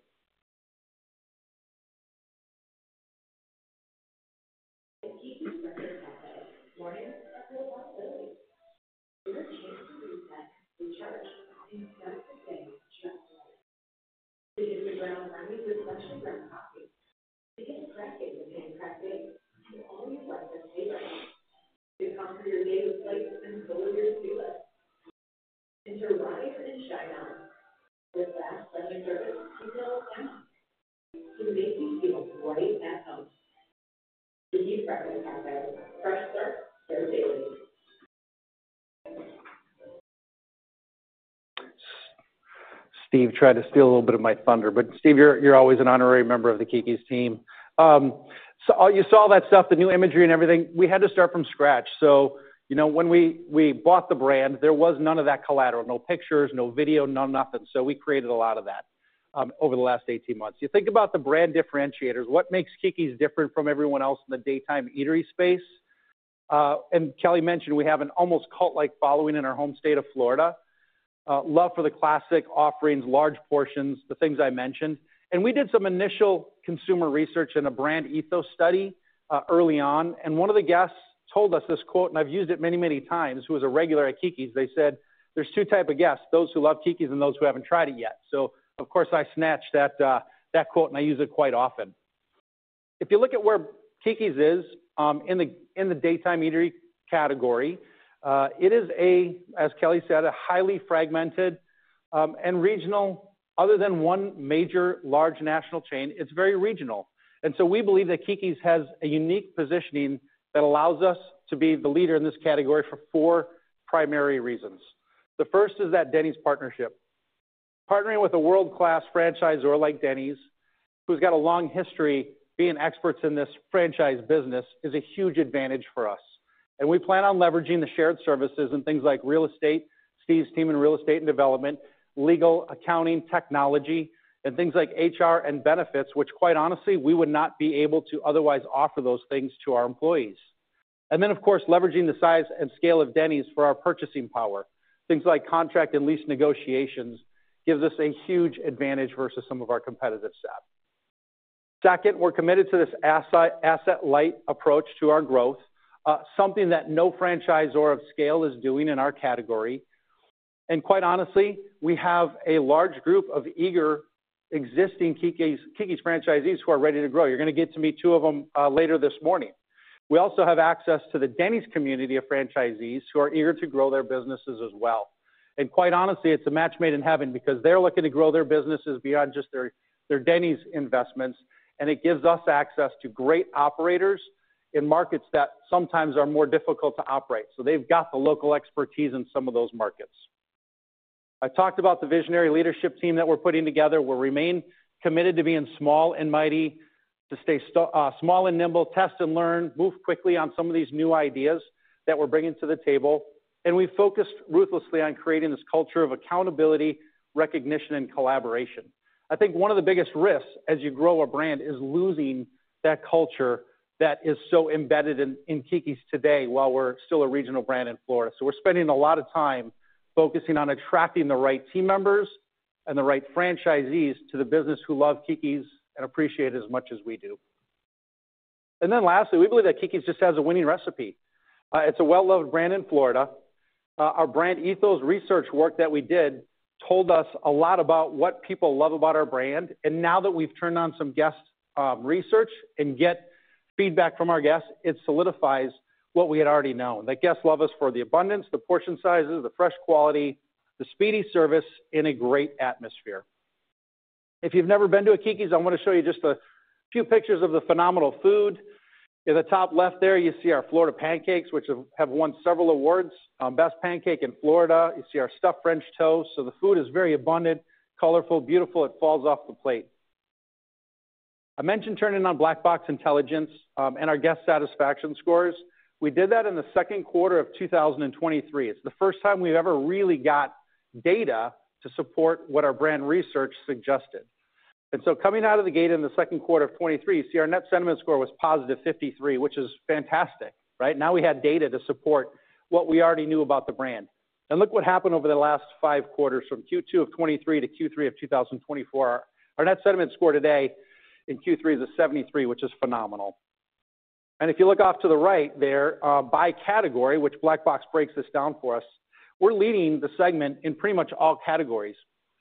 Steve tried to steal a little bit of my thunder, but Steve, you're always an honorary member of the Keke's team. So you saw all that stuff, the new imagery and everything. We had to start from scratch. So you know, when we bought the brand, there was none of that collateral, no pictures, no video, no nothing. So we created a lot of that over the last eighteen months. You think about the brand differentiators. What makes Keke's different from everyone else in the daytime eatery space? Kelli mentioned we have an almost cult-like following in our home state of Florida. Love for the classic offerings, large portions, the things I mentioned. We did some initial consumer research in a brand ethos study early on, and one of the guests told us this quote, and I've used it many, many times, who was a regular at Keke's. They said, "There's two types of guests, those who love Keke's and those who haven't tried it yet." So of course, I snatched that quote, and I use it quite often. If you look at where Keke's is in the daytime eatery category, it is, as Kelli said, a highly fragmented and regional. Other than one major large national chain, it's very regional. And so we believe that Keke's has a unique positioning that allows us to be the leader in this category for four primary reasons. The first is that Denny's partnership. Partnering with a world-class franchisor like Denny's, who's got a long history being experts in this franchise business, is a huge advantage for us. And we plan on leveraging the shared services and things like real estate, Steve's team in real estate and development, legal, accounting, technology, and things like HR and benefits, which, quite honestly, we would not be able to otherwise offer those things to our employees. And then, of course, leveraging the size and scale of Denny's for our purchasing power. Things like contract and lease negotiations gives us a huge advantage versus some of our competitive set. Second, we're committed to this asset-light approach to our growth, something that no franchisor of scale is doing in our category. And quite honestly, we have a large group of eager, existing Keke's franchisees who are ready to grow. You're going to get to meet two of them later this morning. We also have access to the Denny's community of franchisees, who are eager to grow their businesses as well. And quite honestly, it's a match made in heaven because they're looking to grow their businesses beyond just their Denny's investments, and it gives us access to great operators in markets that sometimes are more difficult to operate. So they've got the local expertise in some of those markets. I talked about the visionary leadership team that we're putting together. We'll remain committed to being small and mighty, to stay small and nimble, test and learn, move quickly on some of these new ideas that we're bringing to the table. And we've focused ruthlessly on creating this culture of accountability, recognition, and collaboration. I think one of the biggest risks as you grow a brand is losing that culture that is so embedded in Keke's today, while we're still a regional brand in Florida. So we're spending a lot of time focusing on attracting the right team members and the right franchisees to the business who love Keke's and appreciate it as much as we do. And then lastly, we believe that Keke's just has a winning recipe. It's a well-loved brand in Florida. Our brand ethos research work that we did told us a lot about what people love about our brand, and now that we've turned on some guest research and get feedback from our guests, it solidifies what we had already known, that guests love us for the abundance, the portion sizes, the fresh quality, the speedy service, in a great atmosphere. If you've never been to a Keke's, I want to show you just a few pictures of the phenomenal food. In the top left there, you see our Florida pancakes, which have won several awards, best pancake in Florida. You see our stuffed French toast. So the food is very abundant, colorful, beautiful. It falls off the plate. I mentioned turning on Black Box Intelligence, and our guest satisfaction scores. We did that in the second quarter of 2023. It's the first time we've ever really got data to support what our brand research suggested, and so coming out of the gate in the second quarter of 2023, you see our net sentiment score was positive 53, which is fantastic, right? Now we had data to support what we already knew about the brand, and look what happened over the last five quarters from Q2 of 2023 to Q3 of 2024. Our net sentiment score today in Q3 is a 73, which is phenomenal, and if you look off to the right there, by category, which Black Box breaks this down for us, we're leading the segment in pretty much all categories,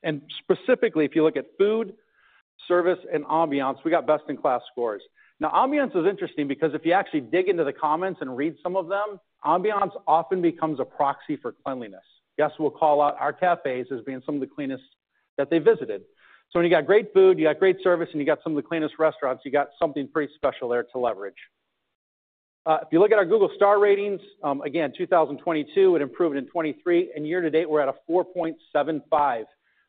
and specifically, if you look at food, service, and ambiance, we got best-in-class scores. Now, ambiance is interesting because if you actually dig into the comments and read some of them, ambiance often becomes a proxy for cleanliness. Guests will call out our cafés as being some of the cleanest that they visited. So when you got great food, you got great service, and you got some of the cleanest restaurants, you got something pretty special there to leverage. If you look at our Google star ratings, again, 2022, it improved in 2023, and year to date, we're at a 4.75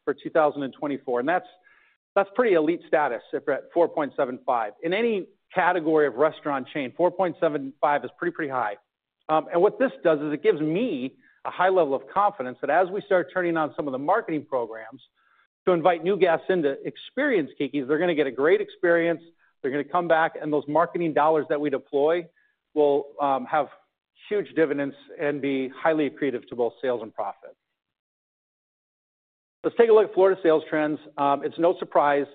for 2024, and that's pretty elite status if we're at 4.75. In any category of restaurant chain, 4.75 is pretty high. And what this does is it gives me a high level of confidence that as we start turning on some of the marketing programs to invite new guests in to experience Keke's, they're gonna get a great experience, they're gonna come back, and those marketing dollars that we deploy will have huge dividends and be highly accretive to both sales and profit. Let's take a look at Florida sales trends. It's no surprise,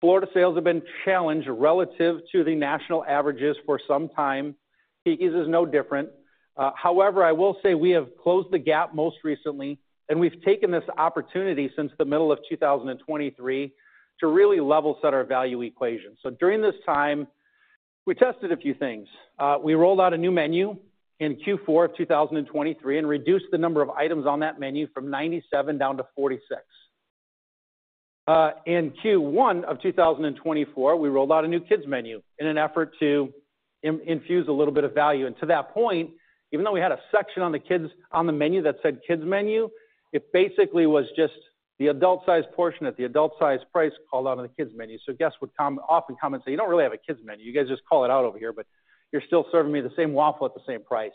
Florida sales have been challenged relative to the national averages for some time. Keke's is no different. However, I will say we have closed the gap most recently, and we've taken this opportunity since the middle of 2023 to really level set our value equation. So during this time, we tested a few things. We rolled out a new menu in Q4 of 2023 and reduced the number of items on that menu from ninety-seven down to forty-six. In Q1 of 2024, we rolled out a new kids menu in an effort to infuse a little bit of value. And to that point, even though we had a section on the kids menu that said, "Kids menu," it basically was just the adult-sized portion at the adult-sized price called out on the kids menu. So guests would often come and say, "You don't really have a kids menu. You guys just call it out over here, but you're still serving me the same waffle at the same price."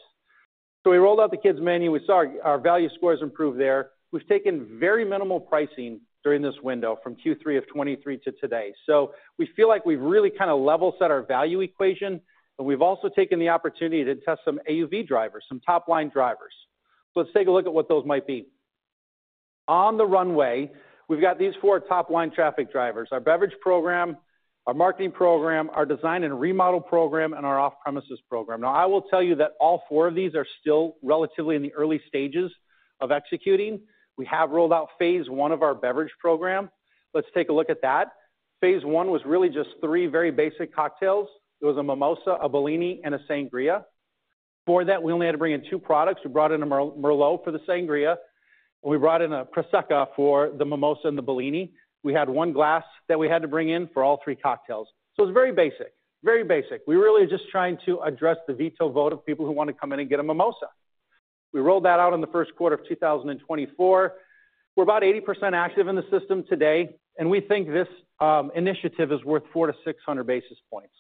So we rolled out the kids menu. We saw our value scores improve there. We've taken very minimal pricing during this window from Q3 of 2023 to today. So we feel like we've really kind of level set our value equation, but we've also taken the opportunity to test some AUV drivers, some top-line drivers. Let's take a look at what those might be. On the runway, we've got these four top-line traffic drivers: our beverage program, our marketing program, our design and remodel program, and our off-premises program. Now, I will tell you that all four of these are still relatively in the early stages of executing. We have rolled out phase one of our beverage program. Let's take a look at that. Phase one was really just three very basic cocktails. It was a mimosa, a Bellini, and a sangria. For that, we only had to bring in two products. We brought in a Merlot for the sangria, and we brought in a Prosecco for the mimosa and the Bellini. We had one glass that we had to bring in for all three cocktails. So it's very basic, very basic. We really are just trying to address the veto vote of people who want to come in and get a mimosa. We rolled that out in the first quarter of 2024. We're about 80% active in the system today, and we think this initiative is worth 400-600 basis points.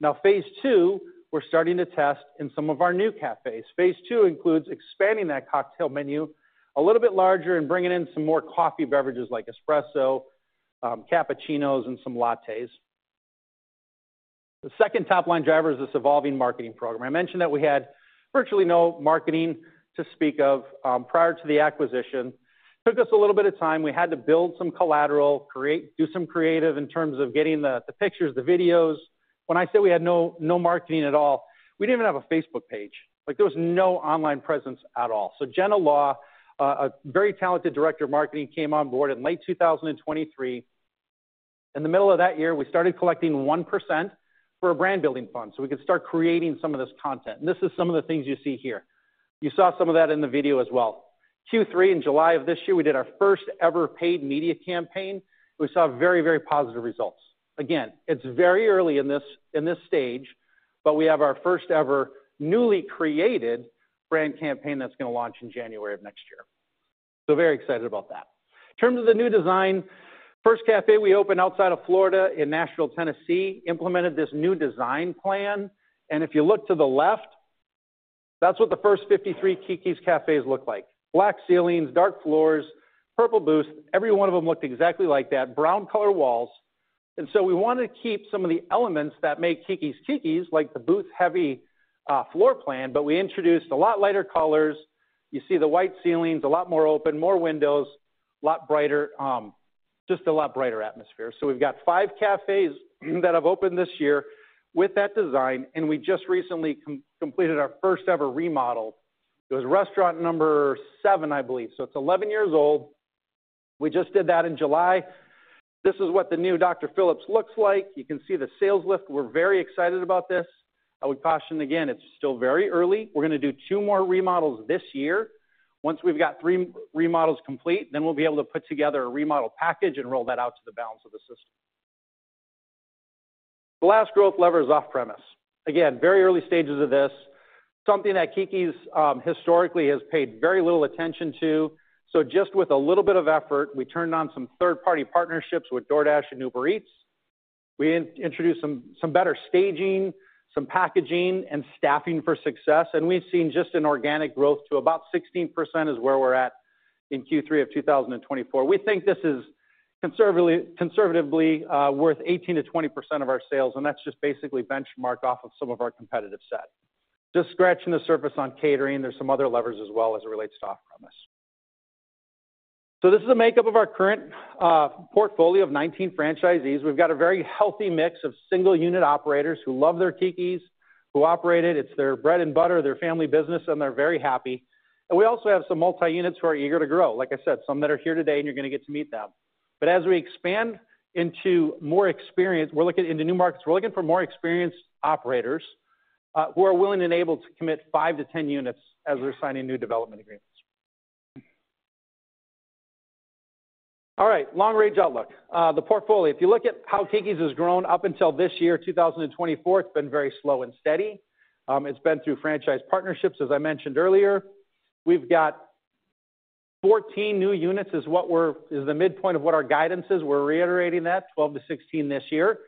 Now, phase two, we're starting to test in some of our new cafés. Phase two includes expanding that cocktail menu a little bit larger and bringing in some more coffee beverages like espresso, cappuccinos, and some lattes. The second top-line driver is this evolving marketing program. I mentioned that we had virtually no marketing to speak of prior to the acquisition. Took us a little bit of time. We had to build some collateral, create some creative in terms of getting the pictures, the videos. When I say we had no marketing at all, we didn't even have a Facebook page. Like, there was no online presence at all. So Genna Law, a very talented director of marketing, came on board in late 2023. In the middle of that year, we started collecting 1% for a brand building fund, so we could start creating some of this content, and this is some of the things you see here. You saw some of that in the video as well. Q3, in July of this year, we did our first-ever paid media campaign. We saw very, very positive results. Again, it's very early in this stage, but we have our first ever newly created brand campaign that's going to launch in January of next year. So very excited about that. In terms of the new design, first café we opened outside of Florida in Nashville, Tennessee, implemented this new design plan, and if you look to the left, that's what the first 53 Keke's cafés look like. Black ceilings, dark floors, purple booths. Every one of them looked exactly like that. Brown color walls. And so we wanted to keep some of the elements that make Keke's, Keke's, like the booth-heavy floor plan, but we introduced a lot lighter colors. You see the white ceilings, a lot more open, more windows, a lot brighter, just a lot brighter atmosphere. So we've got five cafés that have opened this year with that design, and we just recently completed our first-ever remodel. It was restaurant number seven, I believe, so it's eleven years old. We just did that in July. This is what the new Dr. Phillips looks like. You can see the sales lift. We're very excited about this. I would caution again, it's still very early. We're going to do two more remodels this year. Once we've got three remodels complete, then we'll be able to put together a remodel package and roll that out to the balance of the system. The last growth lever is off-premise. Again, very early stages of this. Something that Keke's historically has paid very little attention to. So just with a little bit of effort, we turned on some third-party partnerships with DoorDash and Uber Eats. We introduced some better staging, some packaging and staffing for success, and we've seen just an organic growth to about 16% is where we're at in Q3 of 2024. We think this is conservatively worth 18%-20% of our sales, and that's just basically benchmarked off of some of our competitive set. Just scratching the surface on catering. There's some other levers as well as it relates to off-premise. So this is a makeup of our current portfolio of 19 franchisees. We've got a very healthy mix of single-unit operators who love their Keke's, who operate it. It's their bread and butter, their family business, and they're very happy. We also have some multi-units who are eager to grow. Like I said, some that are here today, and you're going to get to meet them. But as we expand into more experience, we're looking into new markets, we're looking for more experienced operators who are willing and able to commit 5-10 units as we're signing new development agreements. All right, long-range outlook. The portfolio. If you look at how Keke's has grown up until this year, 2024, it's been very slow and steady. It's been through franchise partnerships. As I mentioned earlier, we've got 14 new units, is what we're is the midpoint of what our guidance is. We're reiterating that, 12-16 this year.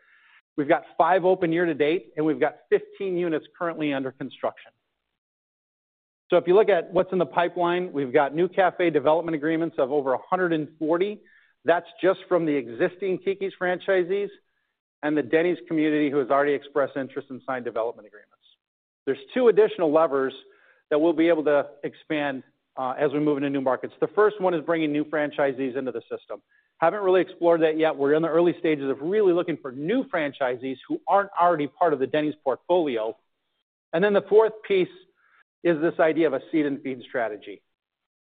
We've got 5 open year to date, and we've got 15 units currently under construction. So if you look at what's in the pipeline, we've got new Café development agreements of over 140. That's just from the existing Keke's franchisees and the Denny's community, who has already expressed interest and signed development agreements. There's two additional levers that we'll be able to expand as we move into new markets. The first one is bringing new franchisees into the system. Haven't really explored that yet. We're in the early stages of really looking for new franchisees who aren't already part of the Denny's portfolio. And then the fourth piece is this idea of a seed and feed strategy,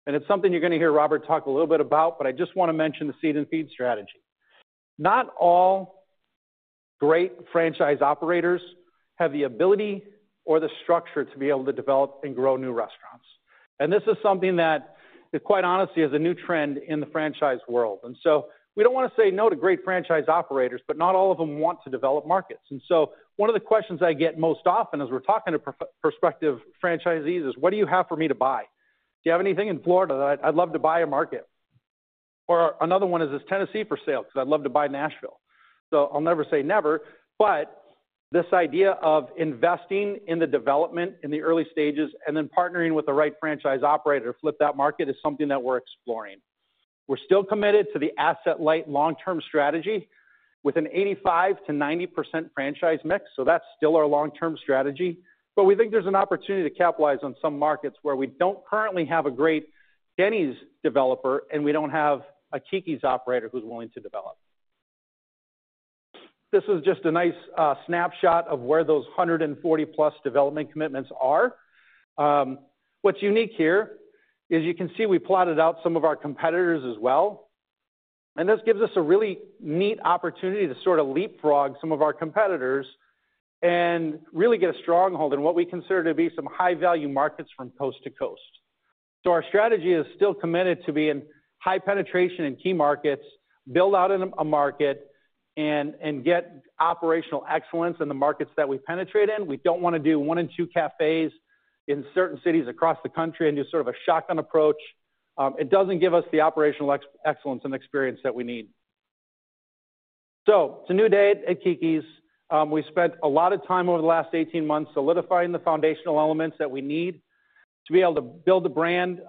and it's something you're going to hear Robert talk a little bit about, but I just want to mention the seed and feed strategy. Not all great franchise operators have the ability or the structure to be able to develop and grow new restaurants. And this is something that, quite honestly, is a new trend in the franchise world. We don't want to say no to great franchise operators, but not all of them want to develop markets. One of the questions I get most often as we're talking to prospective franchisees is: What do you have for me to buy? Do you have anything in Florida? I'd love to buy a market. Or another one is: Is Tennessee for sale, because I'd love to buy Nashville? I'll never say never, but this idea of investing in the development in the early stages and then partnering with the right franchise operator to flip that market is something that we're exploring. We're still committed to the asset-light long-term strategy with a 85%-90% franchise mix, so that's still our long-term strategy. But we think there's an opportunity to capitalize on some markets where we don't currently have a great Denny's developer, and we don't have a Keke's operator who's willing to develop. This is just a nice snapshot of where those 140-plus development commitments are. What's unique here is you can see we plotted out some of our competitors as well, and this gives us a really neat opportunity to sort of leapfrog some of our competitors and really get a stronghold in what we consider to be some high-value markets from coast to coast. So our strategy is still committed to be in high penetration in key markets, build out in a market and get operational excellence in the markets that we penetrate in. We don't want to do one in two cafés in certain cities across the country and do sort of a shotgun approach. It doesn't give us the operational excellence and experience that we need. So it's a new day at Keke's. We spent a lot of time over the last eighteen months solidifying the foundational elements that we need to be able to build the brand,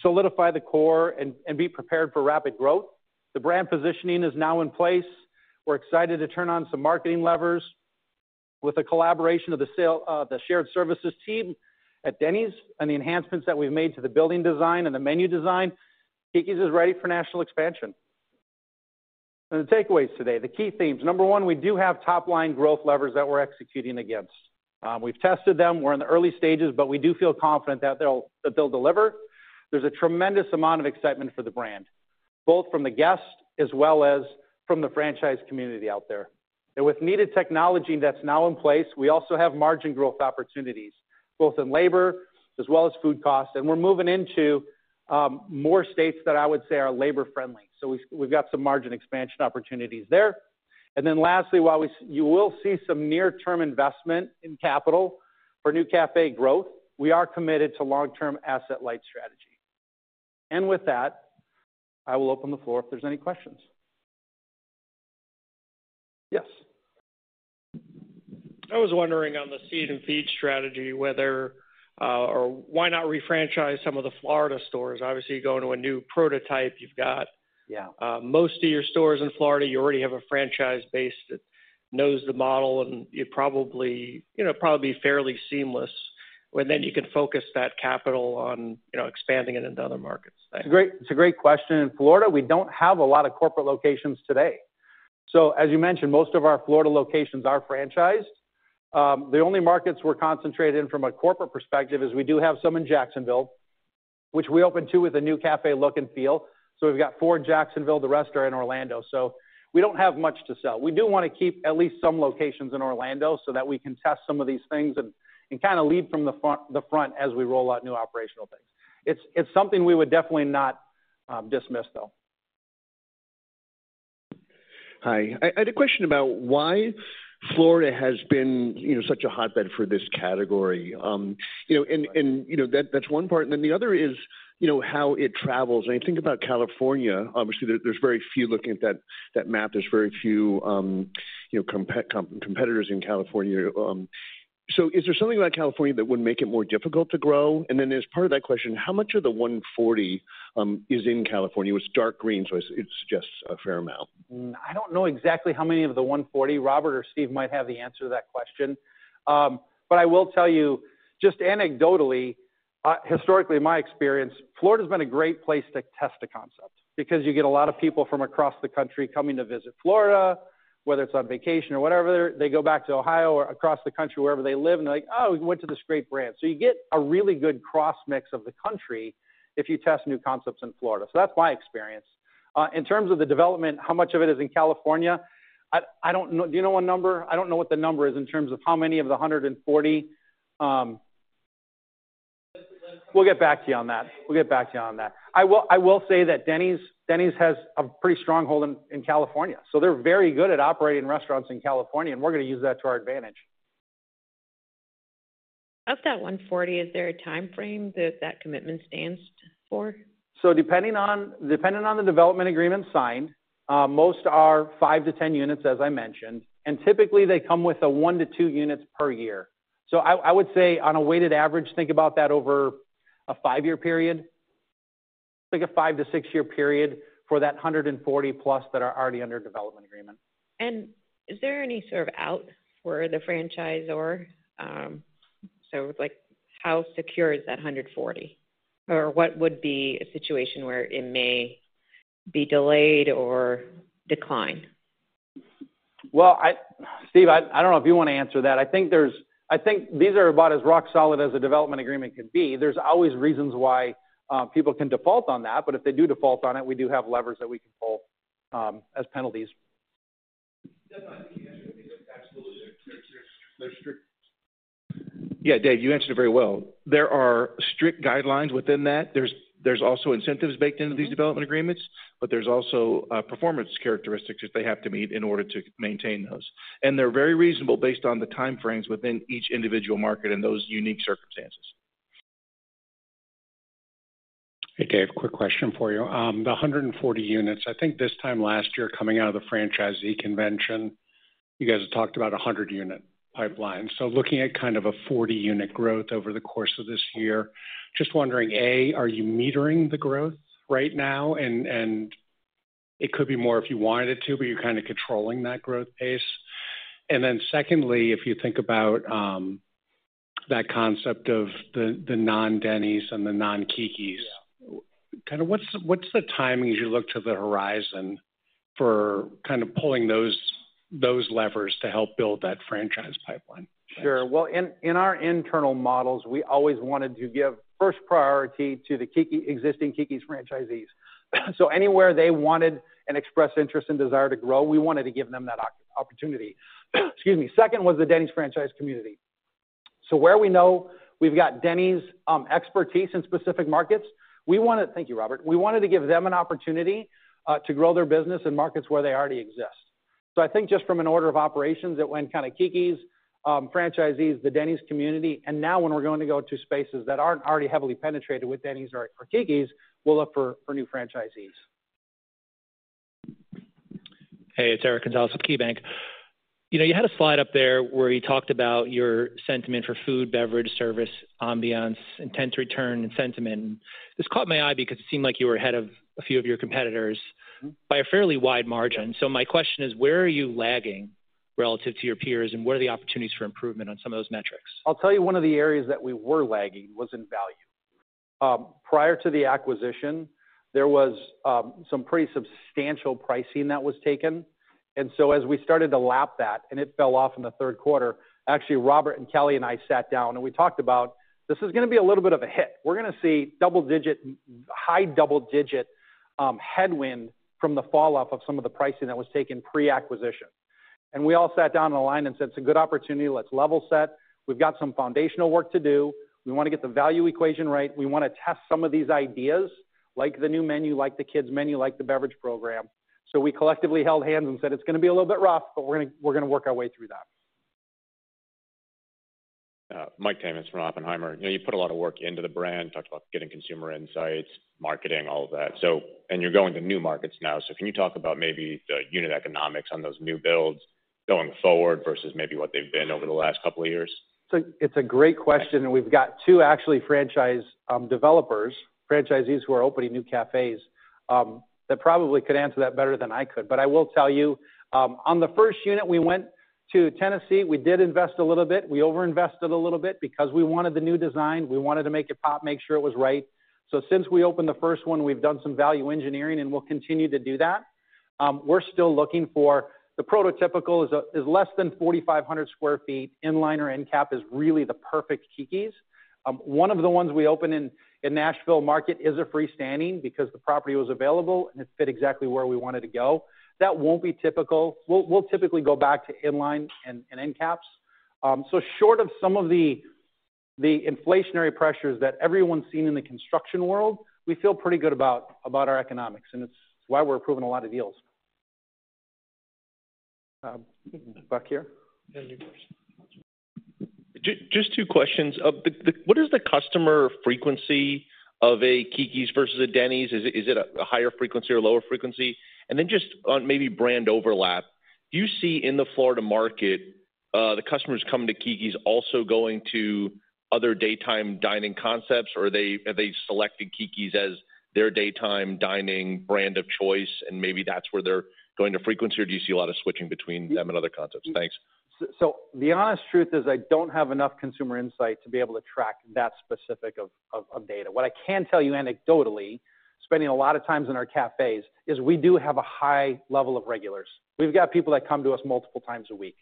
solidify the core and be prepared for rapid growth. The brand positioning is now in place. We're excited to turn on some marketing levers with the collaboration of the sales, the shared services team at Denny's and the enhancements that we've made to the building design and the menu design. Keke's is ready for national expansion. And the takeaways today, the key themes. Number one, we do have top-line growth levers that we're executing against. We've tested them. We're in the early stages, but we do feel confident that they'll, that they'll deliver. There's a tremendous amount of excitement for the brand, both from the guests as well as from the franchise community out there. And with needed technology that's now in place, we also have margin growth opportunities, both in labor as well as food costs, and we're moving into more states that I would say are labor-friendly. So we've, we've got some margin expansion opportunities there. And then lastly, while we, you will see some near-term investment in capital for new café growth, we are committed to long-term asset-light strategy. And with that, I will open the floor if there's any questions. Yes. I was wondering on the seed and feed strategy, whether, or why not refranchise some of the Florida stores? Obviously, you're going to a new prototype. You've got- Yeah. Most of your stores in Florida, you already have a franchise base that knows the model, and you're probably, you know, probably fairly seamless. Well, then you can focus that capital on, you know, expanding it into other markets. It's a great, it's a great question. In Florida, we don't have a lot of corporate locations today. So as you mentioned, most of our Florida locations are franchised. The only markets we're concentrated in from a corporate perspective is we do have some in Jacksonville, which we opened two with a new café look and feel. So we've got four in Jacksonville, the rest are in Orlando, so we don't have much to sell. We do wanna keep at least some locations in Orlando so that we can test some of these things and kind of lead from the front as we roll out new operational things. It's something we would definitely not dismiss, though. Hi. I had a question about why Florida has been, you know, such a hotbed for this category. You know, and that's one part, and then the other is, you know, how it travels. When you think about California, obviously, there's very few looking at that map. There's very few competitors in California. So is there something about California that would make it more difficult to grow? And then as part of that question, how much of the 140 is in California? It's dark green, so it's just a fair amount. I don't know exactly how many of the 140. Robert or Steve might have the answer to that question. But I will tell you, just anecdotally, historically, in my experience, Florida's been a great place to test a concept because you get a lot of people from across the country coming to visit Florida, whether it's on vacation or whatever. They go back to Ohio or across the country, wherever they live, and they're like, "Oh, we went to this great brand." So you get a really good cross-mix of the country if you test new concepts in Florida. So that's my experience. In terms of the development, how much of it is in California? I, I don't know. Do you know a number? I don't know what the number is in terms of how many of the 140. We'll get back to you on that. I will say that Denny's has a pretty strong hold in California, so they're very good at operating restaurants in California, and we're gonna use that to our advantage. Of that 140, is there a time frame that that commitment stands for? So depending on the development agreement signed, most are five to 10 units, as I mentioned, and typically they come with a one to two units per year. So I would say on a weighted average, think about that over a five-year period, think a five- to six-year period for that 140-plus that are already under a development agreement. Is there any sort of out for the franchisor? Like, how secure is that 140? Or what would be a situation where it may be delayed or declined? Well, Steve, I don't know if you want to answer that. I think these are about as rock solid as a development agreement could be. There's always reasons why people can default on that, but if they do default on it, we do have levers that we can pull as penalties. Yeah, Dave, you answered it very well. There are strict guidelines within that. There's also incentives baked into these development agreements, but there's also performance characteristics that they have to meet in order to maintain those. And they're very reasonable based on the time frames within each individual market and those unique circumstances. Hey, Dave, quick question for you. The 140 units, I think this time last year, coming out of the franchisee convention, you guys talked about a 100-unit pipeline. So looking at kind of a 40-unit growth over the course of this year, just wondering, A, are you metering the growth right now? And it could be more if you wanted it to, but you're kind of controlling that growth pace. And then secondly, if you think about that concept of the non Denny's and the non Keke's- Yeah. Kind of, what's the timing as you look to the horizon for kind of pulling those levers to help build that franchise pipeline? Sure. Well, in our internal models, we always wanted to give first priority to the existing Keke's franchisees. So anywhere they wanted and expressed interest and desire to grow, we wanted to give them that opportunity. Excuse me. Second was the Denny's franchise community. So where we know we've got Denny's expertise in specific markets, we wanna. Thank you, Robert. We wanted to give them an opportunity to grow their business in markets where they already exist. So I think just from an order of operations, it went kind of Keke's franchisees, the Denny's community, and now when we're going to go to spaces that aren't already heavily penetrated with Denny's or Keke's, we'll look for new franchisees. Hey, it's Eric Gonzalez with KeyBanc. You know, you had a slide up there where you talked about your sentiment for food, beverage, service, ambiance, intent to return, and sentiment. This caught my eye because it seemed like you were ahead of a few of your competitors. Mm-hmm. by a fairly wide margin. So my question is: Where are you lagging relative to your peers, and what are the opportunities for improvement on some of those metrics? I'll tell you, one of the areas that we were lagging was in value. Prior to the acquisition, there was some pretty substantial pricing that was taken. And so as we started to lap that and it fell off in the third quarter, actually, Robert and Kelli and I sat down, and we talked about, this is gonna be a little bit of a hit. We're gonna see double-digit, high double-digit headwind from the falloff of some of the pricing that was taken pre-acquisition. And we all sat down on the line and said, "It's a good opportunity. Let's level set. We've got some foundational work to do. We wanna get the value equation right. We wanna test some of these ideas, like the new menu, like the kids' menu, like the beverage program. So we collectively held hands and said, "It's gonna be a little bit rough, but we're gonna, we're gonna work our way through that. Mike Tamas from Oppenheimer. You know, you put a lot of work into the brand, talked about getting consumer insights, marketing, all of that. So and you're going to new markets now. So can you talk about maybe the unit economics on those new builds going forward versus maybe what they've been over the last couple of years? It's a great question, and we've got two actually franchise developers, franchisees who are opening new cafés that probably could answer that better than I could. But I will tell you, on the first unit, we went to Tennessee. We did invest a little bit. We overinvested a little bit because we wanted the new design. We wanted to make it pop, make sure it was right. So since we opened the first one, we've done some value engineering, and we'll continue to do that. We're still looking for the prototypical, which is less than 4,500 sq ft. Inline or end cap is really the perfect Keke's. One of the ones we opened in the Nashville market is a freestanding because the property was available, and it fit exactly where we wanted to go. That won't be typical. We'll typically go back to inline and end caps. So short of some of the inflationary pressures that everyone's seen in the construction world, we feel pretty good about our economics, and it's why we're approving a lot of deals. Back here. Just two questions. What is the customer frequency of a Keke's versus a Denny's? Is it a higher frequency or lower frequency? And then just on maybe brand overlap, do you see in the Florida market, the customers coming to Keke's also going to other daytime dining concepts, or have they selected Keke's as their daytime dining brand of choice, and maybe that's where they're going to frequency, or do you see a lot of switching between them and other concepts? Thanks. So the honest truth is, I don't have enough consumer insight to be able to track that specific of data. What I can tell you anecdotally, spending a lot of times in our cafés, is we do have a high level of regulars. We've got people that come to us multiple times a week.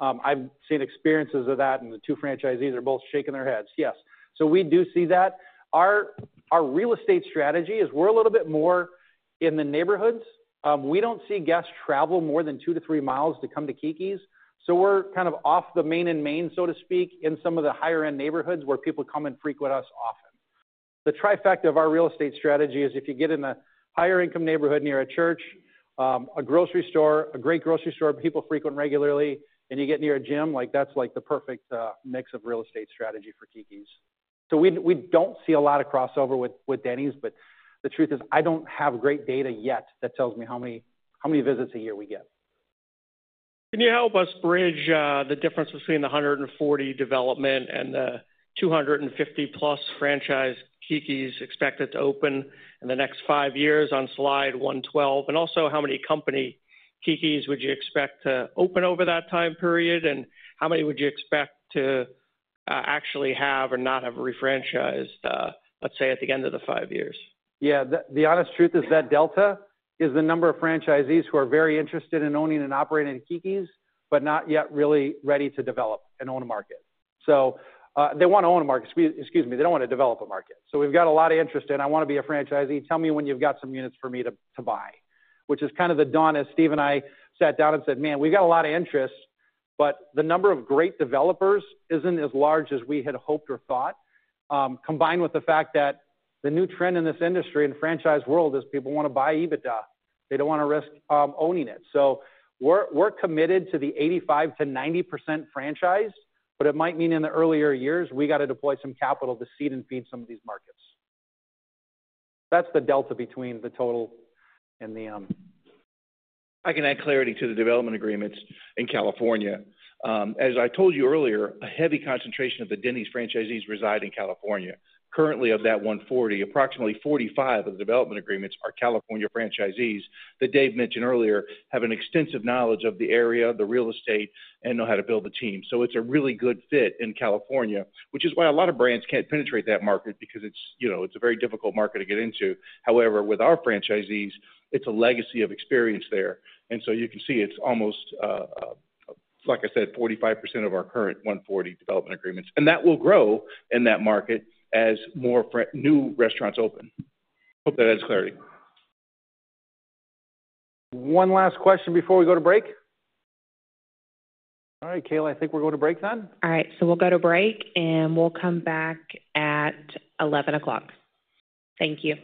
I've seen experiences of that, and the two franchisees are both shaking their heads yes. So we do see that. Our real estate strategy is we're a little bit more in the neighborhoods. We don't see guests travel more than two to three miles to come to Keke's, so we're kind of off the main and main, so to speak, in some of the higher-end neighborhoods where people come and frequent us often. The trifecta of our real estate strategy is if you get in a higher income neighborhood near a church, a grocery store, a great grocery store, people frequent regularly, and you get near a gym, like, that's like the perfect mix of real estate strategy for Keke's. So we don't see a lot of crossover with Denny's, but the truth is, I don't have great data yet that tells me how many visits a year we get. Can you help us bridge the difference between the 140 development and the 250 plus franchise Keke's expected to open in the next five years on slide 112? And also, how many company Keke's would you expect to open over that time period, and how many would you expect to actually have or not have refranchised, let's say, at the end of the five years? Yeah, the honest truth is that delta is the number of franchisees who are very interested in owning and operating Keke's, but not yet really ready to develop and own a market. So, they wanna own a market, excuse me, they don't wanna develop a market. So we've got a lot of interest, and I wanna be a franchisee. Tell me when you've got some units for me to buy, which is kind of the down as Steve and I sat down and said, "Man, we've got a lot of interest, but the number of great developers isn't as large as we had hoped or thought," combined with the fact that the new trend in this industry, in the franchise world, is people wanna buy EBITDA. They don't wanna risk owning it. So we're committed to the 85%-90% franchise, but it might mean in the earlier years, we got to deploy some capital to seed and feed some of these markets. That's the delta between the total and the I can add clarity to the development agreements in California. As I told you earlier, a heavy concentration of the Denny's franchisees reside in California. Currently, of that 140, approximately 45 of the development agreements are California franchisees that Dave mentioned earlier, have an extensive knowledge of the area, the real estate, and know how to build the team. So it's a really good fit in California, which is why a lot of brands can't penetrate that market because it's, you know, it's a very difficult market to get into. However, with our franchisees, it's a legacy of experience there, and so you can see it's almost, like I said, 45% of our current 140 development agreements. And that will grow in that market as more new restaurants open. Hope that adds clarity. One last question before we go to break? All right, Kayla, I think we're going to break then. All right, so we'll go to break, and we'll come back at eleven o'clock. Thank you. ...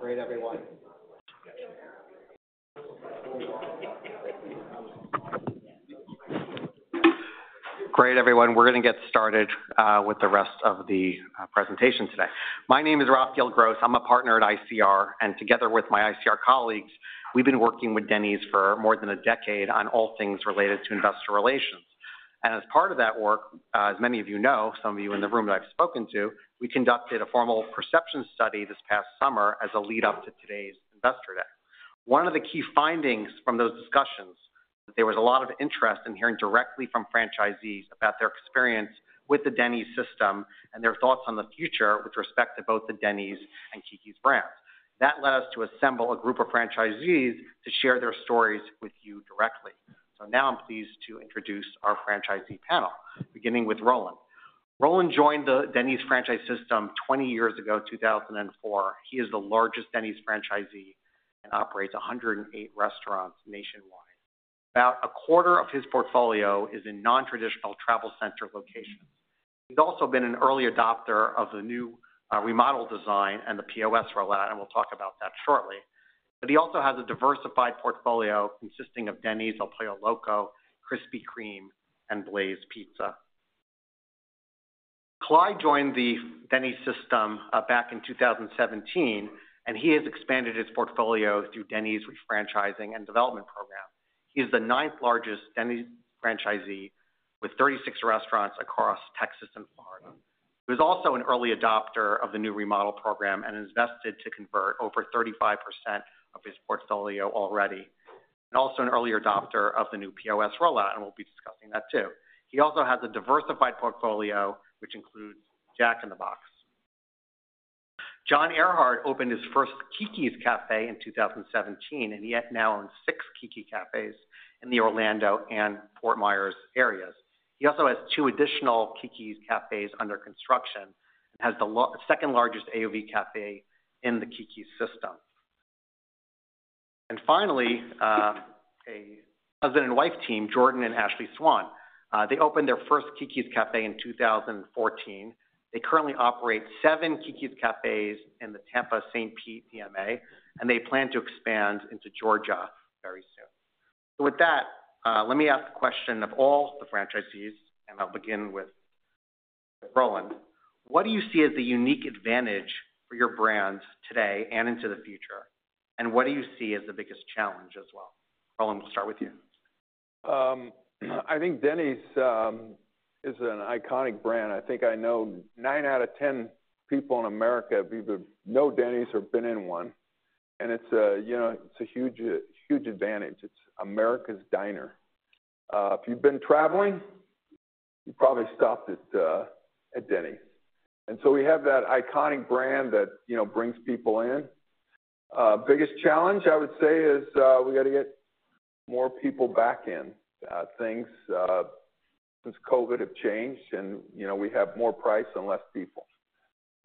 Great, everyone. We're going to get started with the rest of the presentation today. My name is Raphael Gross. I'm a partner at ICR, and together with my ICR colleagues, we've been working with Denny's for more than a decade on all things related to investor relations. And as part of that work, as many of you know, some of you in the room that I've spoken to, we conducted a formal perception study this past summer as a lead-up to today's investor day. One of the key findings from those discussions, there was a lot of interest in hearing directly from franchisees about their experience with the Denny's system and their thoughts on the future with respect to both the Denny's and Keke's brands. That led us to assemble a group of franchisees to share their stories with you directly. So now I'm pleased to introduce our franchisee panel, beginning with Roland. Roland joined the Denny's franchise system 20 years ago, in 2004. He is the largest Denny's franchisee and operates 108 restaurants nationwide. About a quarter of his portfolio is in nontraditional travel center locations. He's also been an early adopter of the new, remodel design and the POS rollout, and we'll talk about that shortly, but he also has a diversified portfolio consisting of Denny's, El Pollo Loco, Krispy Kreme, and Blaze Pizza. Clyde joined the Denny's system back in 2017, and he has expanded his portfolio through Denny's refranchising and development program. He is the 9th-largest Denny's franchisee with 36 restaurants across Texas and Florida. He was also an early adopter of the new remodel program and has invested to convert over 35% of his portfolio already. He was also an early adopter of the new POS rollout, and we'll be discussing that too. He also has a diversified portfolio, which includes Jack in the Box. John Erhard opened his first Keke's Café in 2017, and he now owns six Keke's cafés in the Orlando and Fort Myers areas. He also has two additional Keke's cafés under construction, and has the second-largest AUV café in the Keke's system. Finally, a husband and wife team, Jordan and Ashley Swann. They opened their first Keke's Café in 2014. They currently operate seven Keke's Cafés in the Tampa-St. Pete DMA, and they plan to expand into Georgia very soon. So with that, let me ask a question of all the franchisees, and I'll begin with Roland. What do you see as a unique advantage for your brands today and into the future, and what do you see as the biggest challenge as well? Roland, we'll start with you. I think Denny's is an iconic brand. I think I know nine out of ten people in America either know Denny's or been in one, and it's a, you know, it's a huge, huge advantage. It's America's diner. If you've been traveling, you probably stopped at Denny's. And so we have that iconic brand that, you know, brings people in. Biggest challenge, I would say, is we got to get more people back in. Things since COVID have changed and, you know, we have more price and less people,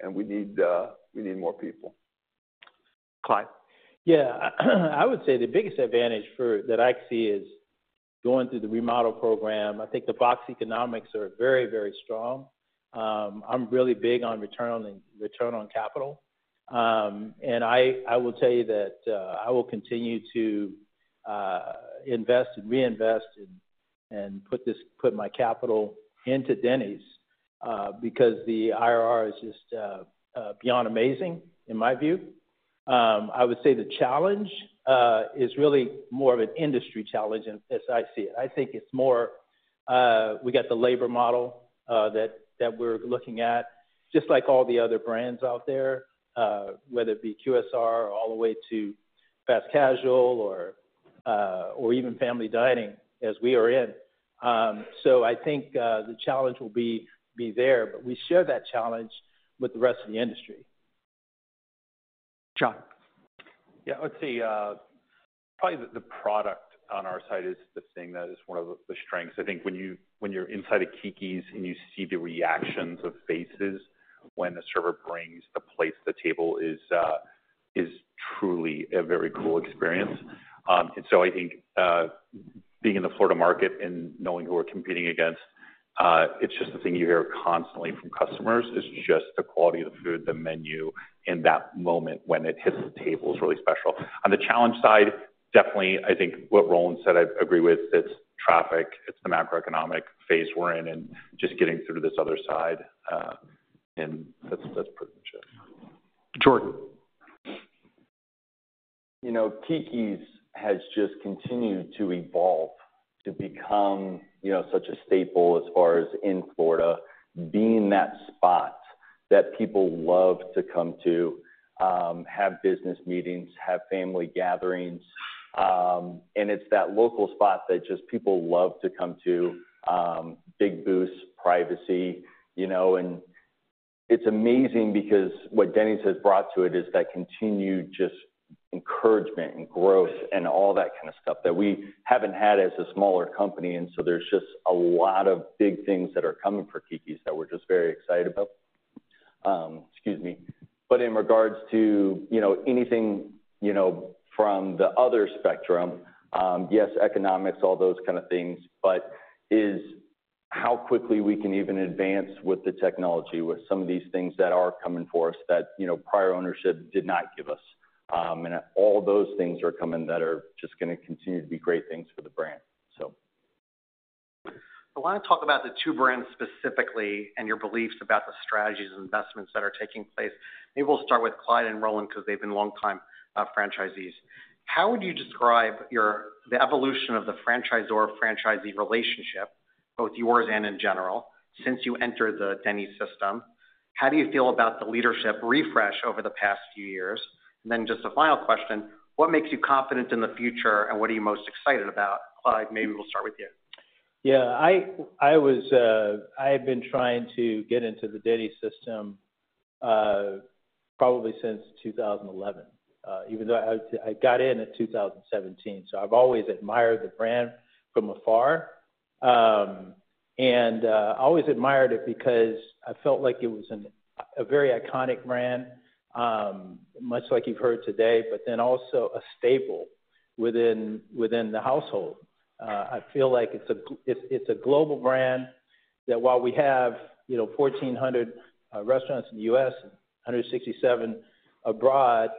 and we need more people. Clyde? Yeah, I would say the biggest advantage that I see is going through the remodel program. I think the box economics are very, very strong. I'm really big on return on capital, and I will tell you that I will continue to invest and reinvest and put my capital into Denny's because the IRR is just beyond amazing, in my view. I would say the challenge is really more of an industry challenge, as I see it. I think it's more we got the labor model that we're looking at, just like all the other brands out there, whether it be QSR all the way to fast casual or even family dining, as we are in. So, I think the challenge will be there, but we share that challenge with the rest of the industry. John? Yeah, I'd say, probably the product on our side is the thing that is one of the strengths. I think when you're inside a Keke's and you see the reactions of faces when the server brings the plate to the table is truly a very cool experience. And so I think, being in the Florida market and knowing who we're competing against, it's just the thing you hear constantly from customers, is just the quality of the food, the menu, in that moment when it hits the table is really special. On the challenge side, definitely I think what Roland said, I agree with. It's traffic, it's the macroeconomic phase we're in and just getting through this other side, and that's pretty sure. Jordan. You know, Keke's has just continued to evolve to become, you know, such a staple as far as in Florida. Being that spot that people love to come to, have business meetings, have family gatherings, and it's that local spot that just people love to come to. Big booths, privacy, you know, and it's amazing because what Denny's has brought to it is that continued just encouragement and growth and all that kind of stuff that we haven't had as a smaller company. And so there's just a lot of big things that are coming for Keke's that we're just very excited about. Excuse me. But in regards to, you know, anything, you know, from the other spectrum, yes, economics, all those kind of things, but is- ... how quickly we can even advance with the technology, with some of these things that are coming for us that, you know, prior ownership did not give us, and all those things are coming that are just going to continue to be great things for the brand, so. I want to talk about the two brands specifically and your beliefs about the strategies and investments that are taking place. Maybe we'll start with Clyde and Roland, because they've been longtime franchisees. How would you describe the evolution of the franchisor-franchisee relationship, both yours and in general, since you entered the Denny's system? How do you feel about the leadership refresh over the past few years? And then just a final question, what makes you confident in the future, and what are you most excited about? Clyde, maybe we'll start with you. Yeah, I was. I had been trying to get into the Denny system, probably since 2011, even though I got in at 2017. So I've always admired the brand from afar, and I always admired it because I felt like it was a very iconic brand, much like you've heard today, but then also a staple within the household. I feel like it's a global brand, that while we have, you know, 1,400 restaurants in the US and 167 abroad,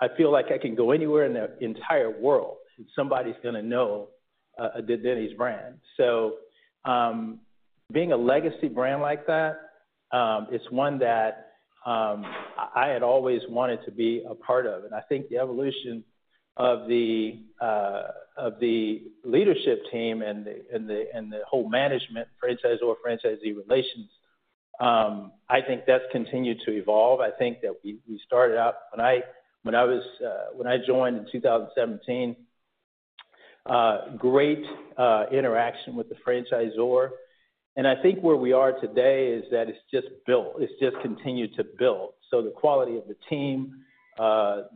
I feel like I can go anywhere in the entire world, and somebody's going to know the Denny's brand. So, being a legacy brand like that, is one that I had always wanted to be a part of. And I think the evolution of the leadership team and the whole management franchisor-franchisee relations. I think that's continued to evolve. I think that we started out. When I joined in 2017, great interaction with the franchisor. And I think where we are today is that it's just built, it's just continued to build. So the quality of the team,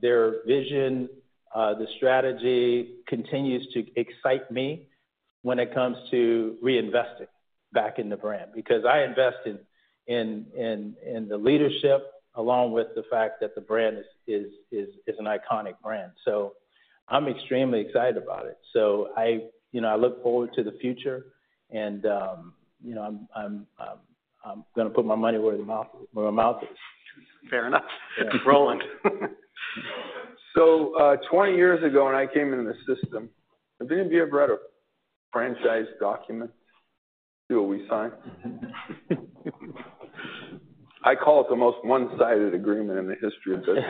their vision, the strategy continues to excite me when it comes to reinvesting back in the brand, because I invested in the leadership, along with the fact that the brand is an iconic brand. So I'm extremely excited about it. So, you know, I look forward to the future and, you know, I'm going to put my money where my mouth is. Fair enough. Roland? So, 20 years ago, when I came into the system, have any of you ever read a franchise document? See what we sign? I call it the most one-sided agreement in the history of business.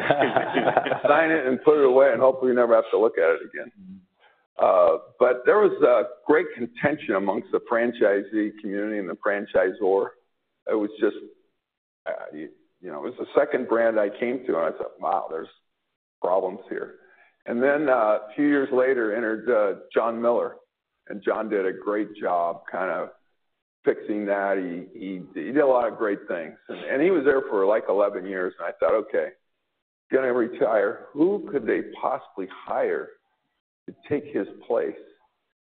Sign it and put it away, and hopefully you never have to look at it again. But there was a great contention among the franchisee community and the franchisor. It was just, you know, it was the second brand I came to, and I thought, "Wow, there's problems here." And then, a few years later, entered, John Miller, and John did a great job kind of fixing that. He, he, he did a lot of great things, and he was there for, like, 11 years. And I thought, "Okay, he's going to retire. Who could they possibly hire to take his place?"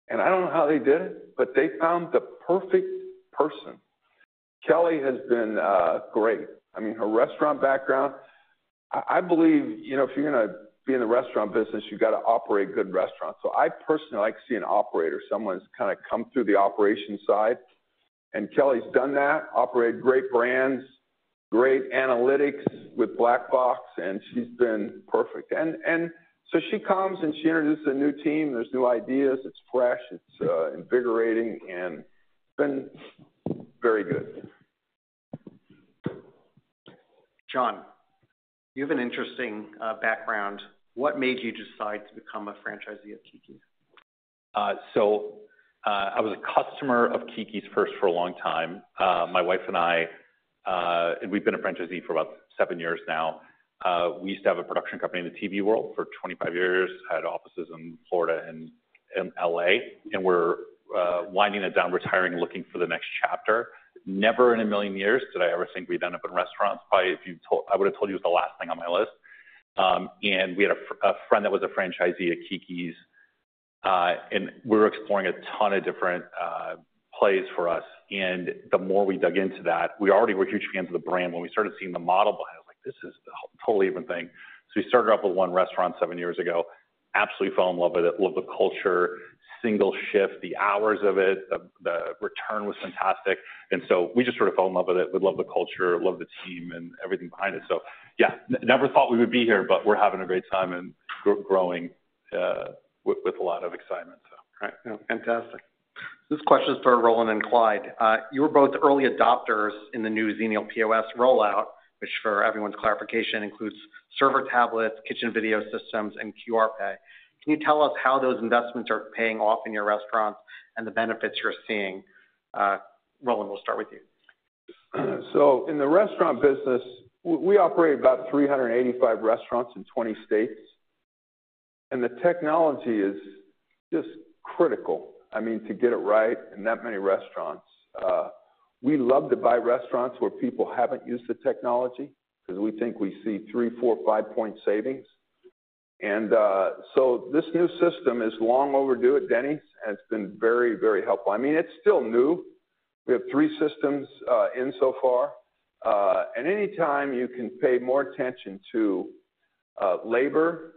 And I don't know how they did it, but they found the perfect person. Kelli has been great. I mean, her restaurant background, I believe, you know, if you're going to be in the restaurant business, you've got to operate good restaurants. So I personally like to see an operator, someone who's kind of come through the operation side, and Kelli's done that, operated great brands, great analytics with Black Box, and she's been perfect. And so she comes, and she introduces a new team. There's new ideas, it's fresh, it's invigorating, and it's been very good. John, you have an interesting background. What made you decide to become a franchisee of Keke's? I was a customer of Keke's first for a long time. My wife and I, and we've been a franchisee for about 7 years now. We used to have a production company in the TV world for 25 years, had offices in Florida and in LA, and we're winding it down, retiring, looking for the next chapter. Never in a million years did I ever think we'd end up in restaurants. Probably, if you told me, I would have told you, it was the last thing on my list. We had a friend that was a franchisee at Keke's, and we were exploring a ton of different plays for us. The more we dug into that, we already were huge fans of the brand. When we started seeing the model behind it, like, this is the totally even thing. So we started off with one restaurant seven years ago. Absolutely fell in love with it, with the culture, single shift, the hours of it, the return was fantastic. And so we just sort of fell in love with it. We love the culture, love the team, and everything behind it. So yeah, never thought we would be here, but we're having a great time and growing with a lot of excitement, so. Right. Fantastic. This question is for Roland and Clyde. You were both early adopters in the new Xenial POS rollout, which, for everyone's clarification, includes server tablets, kitchen video systems, and QR pay. Can you tell us how those investments are paying off in your restaurants and the benefits you're seeing? Roland, we'll start with you. So in the restaurant business, we operate about three hundred and eighty-five restaurants in twenty states, and the technology is just critical, I mean, to get it right in that many restaurants. We love to buy restaurants where people haven't used the technology because we think we see three, four, five-point savings. And so this new system is long overdue at Denny's, and it's been very, very helpful. I mean, it's still new. We have three systems in so far. And anytime you can pay more attention to labor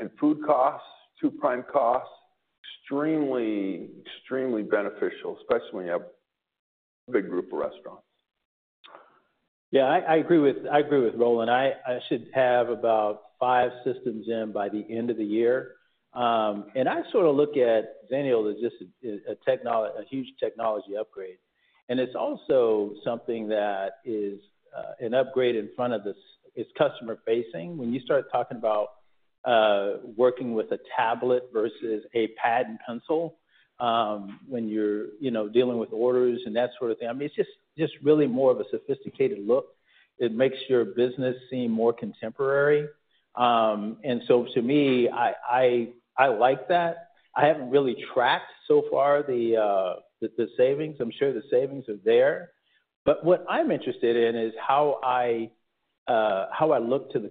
and food costs, two prime costs, extremely, extremely beneficial, especially when you have a big group of restaurants. Yeah, I agree with Roland. I should have about five systems in by the end of the year. And I sort of look at Xenial as just a huge technology upgrade, and it's also something that is an upgrade in front. It's customer-facing. When you start talking about working with a tablet versus a pad and pencil, when you're, you know, dealing with orders and that sort of thing, I mean, it's just really more of a sophisticated look. It makes your business seem more contemporary. And so to me, I like that. I haven't really tracked, so far, the savings. I'm sure the savings are there. But what I'm interested in is how I look to the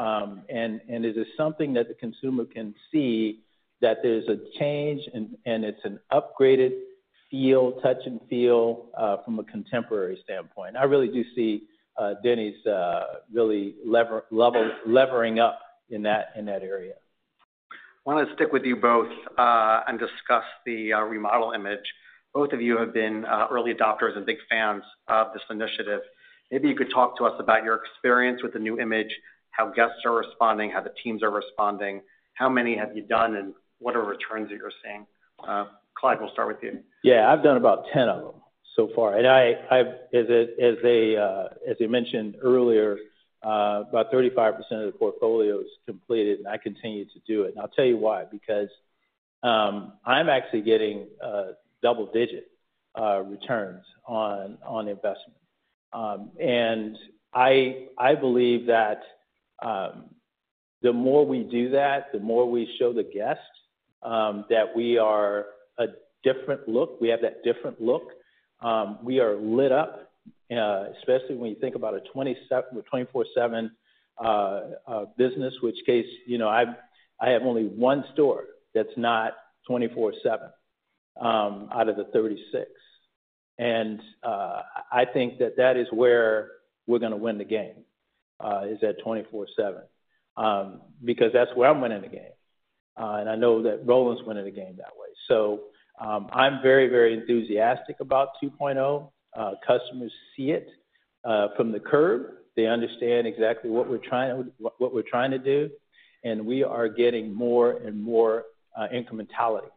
consumer. It is something that the consumer can see, that there's a change, and it's an upgraded feel, touch and feel from a contemporary standpoint. I really do see Denny's really leveraging up in that area. I want to stick with you both, and discuss the remodel image. Both of you have been early adopters and big fans of this initiative. Maybe you could talk to us about your experience with the new image, how guests are responding, how the teams are responding, how many have you done, and what are returns that you're seeing? Clyde, we'll start with you. Yeah, I've done about 10 of them so far, and I've. As I mentioned earlier, about 35% of the portfolio is completed, and I continue to do it. And I'll tell you why, because I'm actually getting double-digit returns on investment. And I believe that the more we do that, the more we show the guests that we are a different look. We have that different look. We are lit up, especially when you think about a 24/7 business, in which case, you know, I have only one store that's not 24/7 out of the 36. And I think that that is where we're gonna win the game, is that 24/7. Because that's where I'm winning the game, and I know that Roland's winning the game that way. So, I'm very, very enthusiastic about 2.0. Customers see it from the curb. They understand exactly what we're trying to do, and we are getting more and more incrementality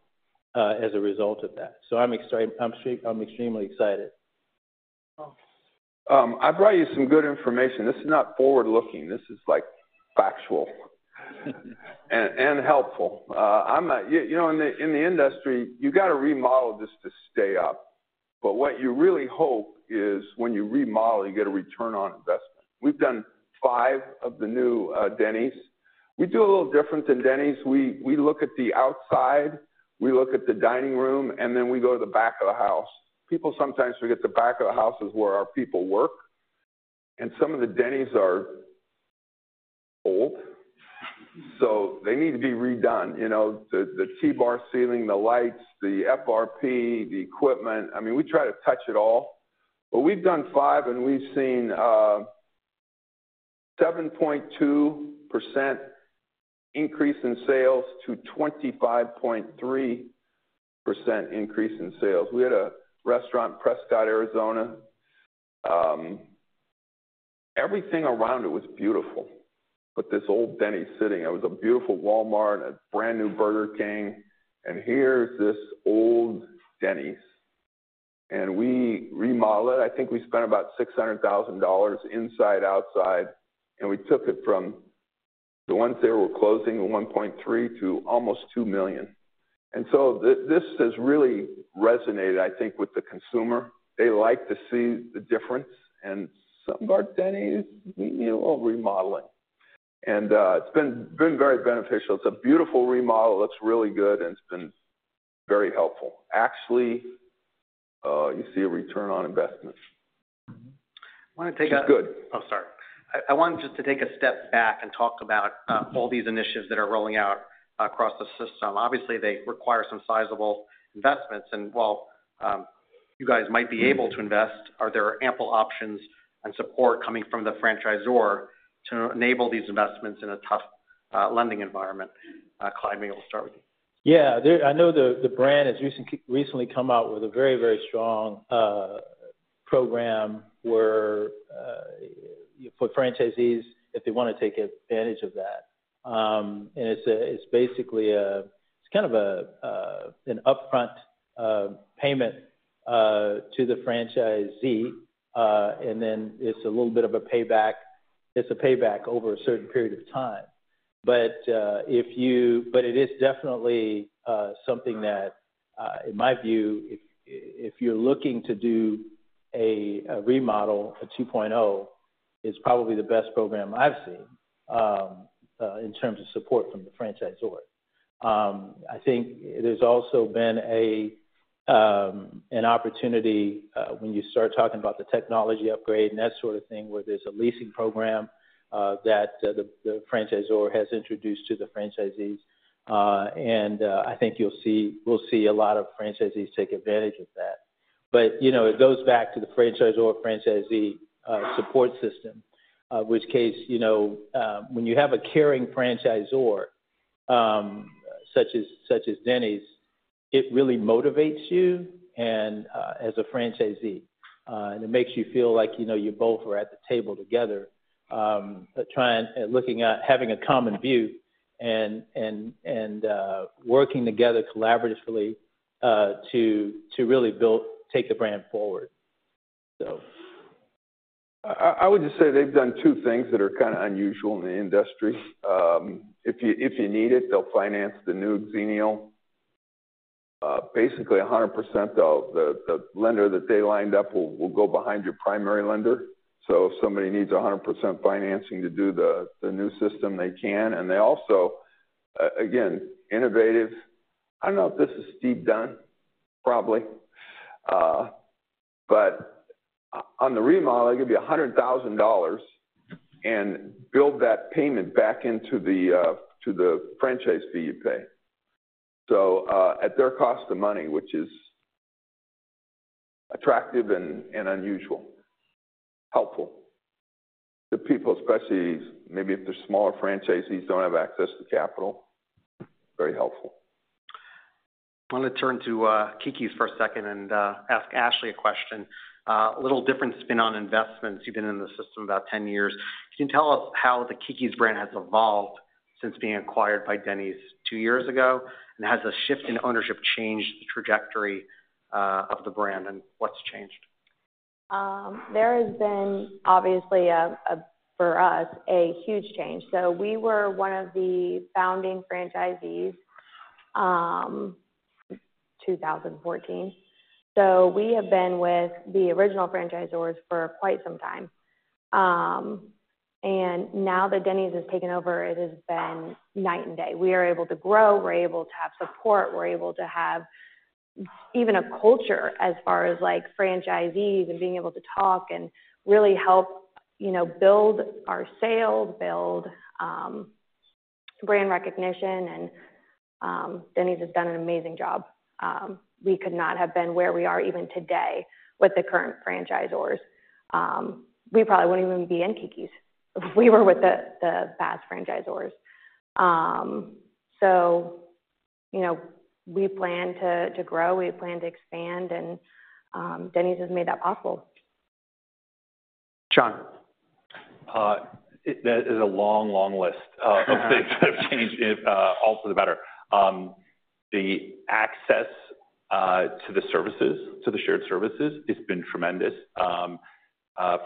as a result of that. So I'm excited. I'm extremely excited. I brought you some good information. This is not forward-looking. This is, like, factual and helpful. You know, in the industry, you gotta remodel just to stay up, but what you really hope is when you remodel, you get a return on investment. We've done five of the new Denny's. We do a little different than Denny's. We look at the outside, we look at the dining room, and then we go to the back of the house. People sometimes forget the back of the house is where our people work, and some of the Denny's are old, so they need to be redone. You know, the T-bar ceiling, the lights, the FRP, the equipment. I mean, we try to touch it all. We've done five, and we've seen 7.2% increase in sales to 25.3% increase in sales. We had a restaurant in Prescott, Arizona. Everything around it was beautiful, but this old Denny's sitting there. It was a beautiful Walmart, a brand-new Burger King, and here's this old Denny's. And we remodeled it. I think we spent about $600,000 inside, outside, and we took it from the ones that were closing at $1.3 million to almost $2 million. And so this has really resonated, I think, with the consumer. They like to see the difference, and some of our Denny's need a little remodeling. And it's been very beneficial. It's a beautiful remodel. It looks really good, and it's been very helpful. Actually, you see a return on investment. Mm-hmm. I want to take a- It's good. I want just to take a step back and talk about all these initiatives that are rolling out across the system. Obviously, they require some sizable investments, and while you guys might be able to invest, are there ample options and support coming from the franchisor to enable these investments in a tough lending environment? Clyde, maybe we'll start with you. Yeah. I know the brand has recently come out with a very, very strong program, where for franchisees, if they wanna take advantage of that, and it's basically a. It's kind of a an upfront payment to the franchisee, and then it's a little bit of a payback. It's a payback over a certain period of time. But if you but it is definitely something that in my view if you're looking to do a remodel, a 2.0, it's probably the best program I've seen in terms of support from the franchisor. I think there's also been an opportunity when you start talking about the technology upgrade and that sort of thing, where there's a leasing program that the franchisor has introduced to the franchisees. And I think we'll see a lot of franchisees take advantage of that. But, you know, it goes back to the franchisor-franchisee support system, in which case, you know, when you have a caring franchisor such as Denny's, it really motivates you and, as a franchisee, and it makes you feel like, you know, you both are at the table together, trying and looking at having a common view and working together collaboratively to really take the brand forward, so. I would just say they've done two things that are kind of unusual in the industry. If you need it, they'll finance the new Xenial. Basically, 100% of the lender that they lined up will go behind your primary lender. So if somebody needs 100% financing to do the new system, they can. And they also, again, innovative. I don't know if this is Steve Dunn, probably. But on the remodel, they give you $100,000 and build that payment back into the franchise fee you pay. So at their cost of money, which is attractive and unusual, helpful to people, especially maybe if they're smaller franchisees, don't have access to capital, very helpful. I want to turn to Keke's for a second and ask Ashley a question. A little different spin on investments. You've been in the system about ten years. Can you tell us how the Keke's brand has evolved since being acquired by Denny's two years ago? And has the shift in ownership changed the trajectory of the brand, and what's changed? There has been obviously, for us, a huge change. We were one of the founding franchisees, 2014. We have been with the original franchisors for quite some time. Now that Denny's has taken over, it has been night and day. We are able to grow, we're able to have support, we're able to have even a culture as far as, like, franchisees and being able to talk and really help, you know, build our sales, build brand recognition. Denny's has done an amazing job. We could not have been where we are even today with the current franchisors. We probably wouldn't even be in Keke's if we were with the past franchisors. You know, we plan to grow, we plan to expand, and Denny's has made that possible. John? That is a long, long list of things that have changed, all for the better. The access to the services, to the shared services, it's been tremendous.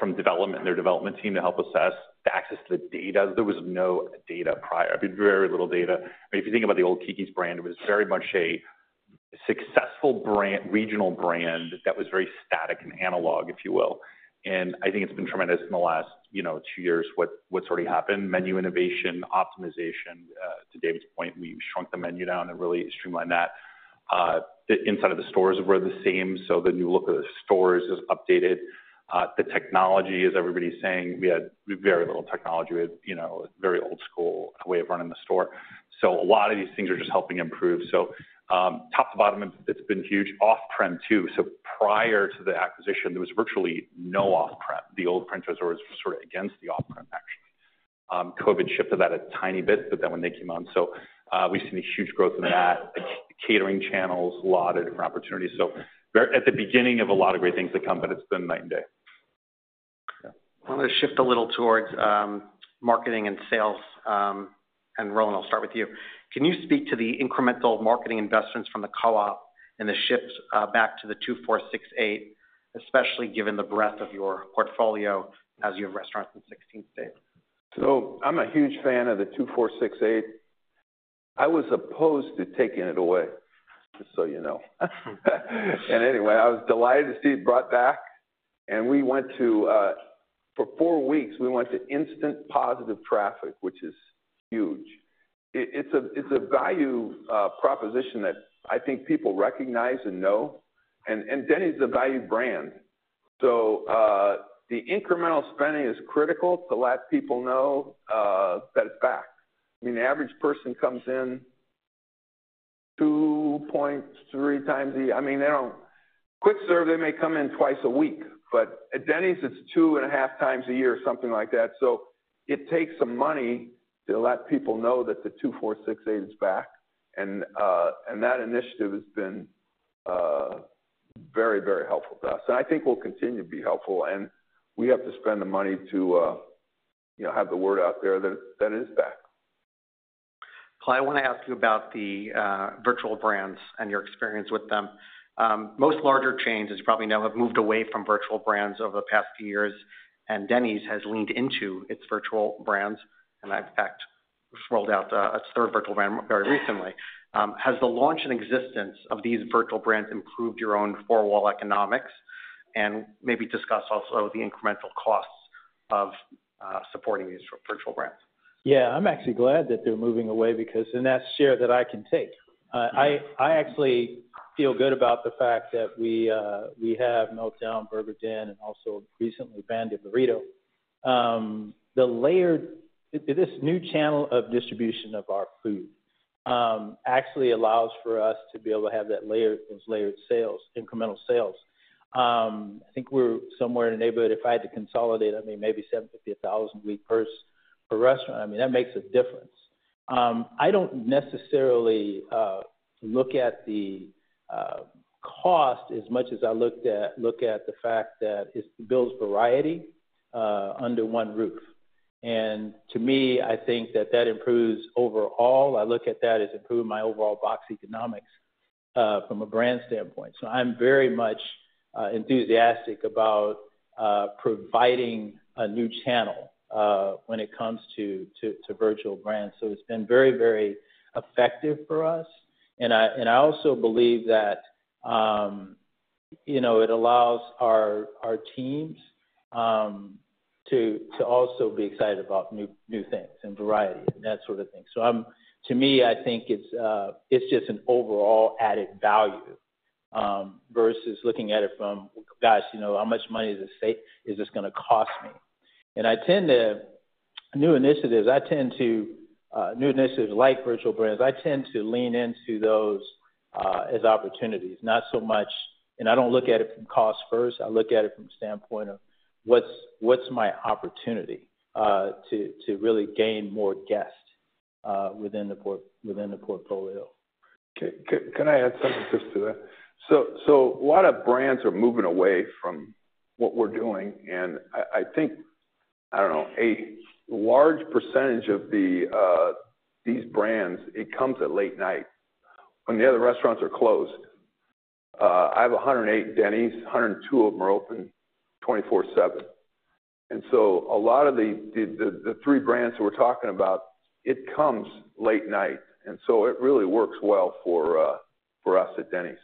From development, their development team to help assess the access to the data. There was no data prior, I mean, very little data. If you think about the old Keke's brand, it was very much a successful brand, regional brand that was very static and analog, if you will. And I think it's been tremendous in the last, you know, two years, what's already happened. Menu innovation, optimization, to David's point, we've shrunk the menu down and really streamlined that. The inside of the stores were the same, so the new look of the stores is updated. The technology, as everybody's saying, we had very little technology. We had, you know, a very old-school way of running the store. So a lot of these things are just helping improve. So top to bottom, it's been huge. Off-prem, too. So prior to the acquisition, there was virtually no off-prem. The old franchisors were sort of against the off-prem, actually. COVID shifted that a tiny bit, but then when they came on, so we've seen a huge growth in that. The catering channels, a lot of different opportunities. So we're at the beginning of a lot of great things to come, but it's been night and day. I'm gonna shift a little towards marketing and sales, and Roland, I'll start with you. Can you speak to the incremental marketing investments from the co-op and the shifts back to the $2 $4 $6 $8, especially given the breadth of your portfolio as you have restaurants in sixteen states? So I'm a huge fan of the $2 $4 $6 $8. I was opposed to taking it away, just so you know. Anyway, I was delighted to see it brought back, and we went to, for four weeks, we went to instant positive traffic, which is huge. It's a value proposition that I think people recognize and know, and Denny's is a value brand. So, the incremental spending is critical to let people know that it's back. I mean, the average person comes in two point three times a year. I mean, they don't. Quick serve, they may come in twice a week, but at Denny's, it's two and a half times a year or something like that. So it takes some money to let people know that the $2 $4 $6 $8 is back. And that initiative has been very, very helpful to us, and I think will continue to be helpful. And we have to spend the money to, you know, have the word out there that is back. Clyde, I want to ask you about the virtual brands and your experience with them. Most larger chains, as you probably know, have moved away from virtual brands over the past few years, and Denny's has leaned into its virtual brands, and in fact, rolled out a third virtual brand very recently. Has the launch and existence of these virtual brands improved your own four-wall economics? And maybe discuss also the incremental costs of supporting these virtual brands. Yeah, I'm actually glad that they're moving away because then that's share that I can take. I actually feel good about the fact that we have The Meltdown, Burger Den, and also recently, Banda Burrito. This new channel of distribution of our food actually allows for us to be able to have that layered, those layered sales, incremental sales. I think we're somewhere in the neighborhood, if I had to consolidate, I mean, maybe $75-$1,000 a week per person, per restaurant. I mean, that makes a difference. I don't necessarily look at the cost as much as I look at the fact that it builds variety under one roof. To me, I think that that improves overall. I look at that as improving my overall box economics from a brand standpoint. So I'm very much enthusiastic about providing a new channel when it comes to virtual brands. So it's been very, very effective for us. And I also believe that, you know, it allows our teams to also be excited about new things and variety and that sort of thing. So to me, I think it's just an overall added value versus looking at it from, gosh, you know, how much money is this gonna cost me? And I tend to new initiatives like virtual brands. I tend to lean into those as opportunities, not so much. And I don't look at it from cost first. I look at it from the standpoint of what's my opportunity to really gain more guests within the portfolio. Can I add something just to that? So a lot of brands are moving away from what we're doing, and I think, I don't know, a large percentage of these brands, it comes at late night when the other restaurants are closed. I have a hundred and eight Denny's, a hundred and two of them are open 24/7. And so a lot of the three brands we're talking about, it comes late night, and so it really works well for us at Denny's.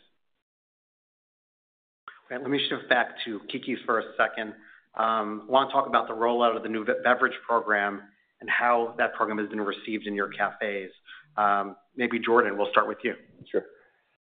Let me shift back to Keke's for a second. I want to talk about the rollout of the new beverage program and how that program has been received in your cafés. Maybe Jordan, we'll start with you. Sure.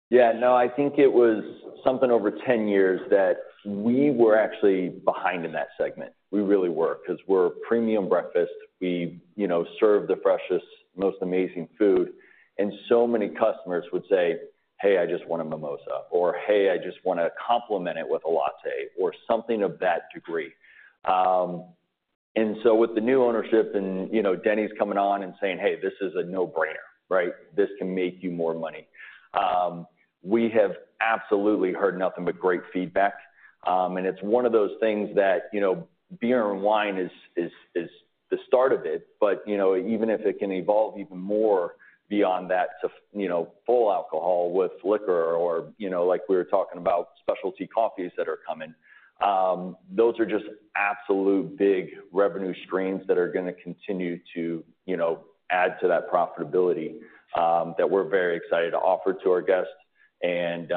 Yeah, no, I think it was something over ten years that we were actually behind in that segment. We really were, 'cause we're a premium breakfast. We, you know, serve the freshest, most amazing food, and so many customers would say, "Hey, I just want a mimosa," or, "Hey, I just want to complement it with a latte," or something of that degree. And so with the new ownership and, you know, Denny's coming on and saying, "Hey, this is a no-brainer," right? This can make you more money. We have absolutely heard nothing but great feedback. And it's one of those things that, you know, beer and wine is the start of it, but, you know, even if it can evolve even more beyond that to full alcohol with liquor or, you know, like we were talking about, specialty coffees that are coming. Those are just absolute big revenue streams that are gonna continue to, you know, add to that profitability that we're very excited to offer to our guests and,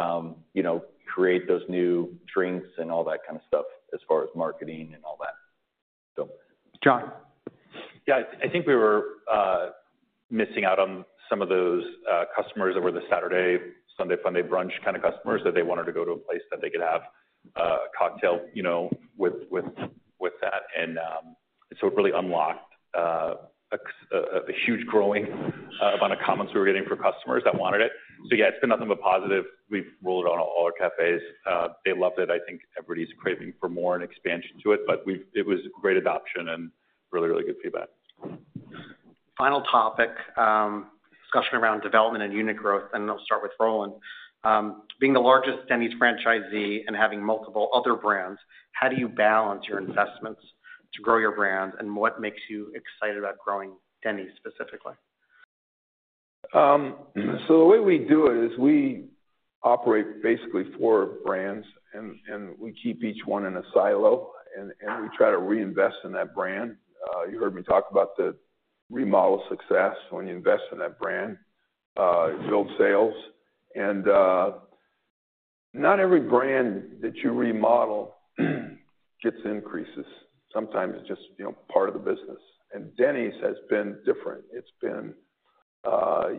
you know, create those new drinks and all that kind of stuff, as far as marketing and all that. John? Yeah, I think we were missing out on some of those customers that were the Saturday, Sunday fun day brunch kind of customers, that they wanted to go to a place that they could have a cocktail, you know, with that. And so it really unlocked a huge growing amount of comments we were getting from customers that wanted it. So yeah, it's been nothing but positive. We've rolled it out on all our cafés. They loved it. I think everybody's craving for more and expansion to it, but it was great adoption and really good feedback. Final topic, discussion around development and unit growth, and I'll start with Roland. Being the largest Denny's franchisee and having multiple other brands, how do you balance your investments to grow your brand, and what makes you excited about growing Denny's specifically? So the way we do it is we operate basically four brands, and we keep each one in a silo, and we try to reinvest in that brand. You heard me talk about the remodel success. When you invest in that brand, it builds sales. And not every brand that you remodel gets increases. Sometimes it's just, you know, part of the business. And Denny's has been different. It's been,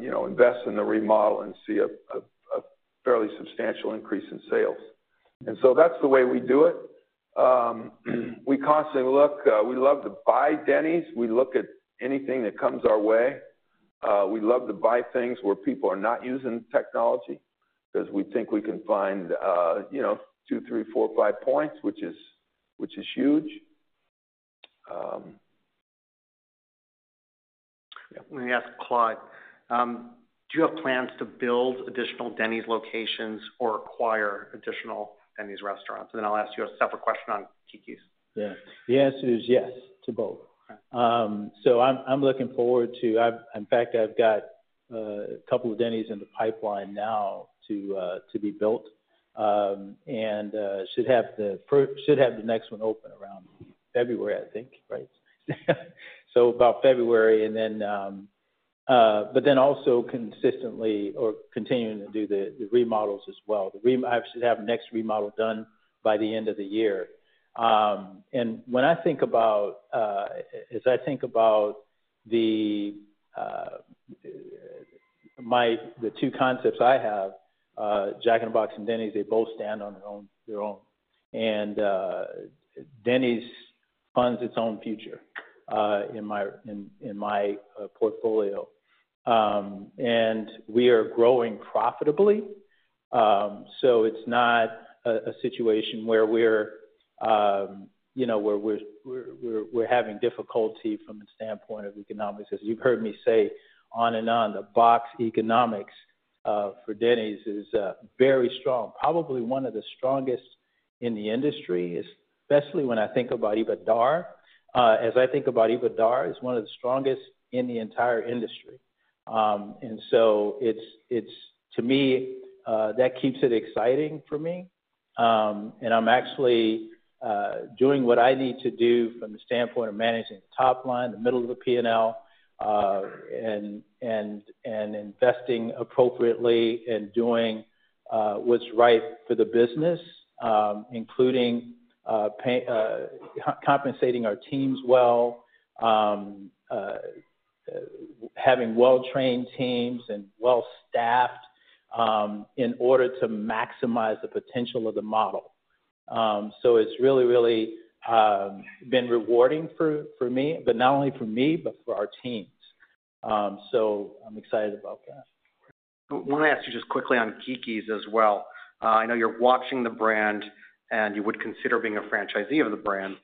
you know, invest in the remodel and see a fairly substantial increase in sales. And so that's the way we do it. We constantly look. We love to buy Denny's. We look at anything that comes our way. We love to buy things where people are not using technology, 'cause we think we can find, you know, two, three, four, five points, which is huge. Yeah. Let me ask Clyde. Do you have plans to build additional Denny's locations or acquire additional Denny's restaurants? And then I'll ask you a separate question on Keke's. Yeah. The answer is yes to both. Okay. So I'm looking forward to. In fact, I've got a couple of Denny's in the pipeline now to be built, and should have the next one open around February, I think, right? So about February, and then but then also consistently or continuing to do the remodels as well. I should have the next remodel done by the end of the year. When I think about the two concepts I have, Jack in the Box and Denny's, they both stand on their own. And Denny's funds its own future in my portfolio. And we are growing profitably. So it's not a situation where we're, you know, where we're having difficulty from the standpoint of economics. As you've heard me say on and on, the box economics for Denny's is very strong. Probably one of the strongest in the industry, especially when I think about EBITDAR. As I think about EBITDAR, it's one of the strongest in the entire industry. And so it's to me that keeps it exciting for me. And I'm actually doing what I need to do from the standpoint of managing the top line, the middle of the P&L, and investing appropriately and doing what's right for the business, including compensating our teams well, having well-trained teams and well-staffed, in order to maximize the potential of the model. So it's really been rewarding for me, but not only for me, but for our teams. So I'm excited about that. I want to ask you just quickly on Keke's as well. I know you're watching the brand, and you would consider being a franchisee of the brand.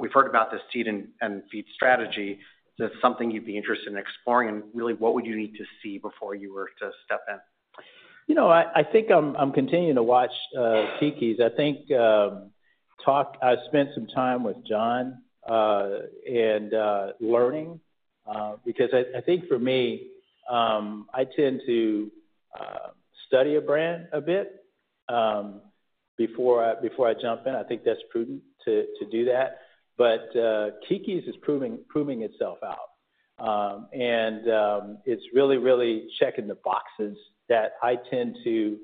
We've heard about the seed and feed strategy. Is this something you'd be interested in exploring, and really, what would you need to see before you were to step in? You know, I think I'm continuing to watch Keke's. I think I spent some time with John and learning because I think for me I tend to study a brand a bit before I jump in. I think that's prudent to do that. But Keke's is proving itself out. And it's really checking the boxes that I tend to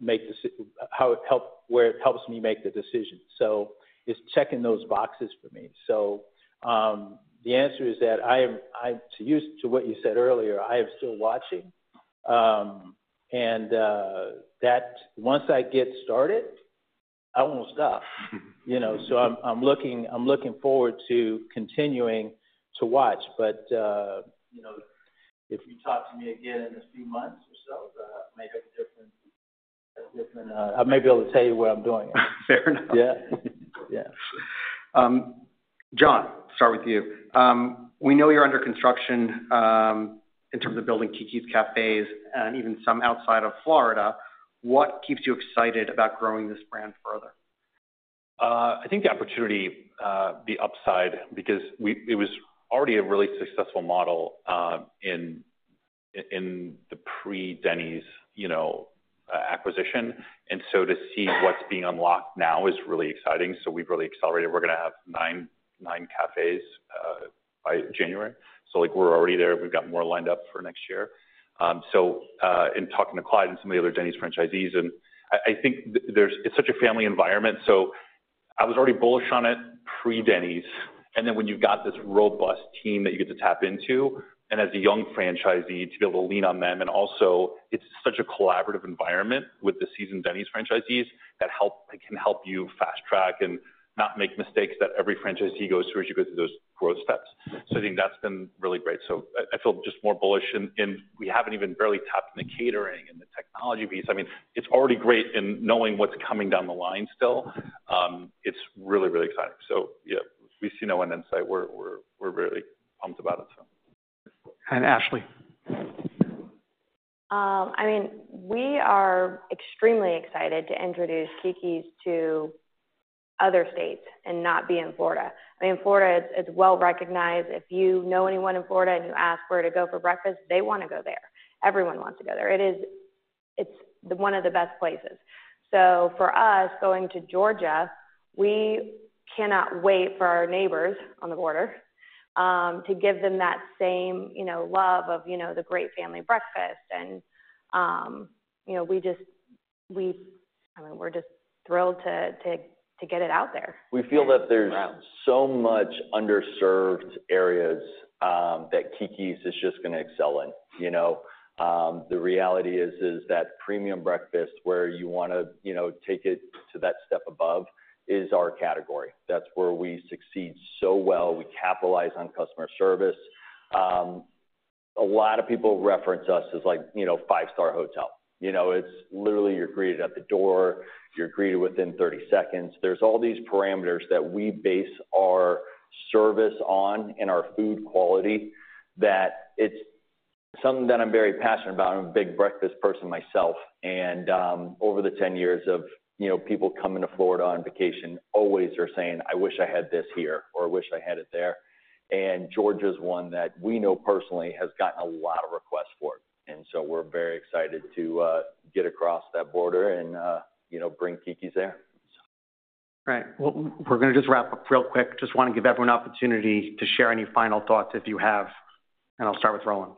make decisions. How it helps where it helps me make the decision. So it's checking those boxes for me. So the answer is that I am to use to what you said earlier, I am still watching. And that once I get started, I won't stop. You know, so I'm looking forward to continuing to watch. But, you know, if you talk to me again in a few months or so, I may have a different. I may be able to tell you what I'm doing. Fair enough. Yeah. Yeah. John, start with you. We know you're under construction, in terms of building Keke's cafés and even some outside of Florida. What keeps you excited about growing this brand further? I think the opportunity, the upside, because it was already a really successful model in the pre-Denny's, you know, acquisition, and so to see what's being unlocked now is really exciting, so we've really accelerated. We're gonna have nine cafés by January. So, like, we're already there. We've got more lined up for next year, so in talking to Clyde and some of the other Denny's franchisees, and I think there's. It's such a family environment, so I was already bullish on it pre-Denny's. And then, when you've got this robust team that you get to tap into, and as a young franchisee, to be able to lean on them, and also, it's such a collaborative environment with the seasoned Denny's franchisees that can help you fast track and not make mistakes that every franchisee goes through as you go through those growth steps. So I think that's been really great. So I feel just more bullish, and we haven't even barely tapped in the catering and the technology piece. I mean, it's already great in knowing what's coming down the line still. It's really, really exciting. So yeah, we see no end in sight. We're really pumped about it, so. And Ashley? I mean, we are extremely excited to introduce Keke's to other states and not be in Florida. I mean, Florida is well-recognized. If you know anyone in Florida, and you ask where to go for breakfast, they wanna go there. Everyone wants to go there. It is one of the best places. So for us, going to Georgia, we cannot wait for our neighbors on the border to give them that same, you know, love of, you know, the great family breakfast. And, you know, we just we, I mean, we're just thrilled to get it out there. We feel that there's so much underserved areas that Keke's is just gonna excel in. You know, the reality is, is that premium breakfast, where you wanna, you know, take it to that step above, is our category. That's where we succeed so well. We capitalize on customer service. A lot of people reference us as like, you know, five-star hotel. You know, it's literally you're greeted at the door. You're greeted within thirty seconds. There's all these parameters that we base our service on and our food quality, that it's something that I'm very passionate about. I'm a big breakfast person myself, and over the 10 years of, you know, people coming to Florida on vacation, always they're saying: "I wish I had this here," or, "I wish I had it there." And Georgia is one that we know personally has gotten a lot of requests for it, and so we're very excited to get across that border and, you know, bring Keke's there, so. Right. Well, we're gonna just wrap up real quick. Just wanna give everyone an opportunity to share any final thoughts, if you have, and I'll start with Roland.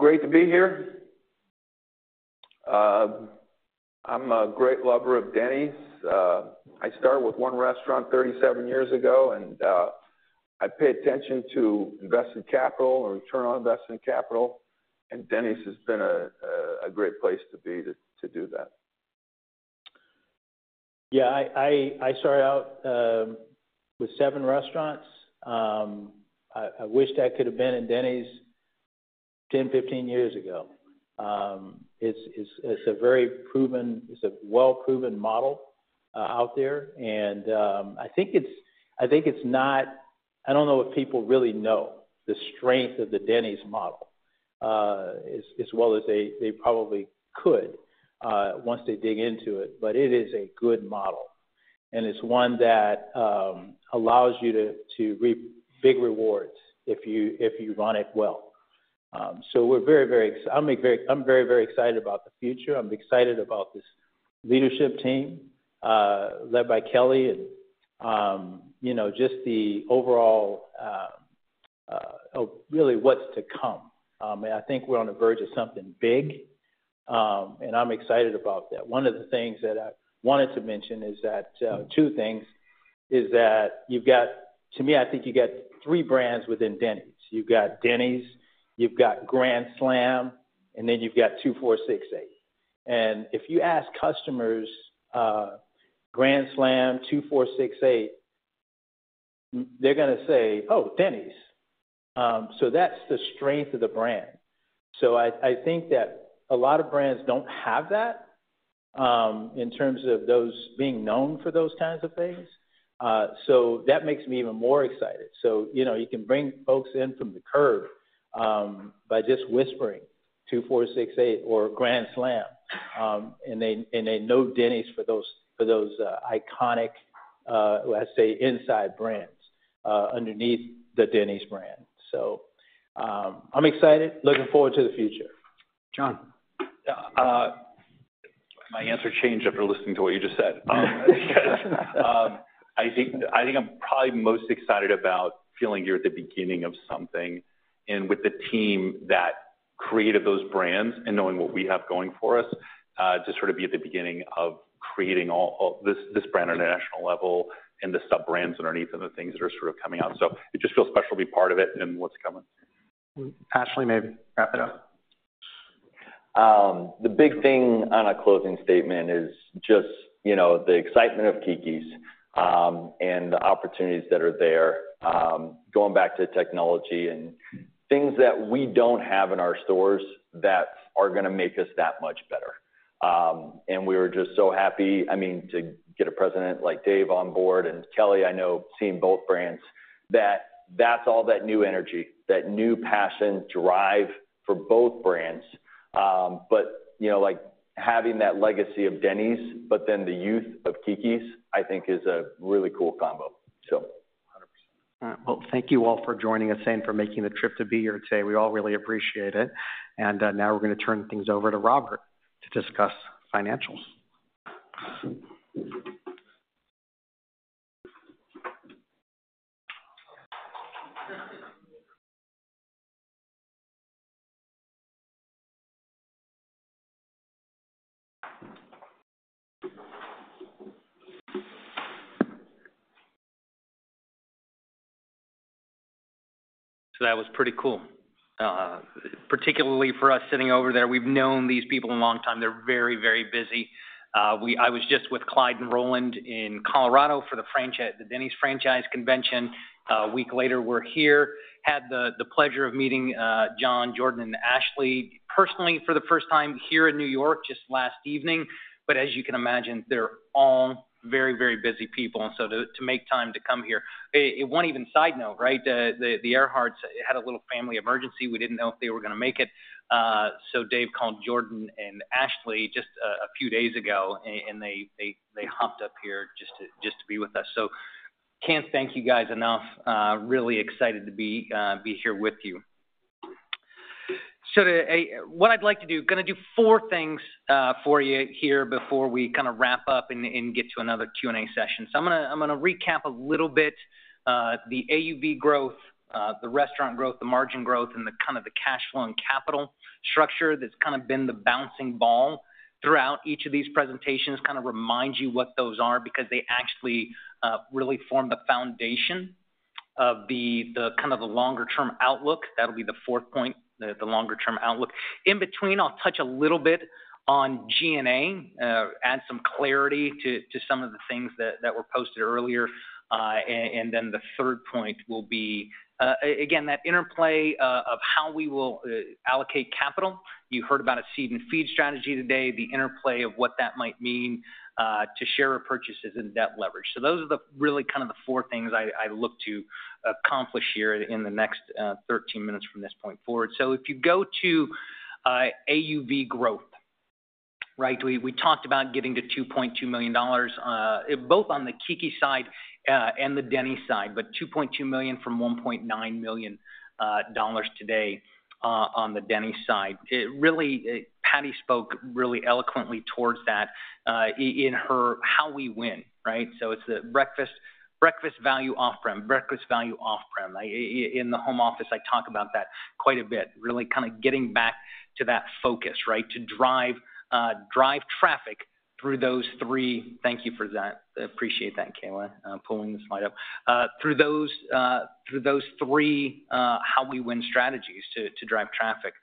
Great to be here. I'm a great lover of Denny's. I started with one restaurant thirty-seven years ago, and,... I pay attention to invested capital and return on invested capital, and Denny's has been a great place to be to do that. Yeah, I started out with seven restaurants. I wished I could have been in Denny's 10, 15 years ago. It's a very proven. It's a well-proven model out there, and I think it's not. I don't know if people really know the strength of the Denny's model as well as they probably could once they dig into it. But it is a good model, and it's one that allows you to reap big rewards if you run it well. So we're very excited. I'm very excited about the future. I'm excited about this leadership team led by Kelli and, you know, just the overall really what's to come. And I think we're on the verge of something big, and I'm excited about that. One of the things that I wanted to mention is that two things is that to me, I think you've got three brands within Denny's. You've got Denny's, you've got Grand Slam, and then you've got Two, Four, Six, Eight. And if you ask customers, Grand Slam, Two, Four, Six, Eight, they're gonna say, "Oh, Denny's." So that's the strength of the brand. So I think that a lot of brands don't have that in terms of those being known for those kinds of things. So that makes me even more excited. So, you know, you can bring folks in from the curb by just whispering Two, Four, Six, Eight or Grand Slam, and they know Denny's for those iconic, let's say, inside brands underneath the Denny's brand. So, I'm excited. Looking forward to the future. John? Yeah, my answer changed after listening to what you just said. I think I'm probably most excited about feeling you're at the beginning of something, and with the team that created those brands and knowing what we have going for us, to sort of be at the beginning of creating all this brand on a national level and the sub-brands underneath and the things that are sort of coming out. So it just feels special to be part of it and what's coming. Ashley, maybe wrap it up. The big thing on a closing statement is just, you know, the excitement of Keke's, and the opportunities that are there. Going back to technology and things that we don't have in our stores that are gonna make us that much better, and we are just so happy, I mean, to get a president like Dave on board, and Kelli, I know, seeing both brands, that that's all that new energy, that new passion, drive for both brands, but, you know, like, having that legacy of Denny's, but then the youth of Keke's, I think is a really cool combo. So... Hundred percent. All right. Well, thank you all for joining us and for making the trip to be here today. We all really appreciate it. And, now we're gonna turn things over to Robert to discuss financials. So that was pretty cool, particularly for us sitting over there. We've known these people a long time. They're very, very busy. I was just with Clyde and Roland in Colorado for the Denny's Franchise Convention. A week later, we're here. Had the pleasure of meeting John, Jordan, and Ashley personally for the first time here in New York, just last evening. But as you can imagine, they're all very, very busy people, and so to make time to come here. One even side note, right? The Erhards had a little family emergency. We didn't know if they were gonna make it. So Dave called Jordan and Ashley just a few days ago, and they hopped up here just to be with us. So can't thank you guys enough. Really excited to be here with you. What I'd like to do, gonna do four things for you here before we kind of wrap up and get to another Q&A session. I'm gonna recap a little bit the AUV growth, the restaurant growth, the margin growth, and the kind of cash flow and capital structure that's kind of been the bouncing ball throughout each of these presentations. Kind of remind you what those are, because they actually really form the foundation of the kind of longer term outlook. That'll be the fourth point, the longer term outlook. In between, I'll touch a little bit on G&A, add some clarity to some of the things that were posted earlier. And then the third point will be, again, that interplay of how we will allocate capital. You heard about a seed and feed strategy today, the interplay of what that might mean to share repurchases and debt leverage. So those are really kind of the four things I look to accomplish here in the next 13 minutes from this point forward. So if you go to AUV growth, right, we talked about getting to $2.2 million, both on the Keke's side and the Denny's side, but $2.2 million from $1.9 million dollars today on the Denny's side. It really, Patty spoke really eloquently towards that in her how we win, right? So it's the breakfast, breakfast value off-prem, breakfast value off-prem. In the home office, I talk about that quite a bit, really kind of getting back to that focus, right? To drive traffic through those three. Thank you for that. I appreciate that, Kayla, pulling the slide up. Through those three how we win strategies to drive traffic.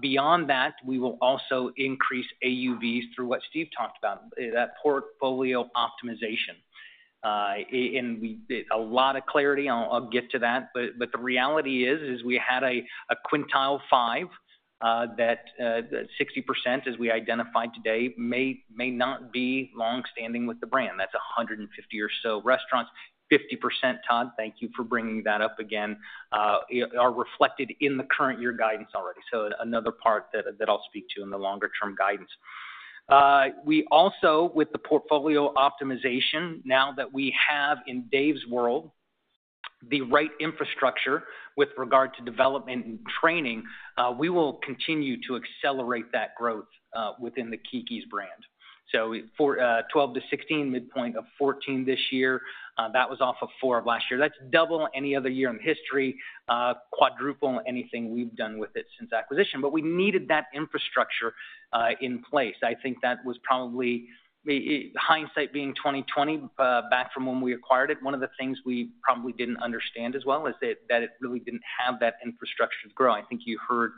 Beyond that, we will also increase AUVs through what Steve talked about, that portfolio optimization. And we did a lot of clarity, and I'll get to that. But the reality is we had a quintile five that 60%, as we identified today, may not be long-standing with the brand. That's 150 or so restaurants. 50%, Todd, thank you for bringing that up again, it are reflected in the current year guidance already. Another part that, that I'll speak to in the longer term guidance. We also, with the portfolio optimization, now that we have in Dave's world, the right infrastructure with regard to development and training, we will continue to accelerate that growth, within the Keke's brand. For 12 to 16, midpoint of 14 this year, that was off of 4 of last year. That's double any other year in history, quadruple anything we've done with it since acquisition. But we needed that infrastructure in place. I think that was probably, hindsight being twenty/twenty, back from when we acquired it. One of the things we probably didn't understand as well is that, that it really didn't have that infrastructure to grow. I think you heard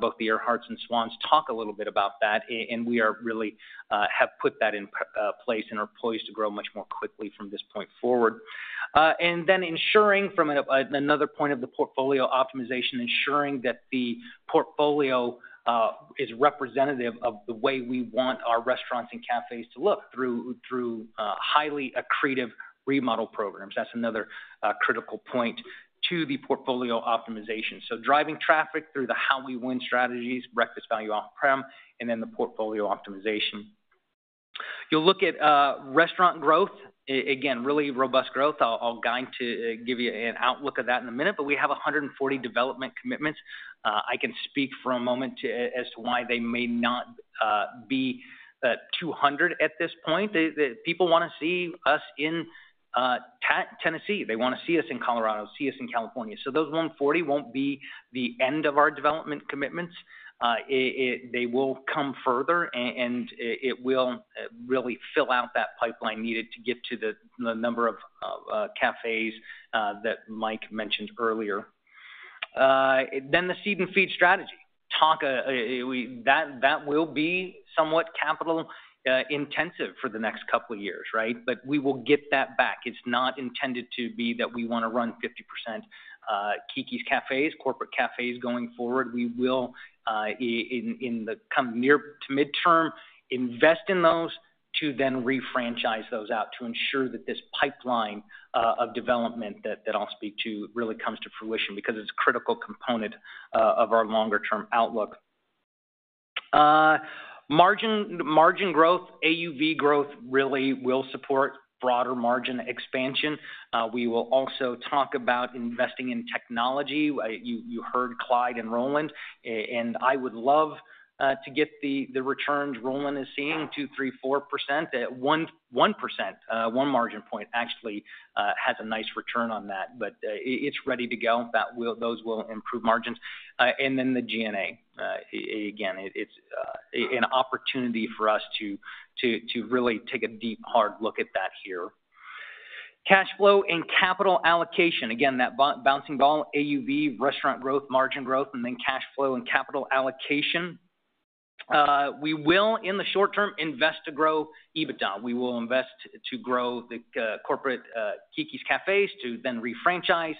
both the Erhards and Swanns talk a little bit about that, and we are really have put that in place and are poised to grow much more quickly from this point forward. And then ensuring from another point of the portfolio optimization, ensuring that the portfolio is representative of the way we want our restaurants and cafés to look through highly accretive remodel programs. That's another critical point to the portfolio optimization. So driving traffic through the how we win strategies, breakfast value off-prem, and then the portfolio optimization. You'll look at restaurant growth. Again, really robust growth. I'll guide to give you an outlook of that in a minute, but we have 140 development commitments. I can speak for a moment as to why they may not be two hundred at this point. The people wanna see us in Tennessee. They wanna see us in Colorado, see us in California. So those 140 won't be the end of our development commitments. They will come further and it will really fill out that pipeline needed to get to the number of cafés that Mike mentioned earlier. Then the seed and feed strategy. That will be somewhat capital intensive for the next couple of years, right? But we will get that back. It's not intended to be that we wanna run 50% Keke's cafés, corporate cafés, going forward. We will in the coming near-term to midterm invest in those to then refranchise those out to ensure that this pipeline of development that I'll speak to really comes to fruition because it's a critical component of our longer-term outlook. Margin growth, AUV growth really will support broader margin expansion. We will also talk about investing in technology. You heard Clyde and Roland and I would love to get the returns Roland is seeing, 2%-4%. At 1%, one margin point actually has a nice return on that. But it's ready to go. Those will improve margins. And then the G&A. Again, it's an opportunity for us to really take a deep, hard look at that here. Cash flow and capital allocation. Again, that bouncing ball, AUV, restaurant growth, margin growth, and then cash flow and capital allocation. We will, in the short term, invest to grow EBITDA. We will invest to grow the corporate Keke's cafés to then refranchise.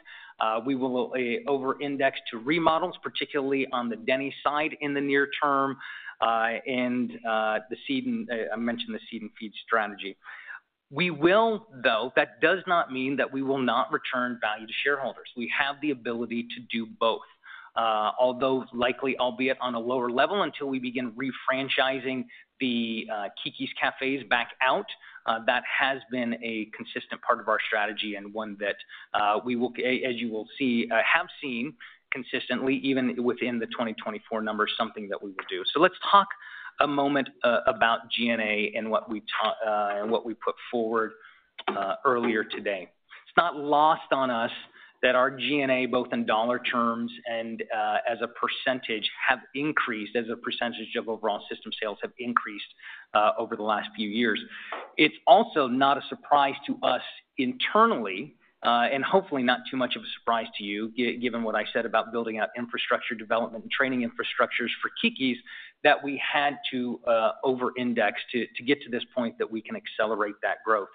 We will over-index to remodels, particularly on the Denny's side in the near term, and the seed and feed strategy. I mentioned the seed and feed strategy. We will, though, that does not mean that we will not return value to shareholders. We have the ability to do both. Although likely, albeit on a lower level, until we begin refranchising the Keke's cafés back out, that has been a consistent part of our strategy and one that we will, as you will see, have seen consistently, even within the 2024 numbers, something that we will do. Let's talk a moment about G&A and what we and what we put forward earlier today. It's not lost on us that our G&A, both in dollar terms and as a percentage, have increased as a percentage of overall system sales, have increased over the last few years. It's also not a surprise to us internally, and hopefully not too much of a surprise to you, given what I said about building out infrastructure development and training infrastructures for Keke's, that we had to over-index to get to this point that we can accelerate that growth.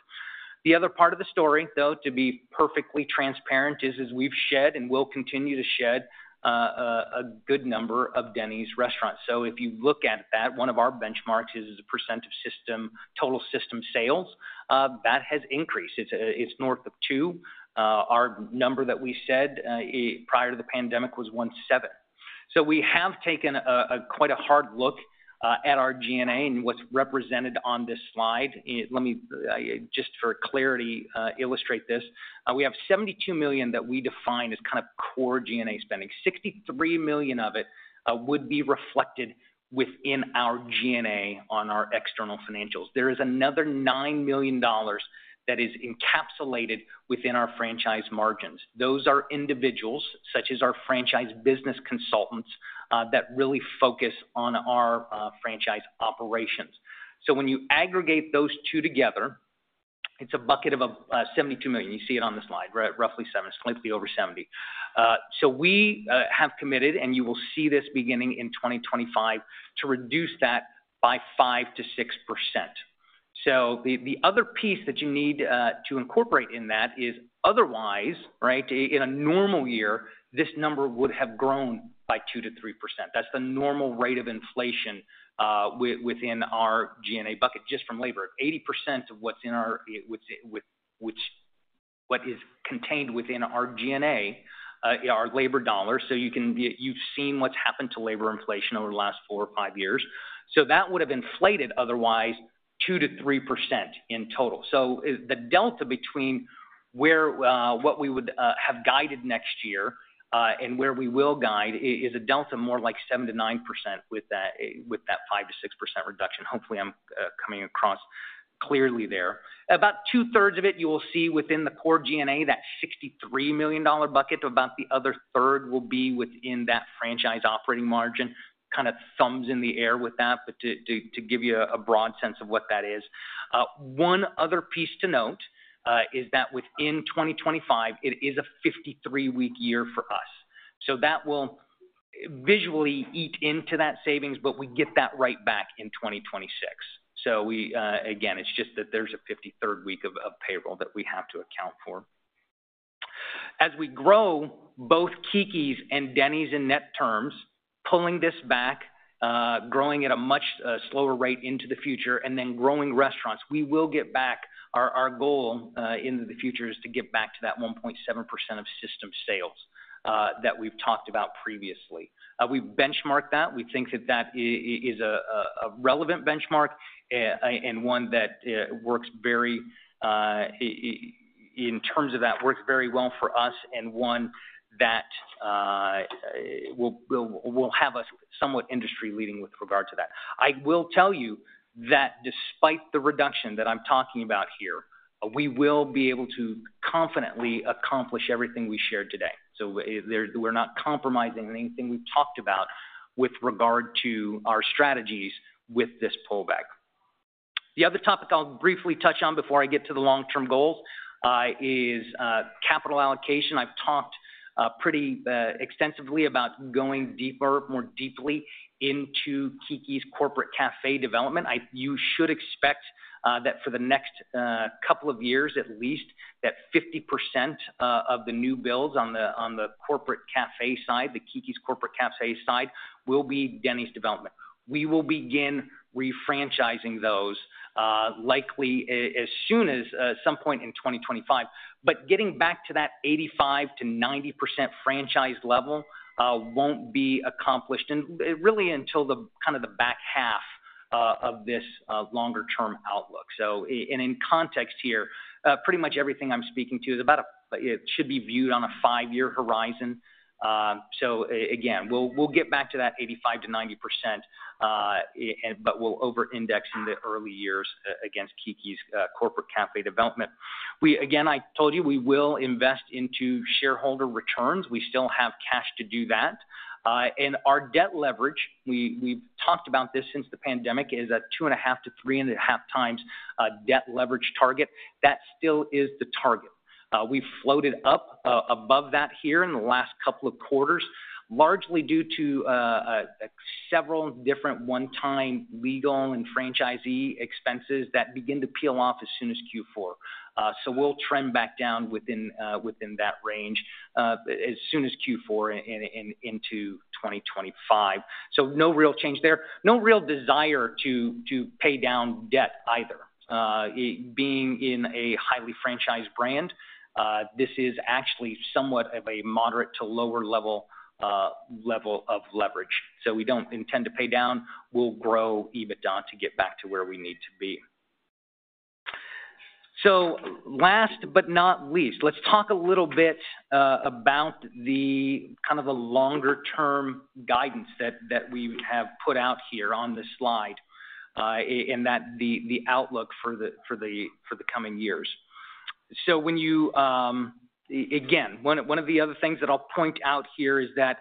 The other part of the story, though, to be perfectly transparent, is as we've shed and will continue to shed a good number of Denny's restaurants. So if you look at that, one of our benchmarks is a % of system, total system sales. That has increased. It's north of two. Our number that we said prior to the pandemic was one seven. So we have taken quite a hard look at our G&A and what's represented on this slide. Let me just for clarity illustrate this. We have $72 million that we define as kind of core G&A spending. $63 million of it would be reflected within our G&A on our external financials. There is another $9 million that is encapsulated within our franchise margins. Those are individuals, such as our franchise business consultants, that really focus on our franchise operations. So when you aggregate those two together, it's a bucket of $72 million. You see it on the slide, right at roughly 70, slightly over 70. So we have committed, and you will see this beginning in 2025, to reduce that by 5%-6%.... So the other piece that you need to incorporate in that is otherwise, right, in a normal year, this number would have grown by 2%-3%. That's the normal rate of inflation within our G&A bucket, just from labor. 80% of what's in our G&A, our labor dollars. So you can you've seen what's happened to labor inflation over the last four or five years. So that would have inflated otherwise 2%-3% in total. So the delta between where what we would have guided next year and where we will guide is a delta more like 7%-9% with that five to six percent reduction. Hopefully, I'm coming across clearly there. About two-thirds of it, you will see within the core G&A, that $63 million bucket, about the other third will be within that franchise operating margin. Kind of thumbs in the air with that, but to give you a broad sense of what that is. One other piece to note is that within twenty twenty-five, it is a fifty-three-week year for us. So that will visually eat into that savings, but we get that right back in twenty twenty-six. So again, it's just that there's a fifty-third week of payroll that we have to account for. As we grow, both Keke's and Denny's in net terms, pulling this back, growing at a much slower rate into the future and then growing restaurants, we will get back. Our goal in the future is to get back to that 1.7% of system sales that we've talked about previously. We benchmark that. We think that that is a relevant benchmark, and one that works very well for us and one that will have us somewhat industry leading with regard to that. I will tell you that despite the reduction that I'm talking about here, we will be able to confidently accomplish everything we shared today. So, we're not compromising anything we've talked about with regard to our strategies with this pullback. The other topic I'll briefly touch on before I get to the long-term goals is capital allocation. I've talked pretty extensively about going deeper, more deeply into Keke's corporate café development. You should expect that for the next couple of years, at least, that 50% of the new builds on the corporate café side, the Keke's Corporate Café side, will be Denny's development. We will begin refranchising those, likely as soon as some point in twenty twenty-five. But getting back to that 85%-90% franchise level won't be accomplished and really until the kind of the back half of this longer term outlook. So and in context here, pretty much everything I'm speaking to is about a, it should be viewed on a five-year horizon. So again, we'll get back to that 85%-90%, but we'll overindex in the early years against Keke's corporate café development. We again, I told you, we will invest into shareholder returns. We still have cash to do that. And our debt leverage, we, we've talked about this since the pandemic, is a 2.5-3.5 times debt leverage target. That still is the target. We floated up above that here in the last couple of quarters, largely due to several different one-time legal and franchisee expenses that begin to peel off as soon as Q4. So we'll trend back down within that range, as soon as Q4 into 2025. So no real change there. No real desire to pay down debt either. Being in a highly franchised brand, this is actually somewhat of a moderate to lower level of leverage. We don't intend to pay down. We'll grow EBITDA to get back to where we need to be. Last but not least, let's talk a little bit about the kind of longer-term guidance that we have put out here on this slide and the outlook for the coming years. When you again one of the other things that I'll point out here is that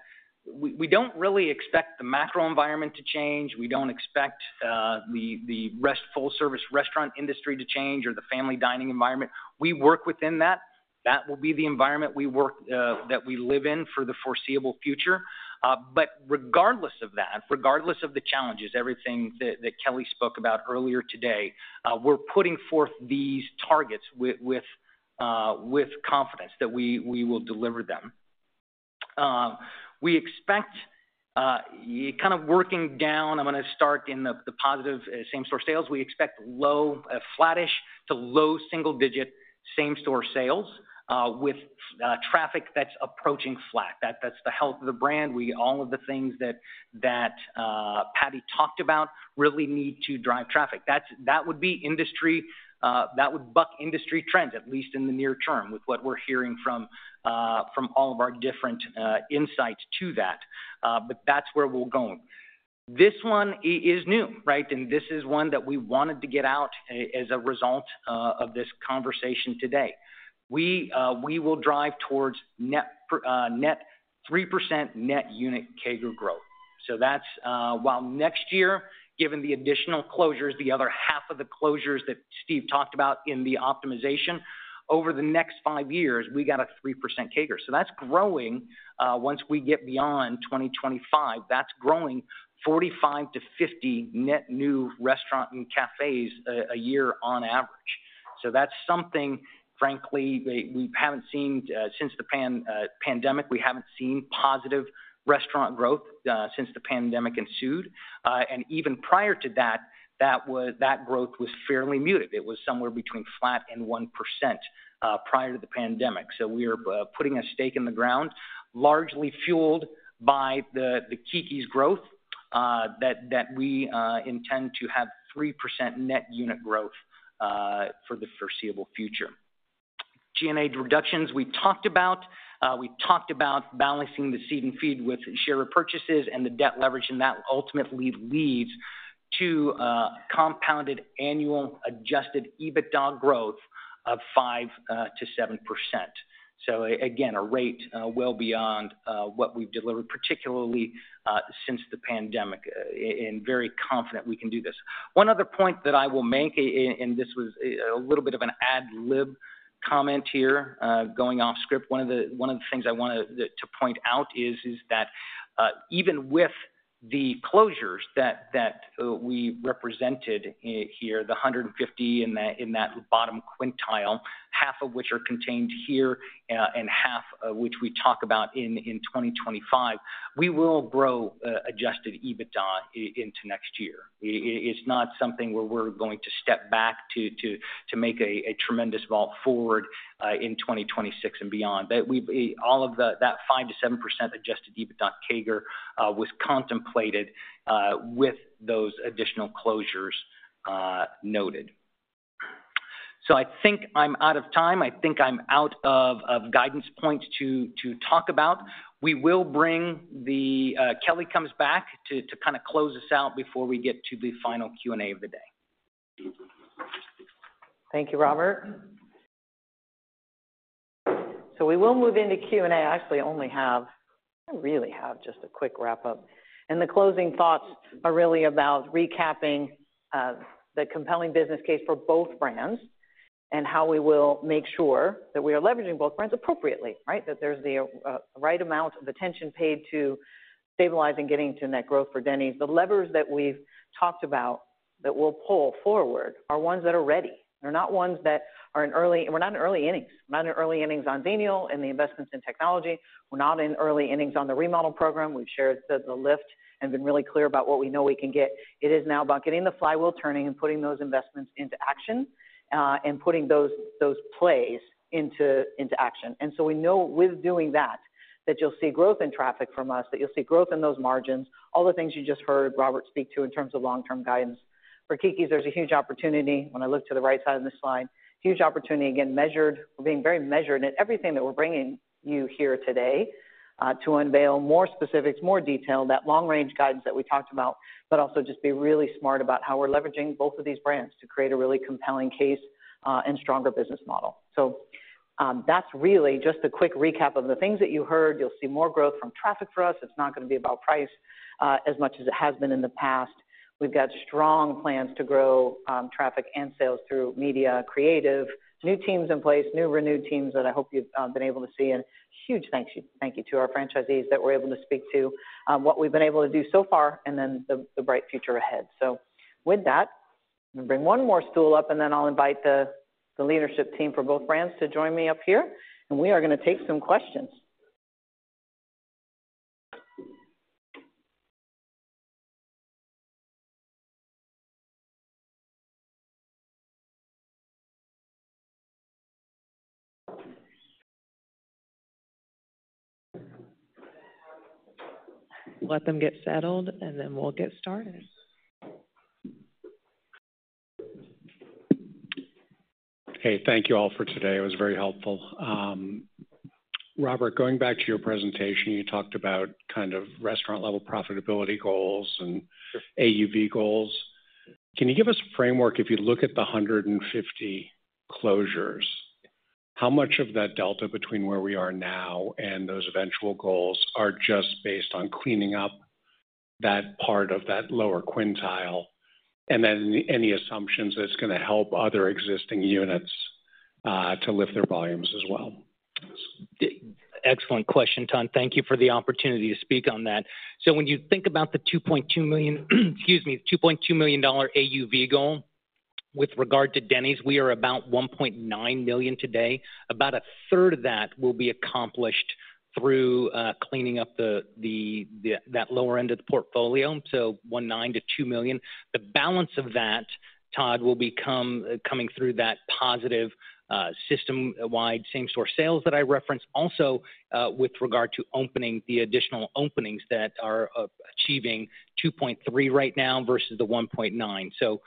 we don't really expect the macro environment to change. We don't expect the full-service restaurant industry to change or the family dining environment. We work within that. That will be the environment we work that we live in for the foreseeable future. But regardless of that, regardless of the challenges, everything that Kelli spoke about earlier today, we're putting forth these targets with confidence that we will deliver them. We expect kind of working down, I'm gonna start in the positive, same-store sales. We expect low flattish to low single-digit same-store sales with traffic that's approaching flat. That's the health of the brand. All of the things that Patty talked about really need to drive traffic. That would buck industry trends, at least in the near term, with what we're hearing from all of our different insights into that. But that's where we're going. This one is new, right? This is one that we wanted to get out as a result of this conversation today. We will drive towards net 3% net unit CAGR growth. That's while next year, given the additional closures, the other half of the closures that Steve talked about in the optimization, over the next five years, we got a 3% CAGR. That's growing once we get beyond 2025, that's growing 45-50 net new restaurants and cafés a year on average. That's something, frankly, we haven't seen since the pandemic. We haven't seen positive restaurant growth since the pandemic ensued. Even prior to that, that growth was fairly muted. It was somewhere between flat and 1%, prior to the pandemic. So we are putting a stake in the ground, largely fueled by the Keke's growth, that we intend to have 3% net unit growth for the foreseeable future. G&A reductions, we talked about. We talked about balancing the seed and feed with share repurchases and the debt leverage, and that ultimately leads to compounded annual Adjusted EBITDA growth of 5%-7%. So again, a rate well beyond what we've delivered, particularly since the pandemic, and very confident we can do this. One other point that I will make, and this was a little bit of an ad lib comment here, going off script. One of the things I wanted to point out is that even with the closures that we represented here, the 150 in that bottom quintile, half of which are contained here, and half of which we talk about in 2025, we will grow adjusted EBITDA into next year. It's not something where we're going to step back to make a tremendous vault forward in 2026 and beyond. But we all of that 5-7% adjusted EBITDA CAGR was contemplated with those additional closures noted. So I think I'm out of time. I think I'm out of guidance points to talk about. We will bring the... Kelli comes back to kind of close us out before we get to the final Q&A of the day. Thank you, Robert. So we will move into Q&A. I actually only have-- I really have just a quick wrap up, and the closing thoughts are really about recapping, the compelling business case for both brands and how we will make sure that we are leveraging both brands appropriately, right? That there's the, right amount of attention paid to stabilizing, getting to net growth for Denny's. The levers that we've talked about that we'll pull forward are ones that are ready. They're not ones that are in early... We're not in early innings on digital and the investments in technology. We're not in early innings on the remodel program. We've shared the, the lift and been really clear about what we know we can get. It is now about getting the flywheel turning and putting those investments into action, and putting those plays into action. We know with doing that, that you'll see growth in traffic from us, that you'll see growth in those margins, all the things you just heard Robert speak to in terms of long-term guidance. For Keke's, there's a huge opportunity when I look to the right side of this slide. Huge opportunity, again, measured. We're being very measured in everything that we're bringing you here today, to unveil more specifics, more detail, that long-range guidance that we talked about, but also just be really smart about how we're leveraging both of these brands to create a really compelling case, and stronger business model. That's really just a quick recap of the things that you heard. You'll see more growth from traffic for us. It's not gonna be about price, as much as it has been in the past. We've got strong plans to grow, traffic and sales through media creative, new teams in place, new renewed teams that I hope you've been able to see. And huge thank you, thank you to our franchisees that we're able to speak to, what we've been able to do so far and then the, the bright future ahead. With that, I'm gonna bring one more stool up, and then I'll invite the, the leadership team for both brands to join me up here, and we are gonna take some questions. Let them get settled, and then we'll get started. Okay, thank you all for today. It was very helpful. Robert, going back to your presentation, you talked about kind of restaurant-level profitability goals and AUV goals. Can you give us a framework? If you look at the 150 closures, how much of that delta between where we are now and those eventual goals are just based on cleaning up that part of that lower quintile, and then any assumptions that's gonna help other existing units to lift their volumes as well? Excellent question, Todd. Thank you for the opportunity to speak on that. So when you think about the $2.2 million, excuse me, $2.2 million dollar AUV goal with regard to Denny's, we are about $1.9 million today. About a third of that will be accomplished through cleaning up that lower end of the portfolio, so $1.9-$2 million. The balance of that, Todd, will come through that positive system-wide, same-store sales that I referenced. Also, with regard to opening the additional openings that are achieving $2.3 right now versus the $1.9. So,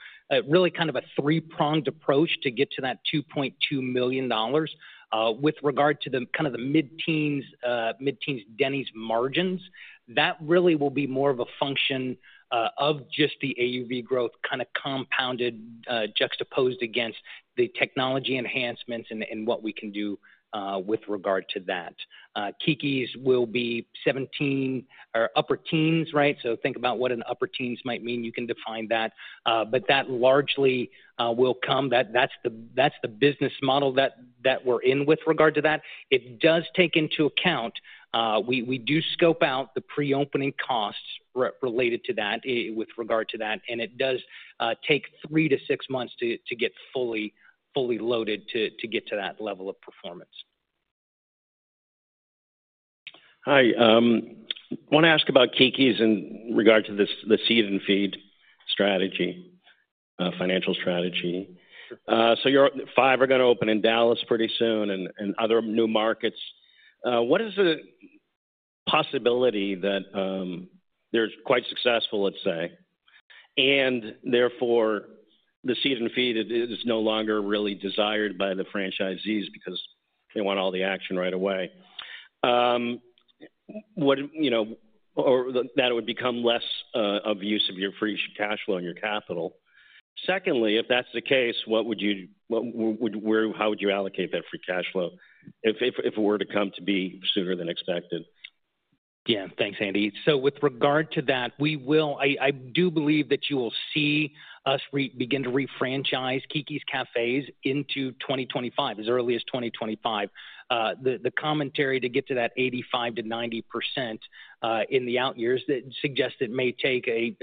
really kind of a three-pronged approach to get to that $2.2 million. With regard to the mid-teens Denny's margins, that really will be more of a function of just the AUV growth kind of compounded juxtaposed against the technology enhancements and what we can do with regard to that. Keke's will be 17% or upper teens, right? So think about what an upper teens might mean. You can define that, but that largely will come. That's the business model that we're in with regard to that. It does take into account. We do scope out the pre-opening costs related to that, with regard to that, and it does take three to six months to get fully loaded to get to that level of performance.... Hi, I want to ask about Keke's in regard to the seed and feed strategy, financial strategy. So your five are gonna open in Dallas pretty soon and other new markets. What is the possibility that they're quite successful, let's say, and therefore, the seed and feed is no longer really desired by the franchisees because they want all the action right away? What, you know, or that it would become less of use of your free cash flow and your capital. Secondly, if that's the case, how would you allocate that free cash flow if it were to come to be sooner than expected? Yeah. Thanks, Andy. So with regard to that, we will. I do believe that you will see us re-begin to refranchise Keke's cafés into 2025, as early as 2025. The commentary to get to that 85%-90%, in the out years, that suggests it may take a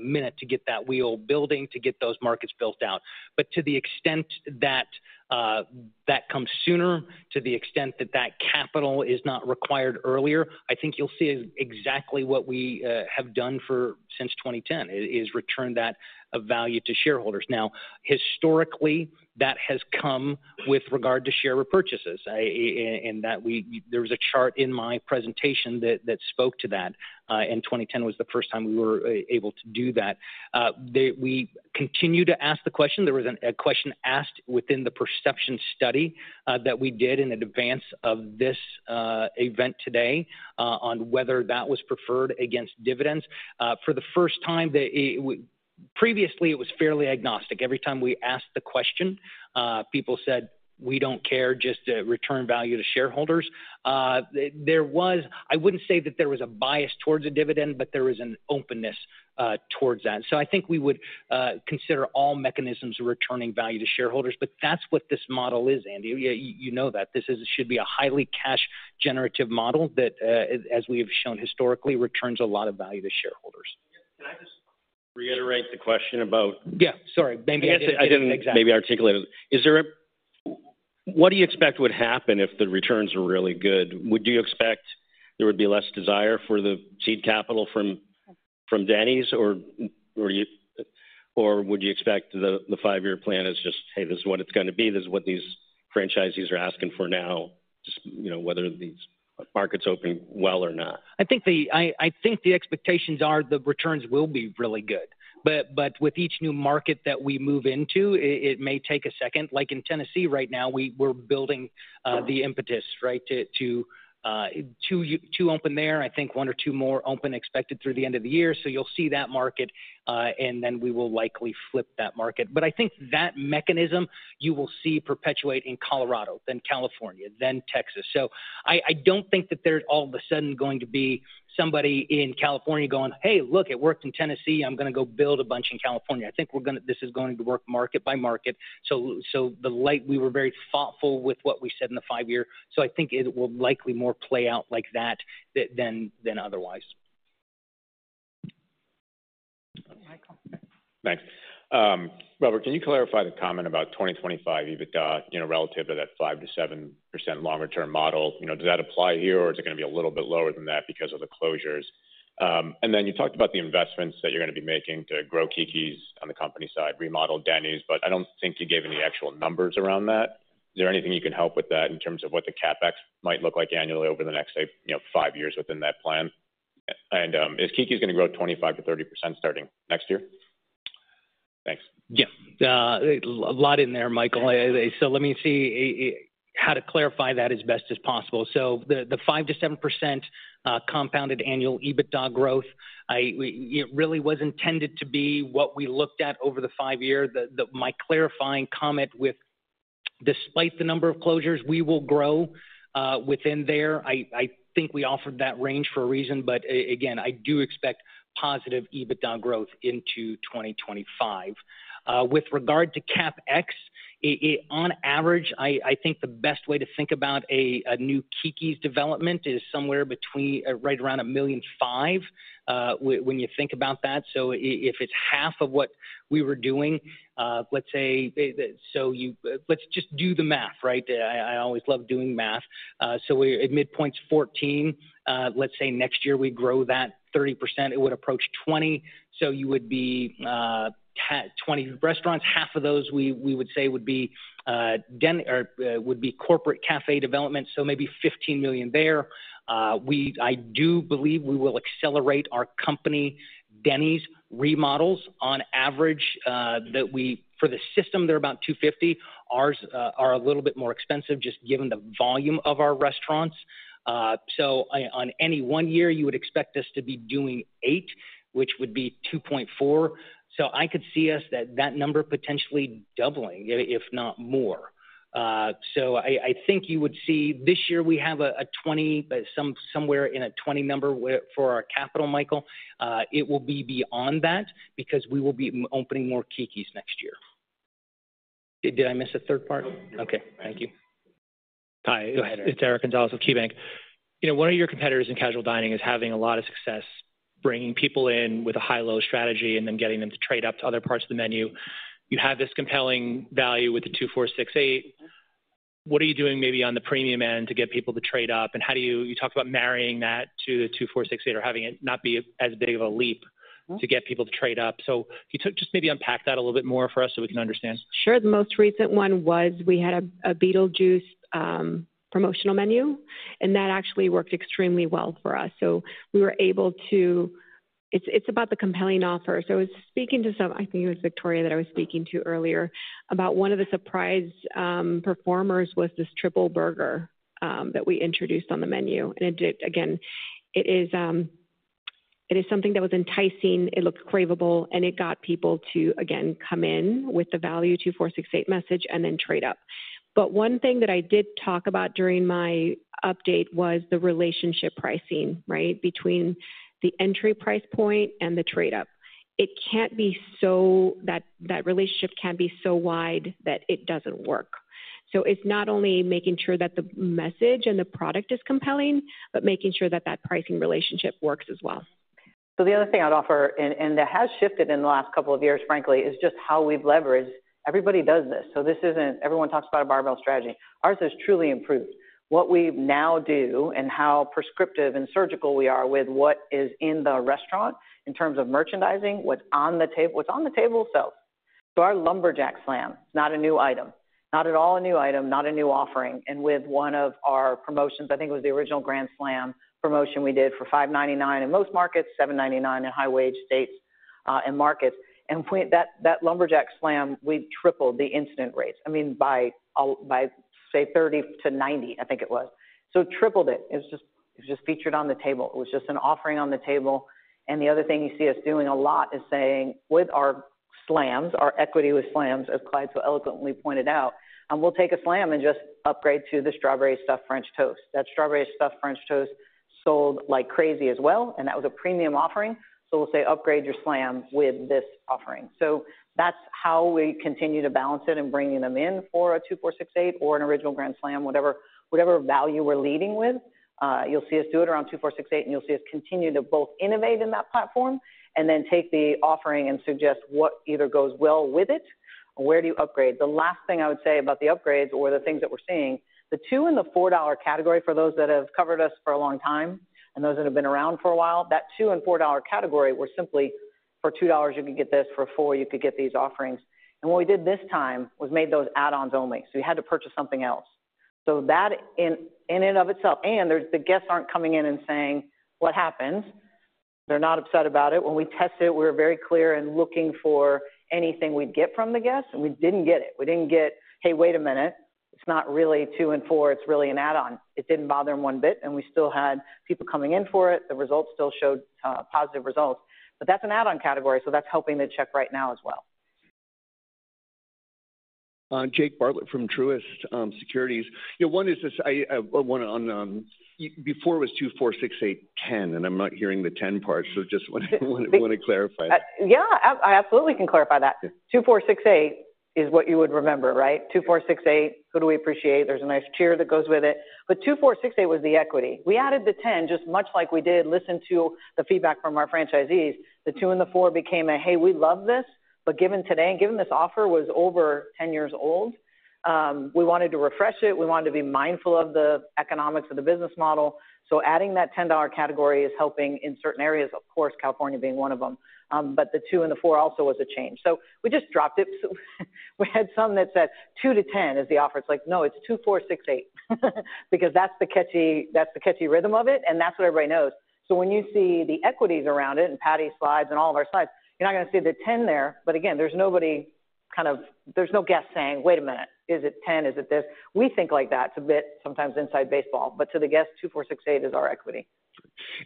minute to get that wheel building, to get those markets built out. But to the extent that that comes sooner, to the extent that that capital is not required earlier, I think you'll see exactly what we have done since 2010, is return that value to shareholders. Now, historically, that has come with regard to share repurchases. And that we-- there was a chart in my presentation that spoke to that, and 2010 was the first time we were able to do that. We continue to ask the question. There was a question asked within the perception study that we did in advance of this event today on whether that was preferred against dividends. For the first time, previously, it was fairly agnostic. Every time we asked the question, people said, "We don't care, just return value to shareholders." There was... I wouldn't say that there was a bias towards a dividend, but there was an openness towards that. So I think we would consider all mechanisms of returning value to shareholders, but that's what this model is, Andy. You know that. This should be a highly cash generative model that, as we have shown historically, returns a lot of value to shareholders. Can I just reiterate the question about- Yeah, sorry. Maybe I didn't- I didn't maybe articulate it. Is there a what do you expect would happen if the returns were really good? Would you expect there would be less desire for the seed capital from Denny's, or you, or would you expect the five-year plan as just, "Hey, this is what it's gonna be. This is what these franchisees are asking for now," just, you know, whether these markets open well or not? I think the expectations are the returns will be really good, but with each new market that we move into, it may take a second. Like in Tennessee right now, we're building the impetus, right, to two open there. I think one or two more open expected through the end of the year. So you'll see that market, and then we will likely flip that market. But I think that mechanism, you will see perpetuate in Colorado, then California, then Texas. So I don't think that there's all of a sudden going to be somebody in California going, "Hey, look, it worked in Tennessee. I'm gonna go build a bunch in California." I think we're gonna this is going to work market by market. In the light, we were very thoughtful with what we said in the five-year, so I think it will likely more play out like that, than otherwise. Michael. Thanks. Robert, can you clarify the comment about 2025 EBITDA, you know, relative to that 5%-7% longer term model? You know, does that apply here, or is it gonna be a little bit lower than that because of the closures? And then you talked about the investments that you're gonna be making to grow Keke's on the company side, remodel Denny's, but I don't think you gave any actual numbers around that. Is there anything you can help with that in terms of what the CapEx might look like annually over the next, say, you know, five years within that plan? And, is Keke's gonna grow 25%-30% starting next year? Thanks. Yeah. A lot in there, Michael. So let me see, I, how to clarify that as best as possible. So the 5-7% compounded annual EBITDA growth, I, we, it really was intended to be what we looked at over the five-year. My clarifying comment with despite the number of closures, we will grow within there. I think we offered that range for a reason, but again, I do expect positive EBITDA growth into 2025. With regard to CapEx, I, on average, I think the best way to think about a new Keke's development is somewhere between right around $1.5 million when you think about that. So if it's half of what we were doing, let's say, so you, let's just do the math, right? I always love doing math. So at midpoint 14, let's say next year we grow that 30%, it would approach 20. So you would be 20 restaurants. Half of those, we would say would be corporate café developments, so maybe $15 million there. I do believe we will accelerate our company Denny's remodels on average. For the system, they're about $250,000. Ours are a little bit more expensive, just given the volume of our restaurants. So on any one year, you would expect us to be doing 8, which would be $2.4 million. So I could see us, that number potentially doubling, if not more. So I think you would see this year we have a 20, but somewhere in a 20 number for our capital, Michael. It will be beyond that because we will be opening more Keke's next year. Did I miss a third part? No. Okay, thank you. Hi. Go ahead. It's Eric Gonzalez with KeyBanc. You know, one of your competitors in casual dining is having a lot of success-... bringing people in with a high-low strategy and then getting them to trade up to other parts of the menu. You have this compelling value with the $2 $4 $6 $8. What are you doing maybe on the premium end to get people to trade up? And how do you-- You talked about marrying that to the $2 $4 $6 $8, or having it not be as big of a leap to get people to trade up. So can you just maybe unpack that a little bit more for us so we can understand? Sure. The most recent one was we had a Beetlejuice promotional menu, and that actually worked extremely well for us. So we were able to. It's about the compelling offer. I was speaking to some. I think it was Victoria that I was speaking to earlier, about one of the surprise performers was this triple burger that we introduced on the menu. And it did. Again, it is something that was enticing, it looked craveable, and it got people to come in with the value two for six eight message and then trade up. But one thing that I did talk about during my update was the relationship pricing, right? Between the entry price point and the trade-up. It can't be so. That relationship can't be so wide that it doesn't work. So it's not only making sure that the message and the product is compelling, but making sure that that pricing relationship works as well. So the other thing I'd offer, and that has shifted in the last couple of years, frankly, is just how we've leveraged... Everybody does this, so this isn't. Everyone talks about a barbell strategy. Ours has truly improved. What we now do and how prescriptive and surgical we are with what is in the restaurant in terms of merchandising, what's on the table. What's on the table sells. So our Lumberjack Slam, not a new item, not at all a new item, not a new offering, and with one of our promotions, I think it was the Original Grand Slam promotion we did for $5.99 in most markets, $7.99 in high-wage states, and markets. And we. That, that Lumberjack Slam, we tripled the incident rates, I mean, say, 30 to 90, I think it was. So tripled it. It was just, it was just featured on the table. It was just an offering on the table. The other thing you see us doing a lot is saying, with our slams, our equity with slams, as Clyde so eloquently pointed out, and we'll take a slam and just upgrade to the Strawberry Stuffed French Toast. That Strawberry Stuffed French Toast sold like crazy as well, and that was a premium offering. So we'll say, "Upgrade your slam with this offering." So that's how we continue to balance it and bringing them in for a two for $6.98 or an Original Grand Slam, whatever, whatever value we're leading with. You'll see us do it around $$2 $4 $6 $8, and you'll see us continue to both innovate in that platform and then take the offering and suggest what either goes well with it or where do you upgrade. The last thing I would say about the upgrades or the things that we're seeing, the $2 and $4 category, for those that have covered us for a long time and those that have been around for a while, that $2 and $4 category were simply, for $2 you could get this, for $4 you could get these offerings. And what we did this time was made those add-ons only, so you had to purchase something else. So that in and of itself. And there's the guests aren't coming in and saying, "What happened?" They're not upset about it. When we tested it, we were very clear in looking for anything we'd get from the guests, and we didn't get it. We didn't get: "Hey, wait a minute. It's not really two and four. It's really an add-on." It didn't bother them one bit, and we still had people coming in for it. The results still showed positive results. But that's an add-on category, so that's helping the check right now as well. Jake Bartlett from Truist Securities. You know, one is just, I want to before it was $2 $4 $6 $8, 10, and I'm not hearing the 10 part, so just want to clarify. Yeah, I absolutely can clarify that. Two, four, six, eight is what you would remember, right? Two, four, six, eight. Who do we appreciate? There's a nice cheer that goes with it. But $2 $4 $6 $8 was the equity. We added the 10, just much like we did, listened to the feedback from our franchisees. The two and the four became a, "Hey, we love this," but given today and given this offer was over 10 years old, we wanted to refresh it. We wanted to be mindful of the economics of the business model. So adding that $10 category is helping in certain areas, of course, California being one of them. But the two and the four also was a change. So we just dropped it. We had some that said, "Two to ten is the offer." It's like, "No, it's $2 $4 $6 $8," because that's the catchy rhythm of it, and that's what everybody knows. So when you see the equities around it and Sherri's slides and all of our slides, you're not gonna see the ten there. But again, there's no guest saying, "Wait a minute, is it ten? Is it this?" We think like that. It's a bit sometimes inside baseball, but to the guest, $2 $4 $6 $8 is our equity.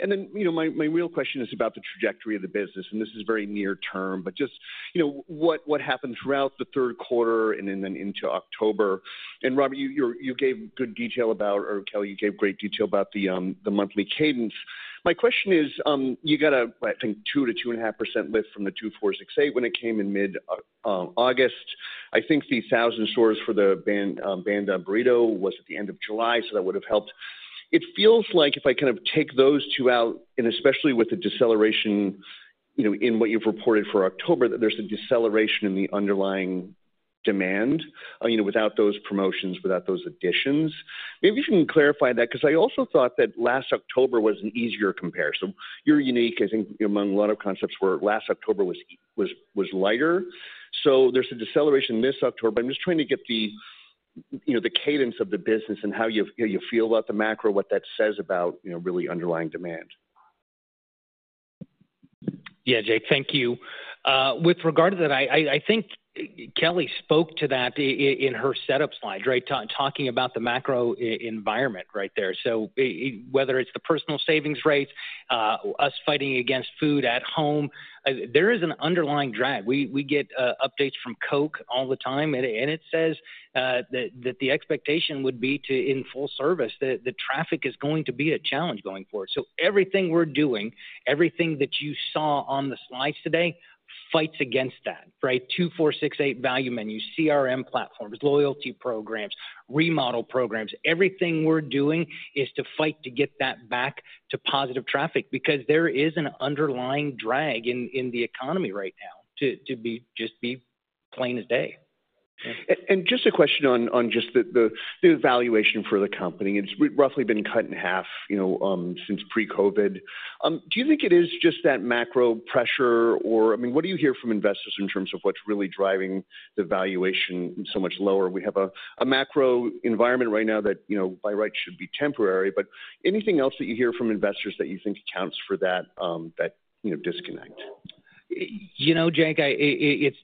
Then, you know, my real question is about the trajectory of the business, and this is very near term, but just, you know, what happened throughout the third quarter and then into October? And Robert, you, you're you gave good detail about or Kelli, you gave great detail about the monthly cadence. My question is, you got a, I think, 2% to 2.5% lift from the $2 $4 $6 $8 when it came in mid August. I think the thousand stores for the Banda Burrito was at the end of July, so that would have helped. It feels like if I kind of take those two out, and especially with the deceleration, you know, in what you've reported for October, that there's a deceleration in the underlying demand, you know, without those promotions, without those additions. Maybe you can clarify that, 'cause I also thought that last October was an easier comparison. You're unique, I think, among a lot of concepts, where last October was lighter. So there's a deceleration this October, but I'm just trying to get the, you know, the cadence of the business and how you feel about the macro, what that says about, you know, really underlying demand. Yeah, Jake, thank you. With regard to that, I think Kelli spoke to that in her setup slide, right? Talking about the macro environment right there. So whether it's the personal savings rate, us fighting against food at home, there is an underlying drag. We get updates from Coke all the time, and it says that the expectation would be to, in full service, that the traffic is going to be a challenge going forward. So everything we're doing, everything that you saw on the slides today fights against that, right? Two, four, six, eight value menu, CRM platforms, loyalty programs, remodel programs. Everything we're doing is to fight to get that back to positive traffic, because there is an underlying drag in the economy right now, to just be plain as day. And just a question on just the valuation for the company. It's roughly been cut in half, you know, since pre-COVID. Do you think it is just that macro pressure, or, I mean, what do you hear from investors in terms of what's really driving the valuation so much lower? We have a macro environment right now that, you know, by right, should be temporary, but anything else that you hear from investors that you think accounts for that, you know, disconnect? You know, Jake, it's,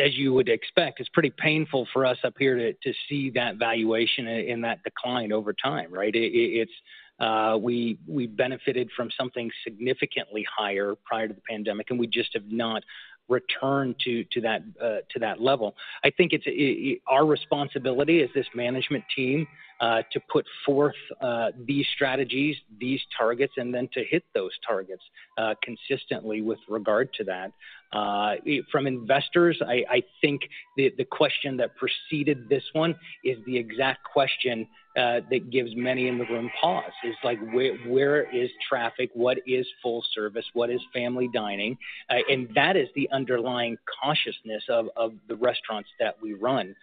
as you would expect, it's pretty painful for us up here to see that valuation and that decline over time, right? It's, we benefited from something significantly higher prior to the pandemic, and we just have not returned to that level. I think it's our responsibility as this management team to put forth these strategies, these targets, and then to hit those targets consistently with regard to that. From investors, I think the question that preceded this one is the exact question that gives many in the room pause. It's like, where is traffic? What is full service? What is family dining? And that is the underlying cautiousness of the restaurants that we run.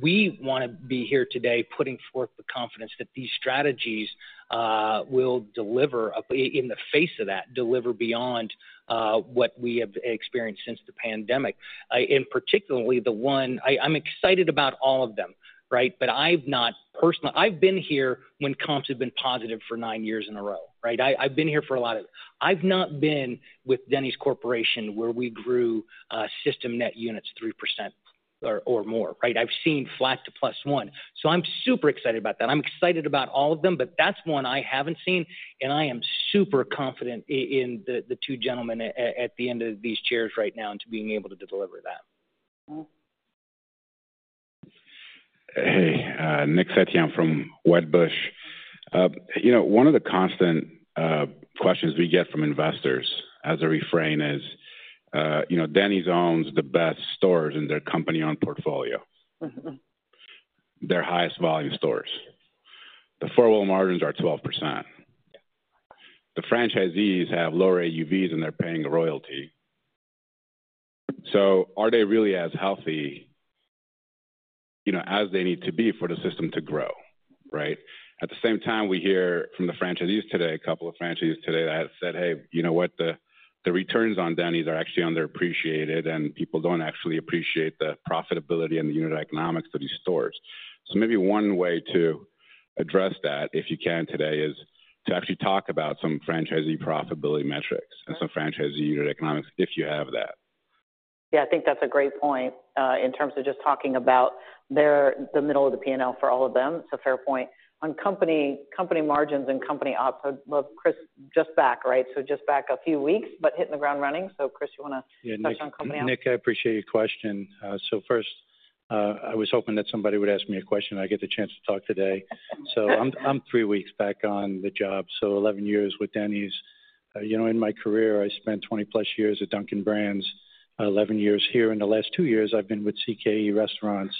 We wanna be here today, putting forth the confidence that these strategies will deliver in the face of that, deliver beyond what we have experienced since the pandemic, and particularly, the one. I'm excited about all of them, right? But I've not personally. I've been here when comps have been positive for nine years in a row, right? I've been here for a lot of it. I've not been with Denny's Corporation, where we grew system net units 3% or more, right? I've seen flat to +1%. So I'm super excited about that. I'm excited about all of them, but that's one I haven't seen, and I am super confident in the two gentlemen at the end of these chairs right now to being able to deliver that. Hey, Nick Setyan from Wedbush. You know, one of the constant questions we get from investors as a refrain is, you know, "Denny's owns the best stores in their company-owned portfolio. Mm-hmm. Their highest volume stores. The four-wall margins are 12%. The franchisees have lower AUVs, and they're paying a royalty. So are they really as healthy, you know, as they need to be for the system to grow, right? At the same time, we hear from the franchisees today, a couple of franchisees today that said, "Hey, you know what? The returns on Denny's are actually underappreciated, and people don't actually appreciate the profitability and the unit economics of these stores." So maybe one way to address that, if you can today, is to actually talk about some franchisee profitability metrics and some franchisee unit economics, if you have that. Yeah, I think that's a great point in terms of just talking about their, the middle of the P&L for all of them. It's a fair point. On company margins and company ops. Chris, just back, right? Just back a few weeks, but hitting the ground running. Chris, you wanna- Yeah. Touch on company ops? Nick, I appreciate your question. So first, I was hoping that somebody would ask me a question, and I'd get the chance to talk today. So I'm three weeks back on the job, so 11 years with Denny's. You know, in my career, I spent 20-plus years at Dunkin' Brands, 11 years here. In the last two years, I've been with CKE Restaurants,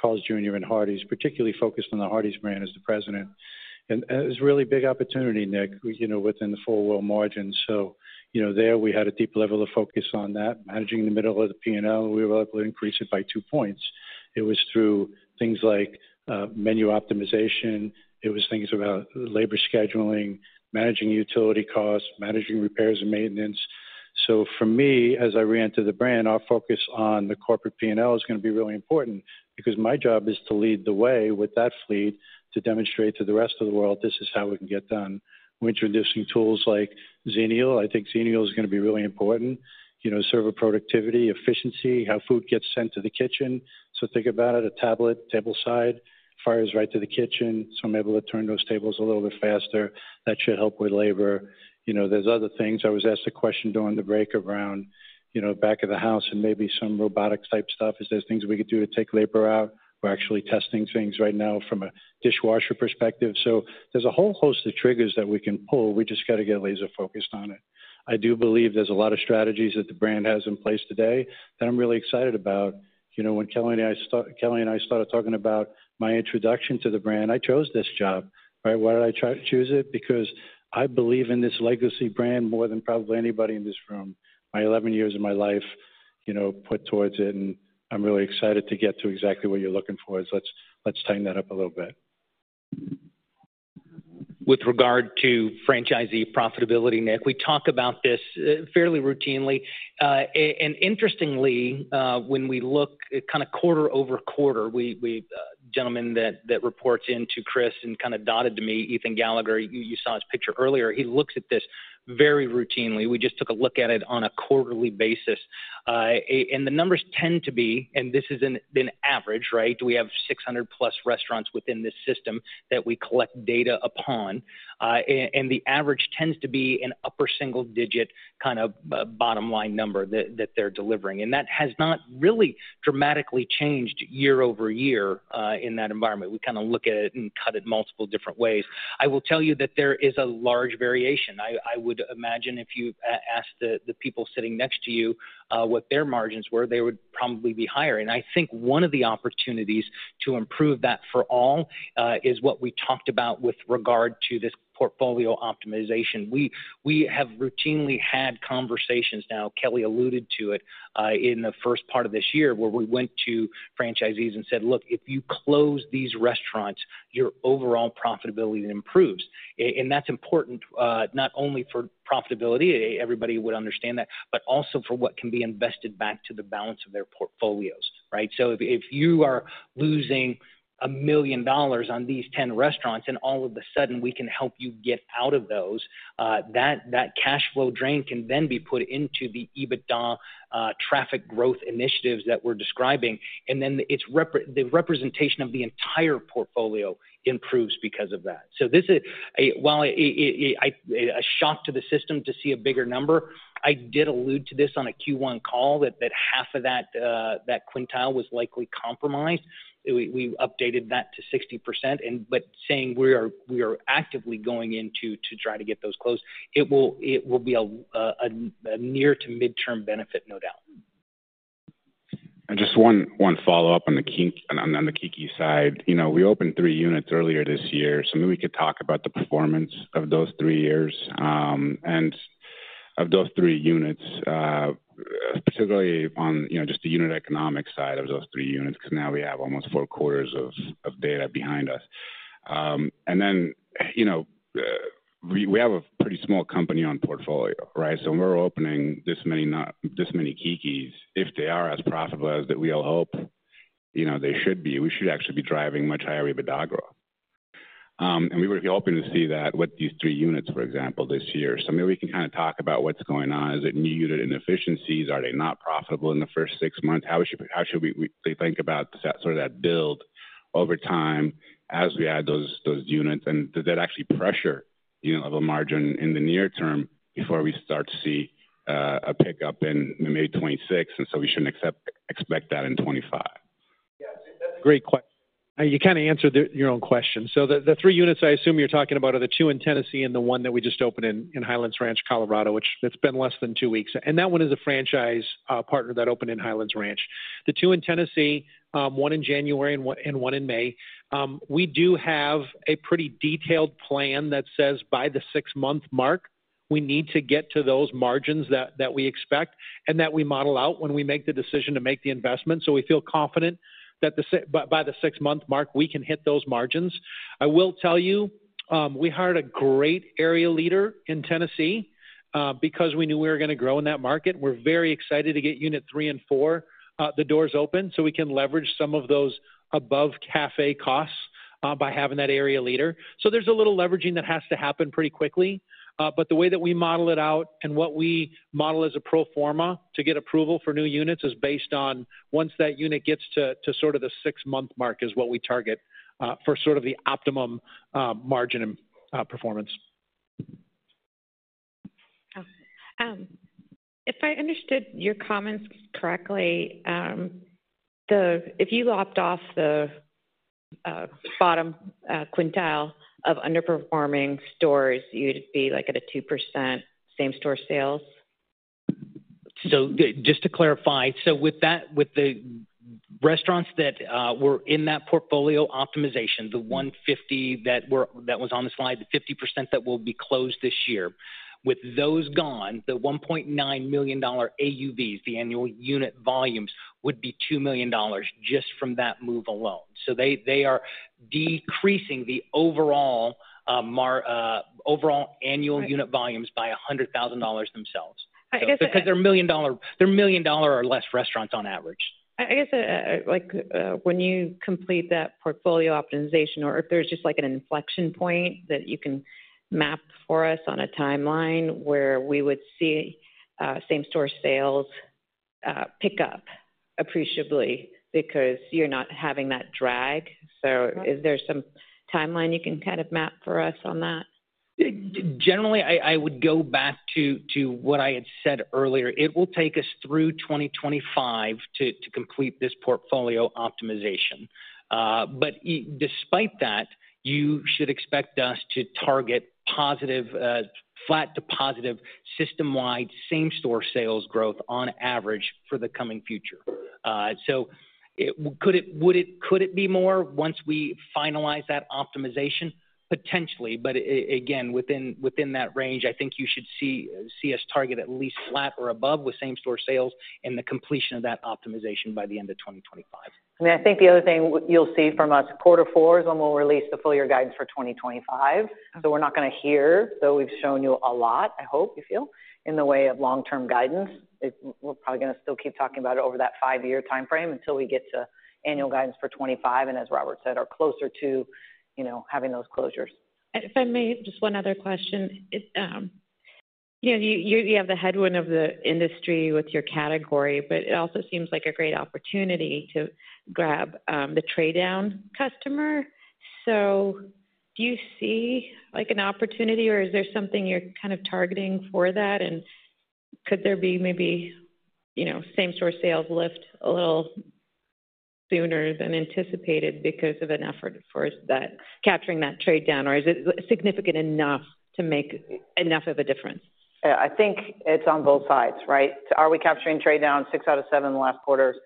Carl's Jr. and Hardee's, particularly focused on the Hardee's brand as the president. And it was a really big opportunity, Nick, you know, within the four-wall margins. So you know, there we had a deep level of focus on that, managing the middle of the P&L. We were able to increase it by two points. It was through things like menu optimization. It was things about labor scheduling, managing utility costs, managing repairs and maintenance. So for me, as I re-enter the brand, our focus on the corporate P&L is gonna be really important because my job is to lead the way with that fleet, to demonstrate to the rest of the world this is how it can get done. We're introducing tools like Xenial. I think Xenial is gonna be really important. You know, server productivity, efficiency, how food gets sent to the kitchen. So think about it, a tablet tableside fires right to the kitchen, so I'm able to turn those tables a little bit faster. That should help with labor. You know, there's other things. I was asked a question during the break around, you know, back of the house and maybe some robotic-type stuff. Is there things we could do to take labor out? We're actually testing things right now from a dishwasher perspective. So there's a whole host of triggers that we can pull. We just got to get laser-focused on it. I do believe there's a lot of strategies that the brand has in place today that I'm really excited about. You know, when Kelli and I started talking about my introduction to the brand, I chose this job, right? Why did I choose it? Because I believe in this legacy brand more than probably anybody in this room. My 11 years of my life, you know, put towards it, and I'm really excited to get to exactly what you're looking for, is let's tighten that up a little bit.... With regard to franchisee profitability, Nick, we talk about this fairly routinely. And interestingly, when we look at kind of quarter over quarter, a gentleman that reports into Chris and kind of dotted to me, Ethan Gallagher, you saw his picture earlier, he looks at this very routinely. We just took a look at it on a quarterly basis. And the numbers tend to be, and this is an average, right? We have six hundred plus restaurants within this system that we collect data upon. And the average tends to be an upper single digit, kind of, bottom line number that they're delivering. And that has not really dramatically changed year over year, in that environment. We kind of look at it and cut it multiple different ways. I will tell you that there is a large variation. I would imagine if you asked the people sitting next to you what their margins were, they would probably be higher. And I think one of the opportunities to improve that for all is what we talked about with regard to this portfolio optimization. We have routinely had conversations now. Kelli alluded to it in the first part of this year, where we went to franchisees and said, "Look, if you close these restaurants, your overall profitability improves." And that's important, not only for profitability, everybody would understand that, but also for what can be invested back to the balance of their portfolios, right? So if you are losing $1 million on these 10 restaurants, and all of a sudden we can help you get out of those, that cash flow drain can then be put into the EBITDA, traffic growth initiatives that we're describing, and then it's the representation of the entire portfolio improves because of that. So this is a shock to the system to see a bigger number. I did allude to this on a Q1 call, that half of that quintile was likely compromised. We updated that to 60%, and but saying we are actively going in to try to get those closed. It will be a near to midterm benefit, no doubt. Just one follow-up on the Keke side. You know, we opened three units earlier this year, so maybe we could talk about the performance of those three units. And of those three units, particularly on, you know, just the unit economic side of those three units, because now we have almost four quarters of data behind us. And then, you know, we have a pretty small company-owned portfolio, right? So when we're opening this many Keke's, if they are as profitable as we all hope they should be, we should actually be driving much higher EBITDA growth. And we were hoping to see that with these three units, for example, this year. So maybe we can kind of talk about what's going on. Is it new unit inefficiencies? Are they not profitable in the first six months? How should we think about sort of that build over time as we add those units? And does that actually pressure on the margin, you know, in the near term before we start to see a pickup in maybe 2026, and so we shouldn't expect that in 2025? Yeah, that's a great question. You kind of answered your own question. So the three units I assume you're talking about are the two in Tennessee and the one that we just opened in Highlands Ranch, Colorado, which it's been less than two weeks. And that one is a franchise partner that opened in Highlands Ranch. The two in Tennessee, one in January and one in May. We do have a pretty detailed plan that says by the six-month mark, we need to get to those margins that we expect, and that we model out when we make the decision to make the investment. So we feel confident that by the six-month mark, we can hit those margins. I will tell you, we hired a great area leader in Tennessee, because we knew we were gonna grow in that market. We're very excited to get unit three and four, the doors open, so we can leverage some of those above café costs, by having that area leader so there's a little leveraging that has to happen pretty quickly but the way that we model it out and what we model as a pro forma to get approval for new units is based on once that unit gets to sort of the six-month mark, is what we target, for sort of the optimum margin and performance. If I understood your comments correctly, if you lopped off the bottom quintile of underperforming stores, you'd be like at a 2% same store sales? So just to clarify, so with that, with the restaurants that were in that portfolio optimization, the 150 that were that was on the slide, the 50% that will be closed this year, with those gone, the $1.9 million AUVs, the Annual Unit Volumes, would be $2 million just from that move alone. So they are decreasing the overall annual unit volumes by $100,000 themselves. I guess- Because they're $1 million or less restaurants on average. I guess, like, when you complete that portfolio optimization, or if there's just like an inflection point that you can map for us on a timeline where we would see same store sales pick up appreciably because you're not having that drag. So is there some timeline you can kind of map for us on that? Generally, I would go back to what I had said earlier. It will take us through 2025 to complete this portfolio optimization. But despite that, you should expect us to target positive, flat to positive system-wide same store sales growth on average for the coming future. So could it be more once we finalize that optimization? Potentially, but again, within that range, I think you should see us target at least flat or above with same store sales and the completion of that optimization by the end of 2025. I mean, I think the other thing you'll see from us, quarter four is when we'll release the full year guidance for twenty twenty-five. So we're not gonna hear, though we've shown you a lot, I hope you feel, in the way of long-term guidance. We're probably gonna still keep talking about it over that five-year timeframe until we get to annual guidance for 2025, and as Robert said, are closer to, you know, having those closures. If I may, just one other question. It, you know, you have the headwind of the industry with your category, but it also seems like a great opportunity to grab the trade down customer. So do you see, like, an opportunity, or is there something you're kind of targeting for that? And could there be maybe, you know, same store sales lift a little sooner than anticipated because of an effort towards that, capturing that trade down? Or is it significant enough to make enough of a difference? Yeah, I think it's on both sides, right? Are we capturing trade down six out of seven last quarters?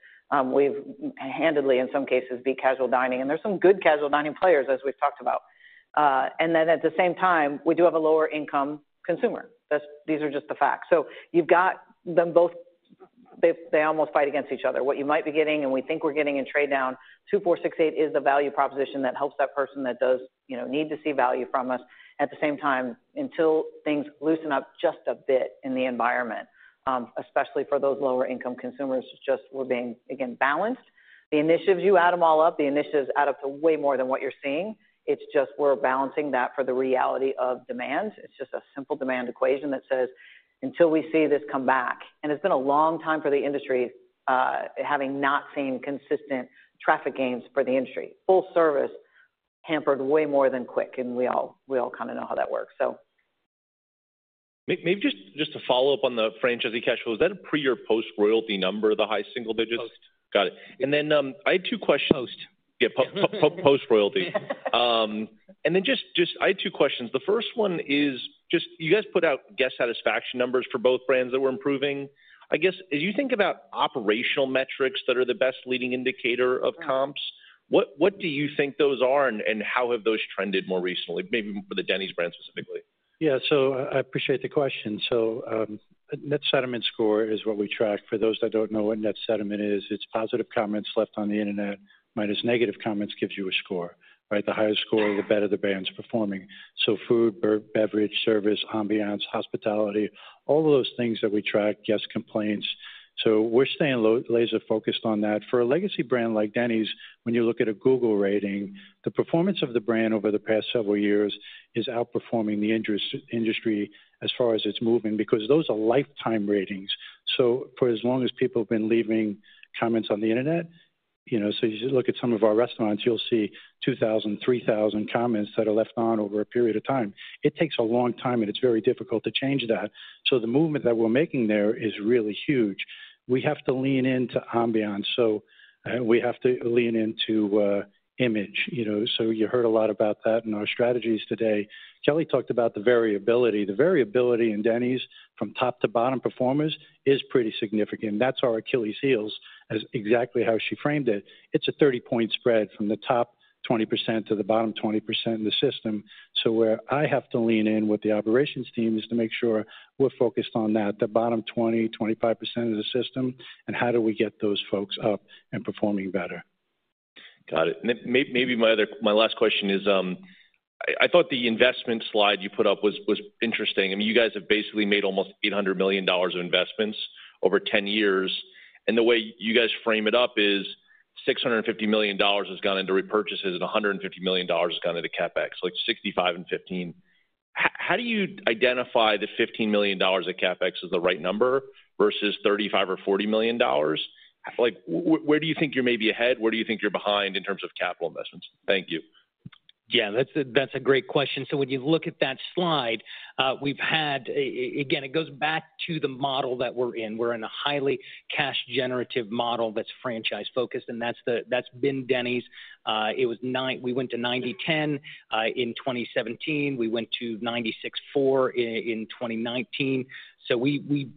We've handily, in some cases, beat casual dining, and there's some good casual dining players, as we've talked about. And then at the same time, we do have a lower income consumer. That's—these are just the facts. So you've got them both, they almost fight against each other. What you might be getting, and we think we're getting in trade down, $2 $4 $6 $8 is the value proposition that helps that person that does, you know, need to see value from us. At the same time, until things loosen up just a bit in the environment, especially for those lower income consumers, just we're being, again, balanced. The initiatives, you add them all up, the initiatives add up to way more than what you're seeing. It's just we're balancing that for the reality of demand. It's just a simple demand equation that says, until we see this come back, and it's been a long time for the industry, having not seen consistent traffic gains for the industry. Full service hampered way more than quick, and we all kind of know how that works, so. Maybe just to follow up on the franchisee cash flow, is that a pre or post-royalty number, the high single digits? Post. Got it. And then, I had two questions- Post. Yeah, post royalty, and then just I had two questions. The first one is just you guys put out guest satisfaction numbers for both brands that were improving. I guess, as you think about operational metrics that are the best leading indicator of comps, what do you think those are and how have those trended more recently, maybe for the Denny's brand specifically? Yeah, so I appreciate the question. So, net sentiment score is what we track. For those that don't know what net sentiment is, it's positive comments left on the internet, minus negative comments, gives you a score, right? The higher the score, the better the brand's performing. So food, beverage, service, ambiance, hospitality, all of those things that we track, guest complaints. So we're staying laser focused on that. For a legacy brand like Denny's, when you look at a Google rating, the performance of the brand over the past several years is outperforming the industry as far as it's moving, because those are lifetime ratings. So for as long as people have been leaving comments on the internet, you know, so you just look at some of our restaurants, you'll see 2000, 3000 comments that are left on over a period of time. It takes a long time, and it's very difficult to change that. So the movement that we're making there is really huge. We have to lean into ambiance, so, we have to lean into, image, you know. So you heard a lot about that in our strategies today. Kelli talked about the variability. The variability in Denny's from top to bottom performers is pretty significant. That's our Achilles heels, as exactly how she framed it. It's a thirty-point spread from the top 20% to the bottom 20% in the system. So where I have to lean in with the operations team is to make sure we're focused on that, the bottom 20-25% of the system, and how do we get those folks up and performing better. Got it. And maybe my last question is, I thought the investment slide you put up was interesting. I mean, you guys have basically made almost $800 million of investments over ten years, and the way you guys frame it up is $650 million has gone into repurchases, and $150 million has gone into CapEx, like 65 and 15. How do you identify the $15 million of CapEx as the right number versus $35 million or $40 million? Like, where do you think you're maybe ahead, where do you think you're behind in terms of capital investments? Thank you. Yeah, that's a great question. So when you look at that slide, we've had. Again, it goes back to the model that we're in. We're in a highly cash generative model that's franchise focused, and that's been Denny's. It was 90/10 in 2017. We went to 96/4 in 2019. So we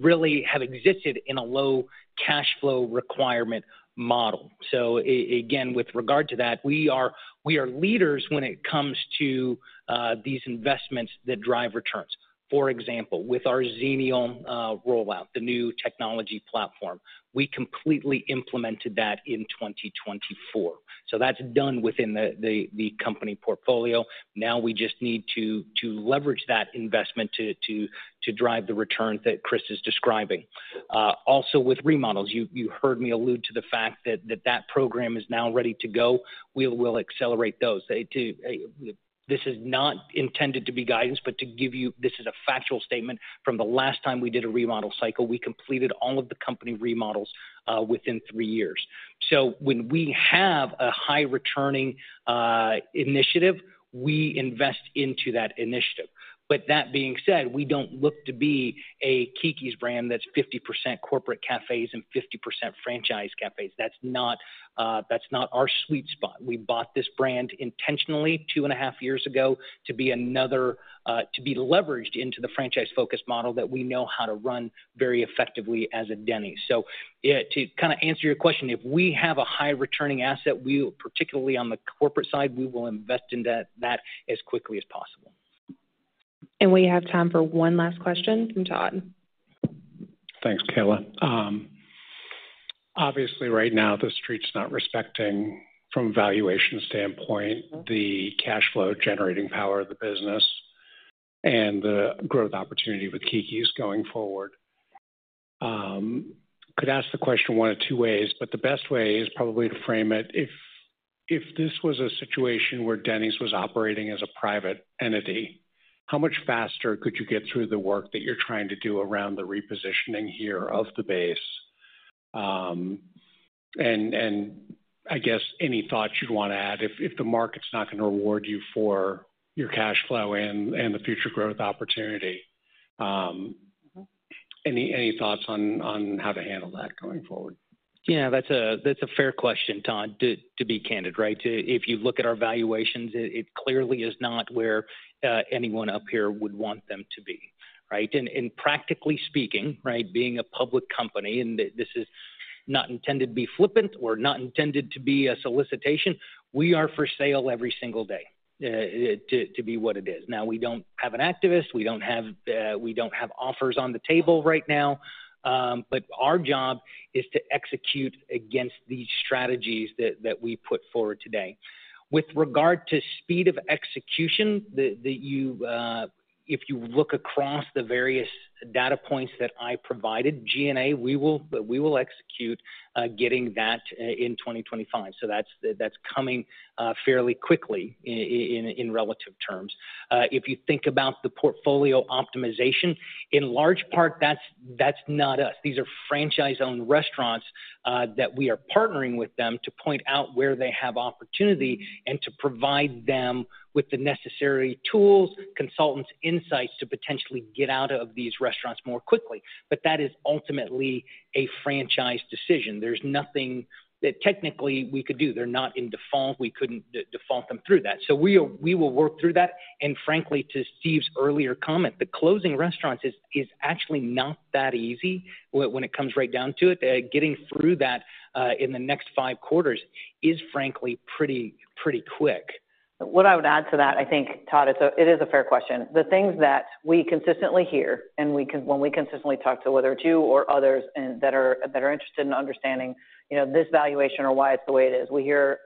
really have existed in a low cash flow requirement model. So again, with regard to that, we are leaders when it comes to these investments that drive returns. For example, with our Xenial rollout, the new technology platform, we completely implemented that in 2024. So that's done within the company portfolio. Now we just need to leverage that investment to drive the returns that Chris is describing. Also with remodels, you heard me allude to the fact that program is now ready to go. We will accelerate those. This is not intended to be guidance, but to give you, this is a factual statement from the last time we did a remodel cycle. We completed all of the company remodels within three years. So when we have a high returning initiative, we invest into that initiative. But that being said, we don't look to be a Keke's brand that's 50% corporate cafés and 50% franchise cafés. That's not our sweet spot. We bought this brand intentionally two and a half years ago to be another to be leveraged into the franchise-focused model that we know how to run very effectively as a Denny's. Yeah, to kind of answer your question, if we have a high returning asset, we will, particularly on the corporate side, invest in that as quickly as possible. We have time for one last question from Todd. Thanks, Kayla. Obviously, right now, the street's not respecting, from a valuation standpoint, the cash flow generating power of the business and the growth opportunity with Keke's going forward. Could ask the question one of two ways, but the best way is probably to frame it, if this was a situation where Denny's was operating as a private entity, how much faster could you get through the work that you're trying to do around the repositioning here of the base? And I guess any thoughts you'd want to add, if the market's not going to reward you for your cash flow and the future growth opportunity, any thoughts on how to handle that going forward? Yeah, that's a fair question, Todd, to be candid, right? If you look at our valuations, it clearly is not where anyone up here would want them to be, right? And practically speaking, right, being a public company, this is not intended to be flippant or not intended to be a solicitation, we are for sale every single day, to be what it is. Now, we don't have an activist, we don't have offers on the table right now, but our job is to execute against these strategies that we put forward today. With regard to speed of execution, if you look across the various data points that I provided, non-GAAP, we will execute getting that in twenty twenty-five. So that's, that's coming fairly quickly in relative terms. If you think about the portfolio optimization, in large part, that's, that's not us. These are franchise-owned restaurants that we are partnering with them to point out where they have opportunity and to provide them with the necessary tools, consultants, insights to potentially get out of these restaurants more quickly. But that is ultimately a franchise decision. There's nothing that technically we could do. They're not in default. We couldn't default them through that. So we will work through that. And frankly, to Steve's earlier comment, the closing restaurants is actually not that easy when it comes right down to it. Getting through that in the next five quarters is frankly pretty quick. What I would add to that, I think, Todd, it's a fair question. The things that we consistently hear, and when we consistently talk to, whether it's you or others, and that are interested in understanding, you know, this valuation or why it's the way it is, we hear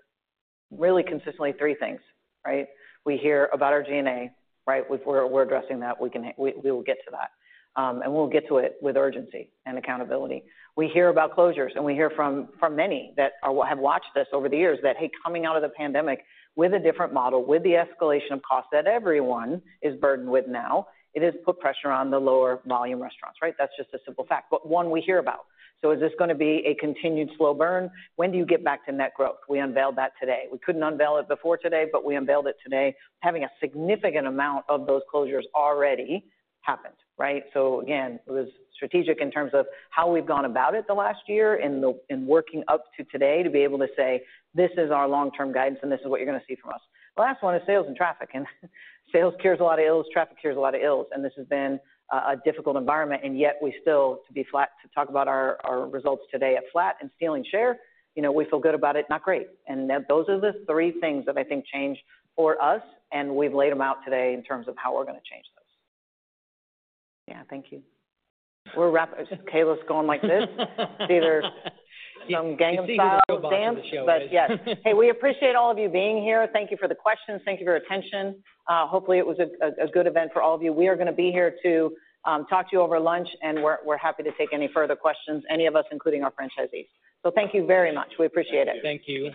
really consistently three things, right? We hear about our G&A, right? We're addressing that. We will get to that. And we'll get to it with urgency and accountability. We hear about closures, and we hear from many that have watched us over the years that, hey, coming out of the pandemic with a different model, with the escalation of costs that everyone is burdened with now, it has put pressure on the lower volume restaurants, right? That's just a simple fact, but one we hear about. So is this going to be a continued slow burn? When do you get back to net growth? We unveiled that today. We couldn't unveil it before today, but we unveiled it today. Having a significant amount of those closures already happened, right? So again, it was strategic in terms of how we've gone about it the last year in working up to today to be able to say, "This is our long-term guidance, and this is what you're going to see from us." The last one is sales and traffic, and sales cures a lot of ills, traffic cures a lot of ills, and this has been a difficult environment, and yet we still to be flat, to talk about our results today at flat and stealing share, you know, we feel good about it, not great. Those are the three things that I think change for us, and we've laid them out today in terms of how we're going to change those. Yeah, thank you. Kayla's going like this. See, there's some gang signs- You see the robot of the show, right? But yes. Hey, we appreciate all of you being here. Thank you for the questions. Thank you for your attention. Hopefully, it was a good event for all of you. We are going to be here to talk to you over lunch, and we're happy to take any further questions, any of us, including our franchisees. So thank you very much. We appreciate it. Thank you.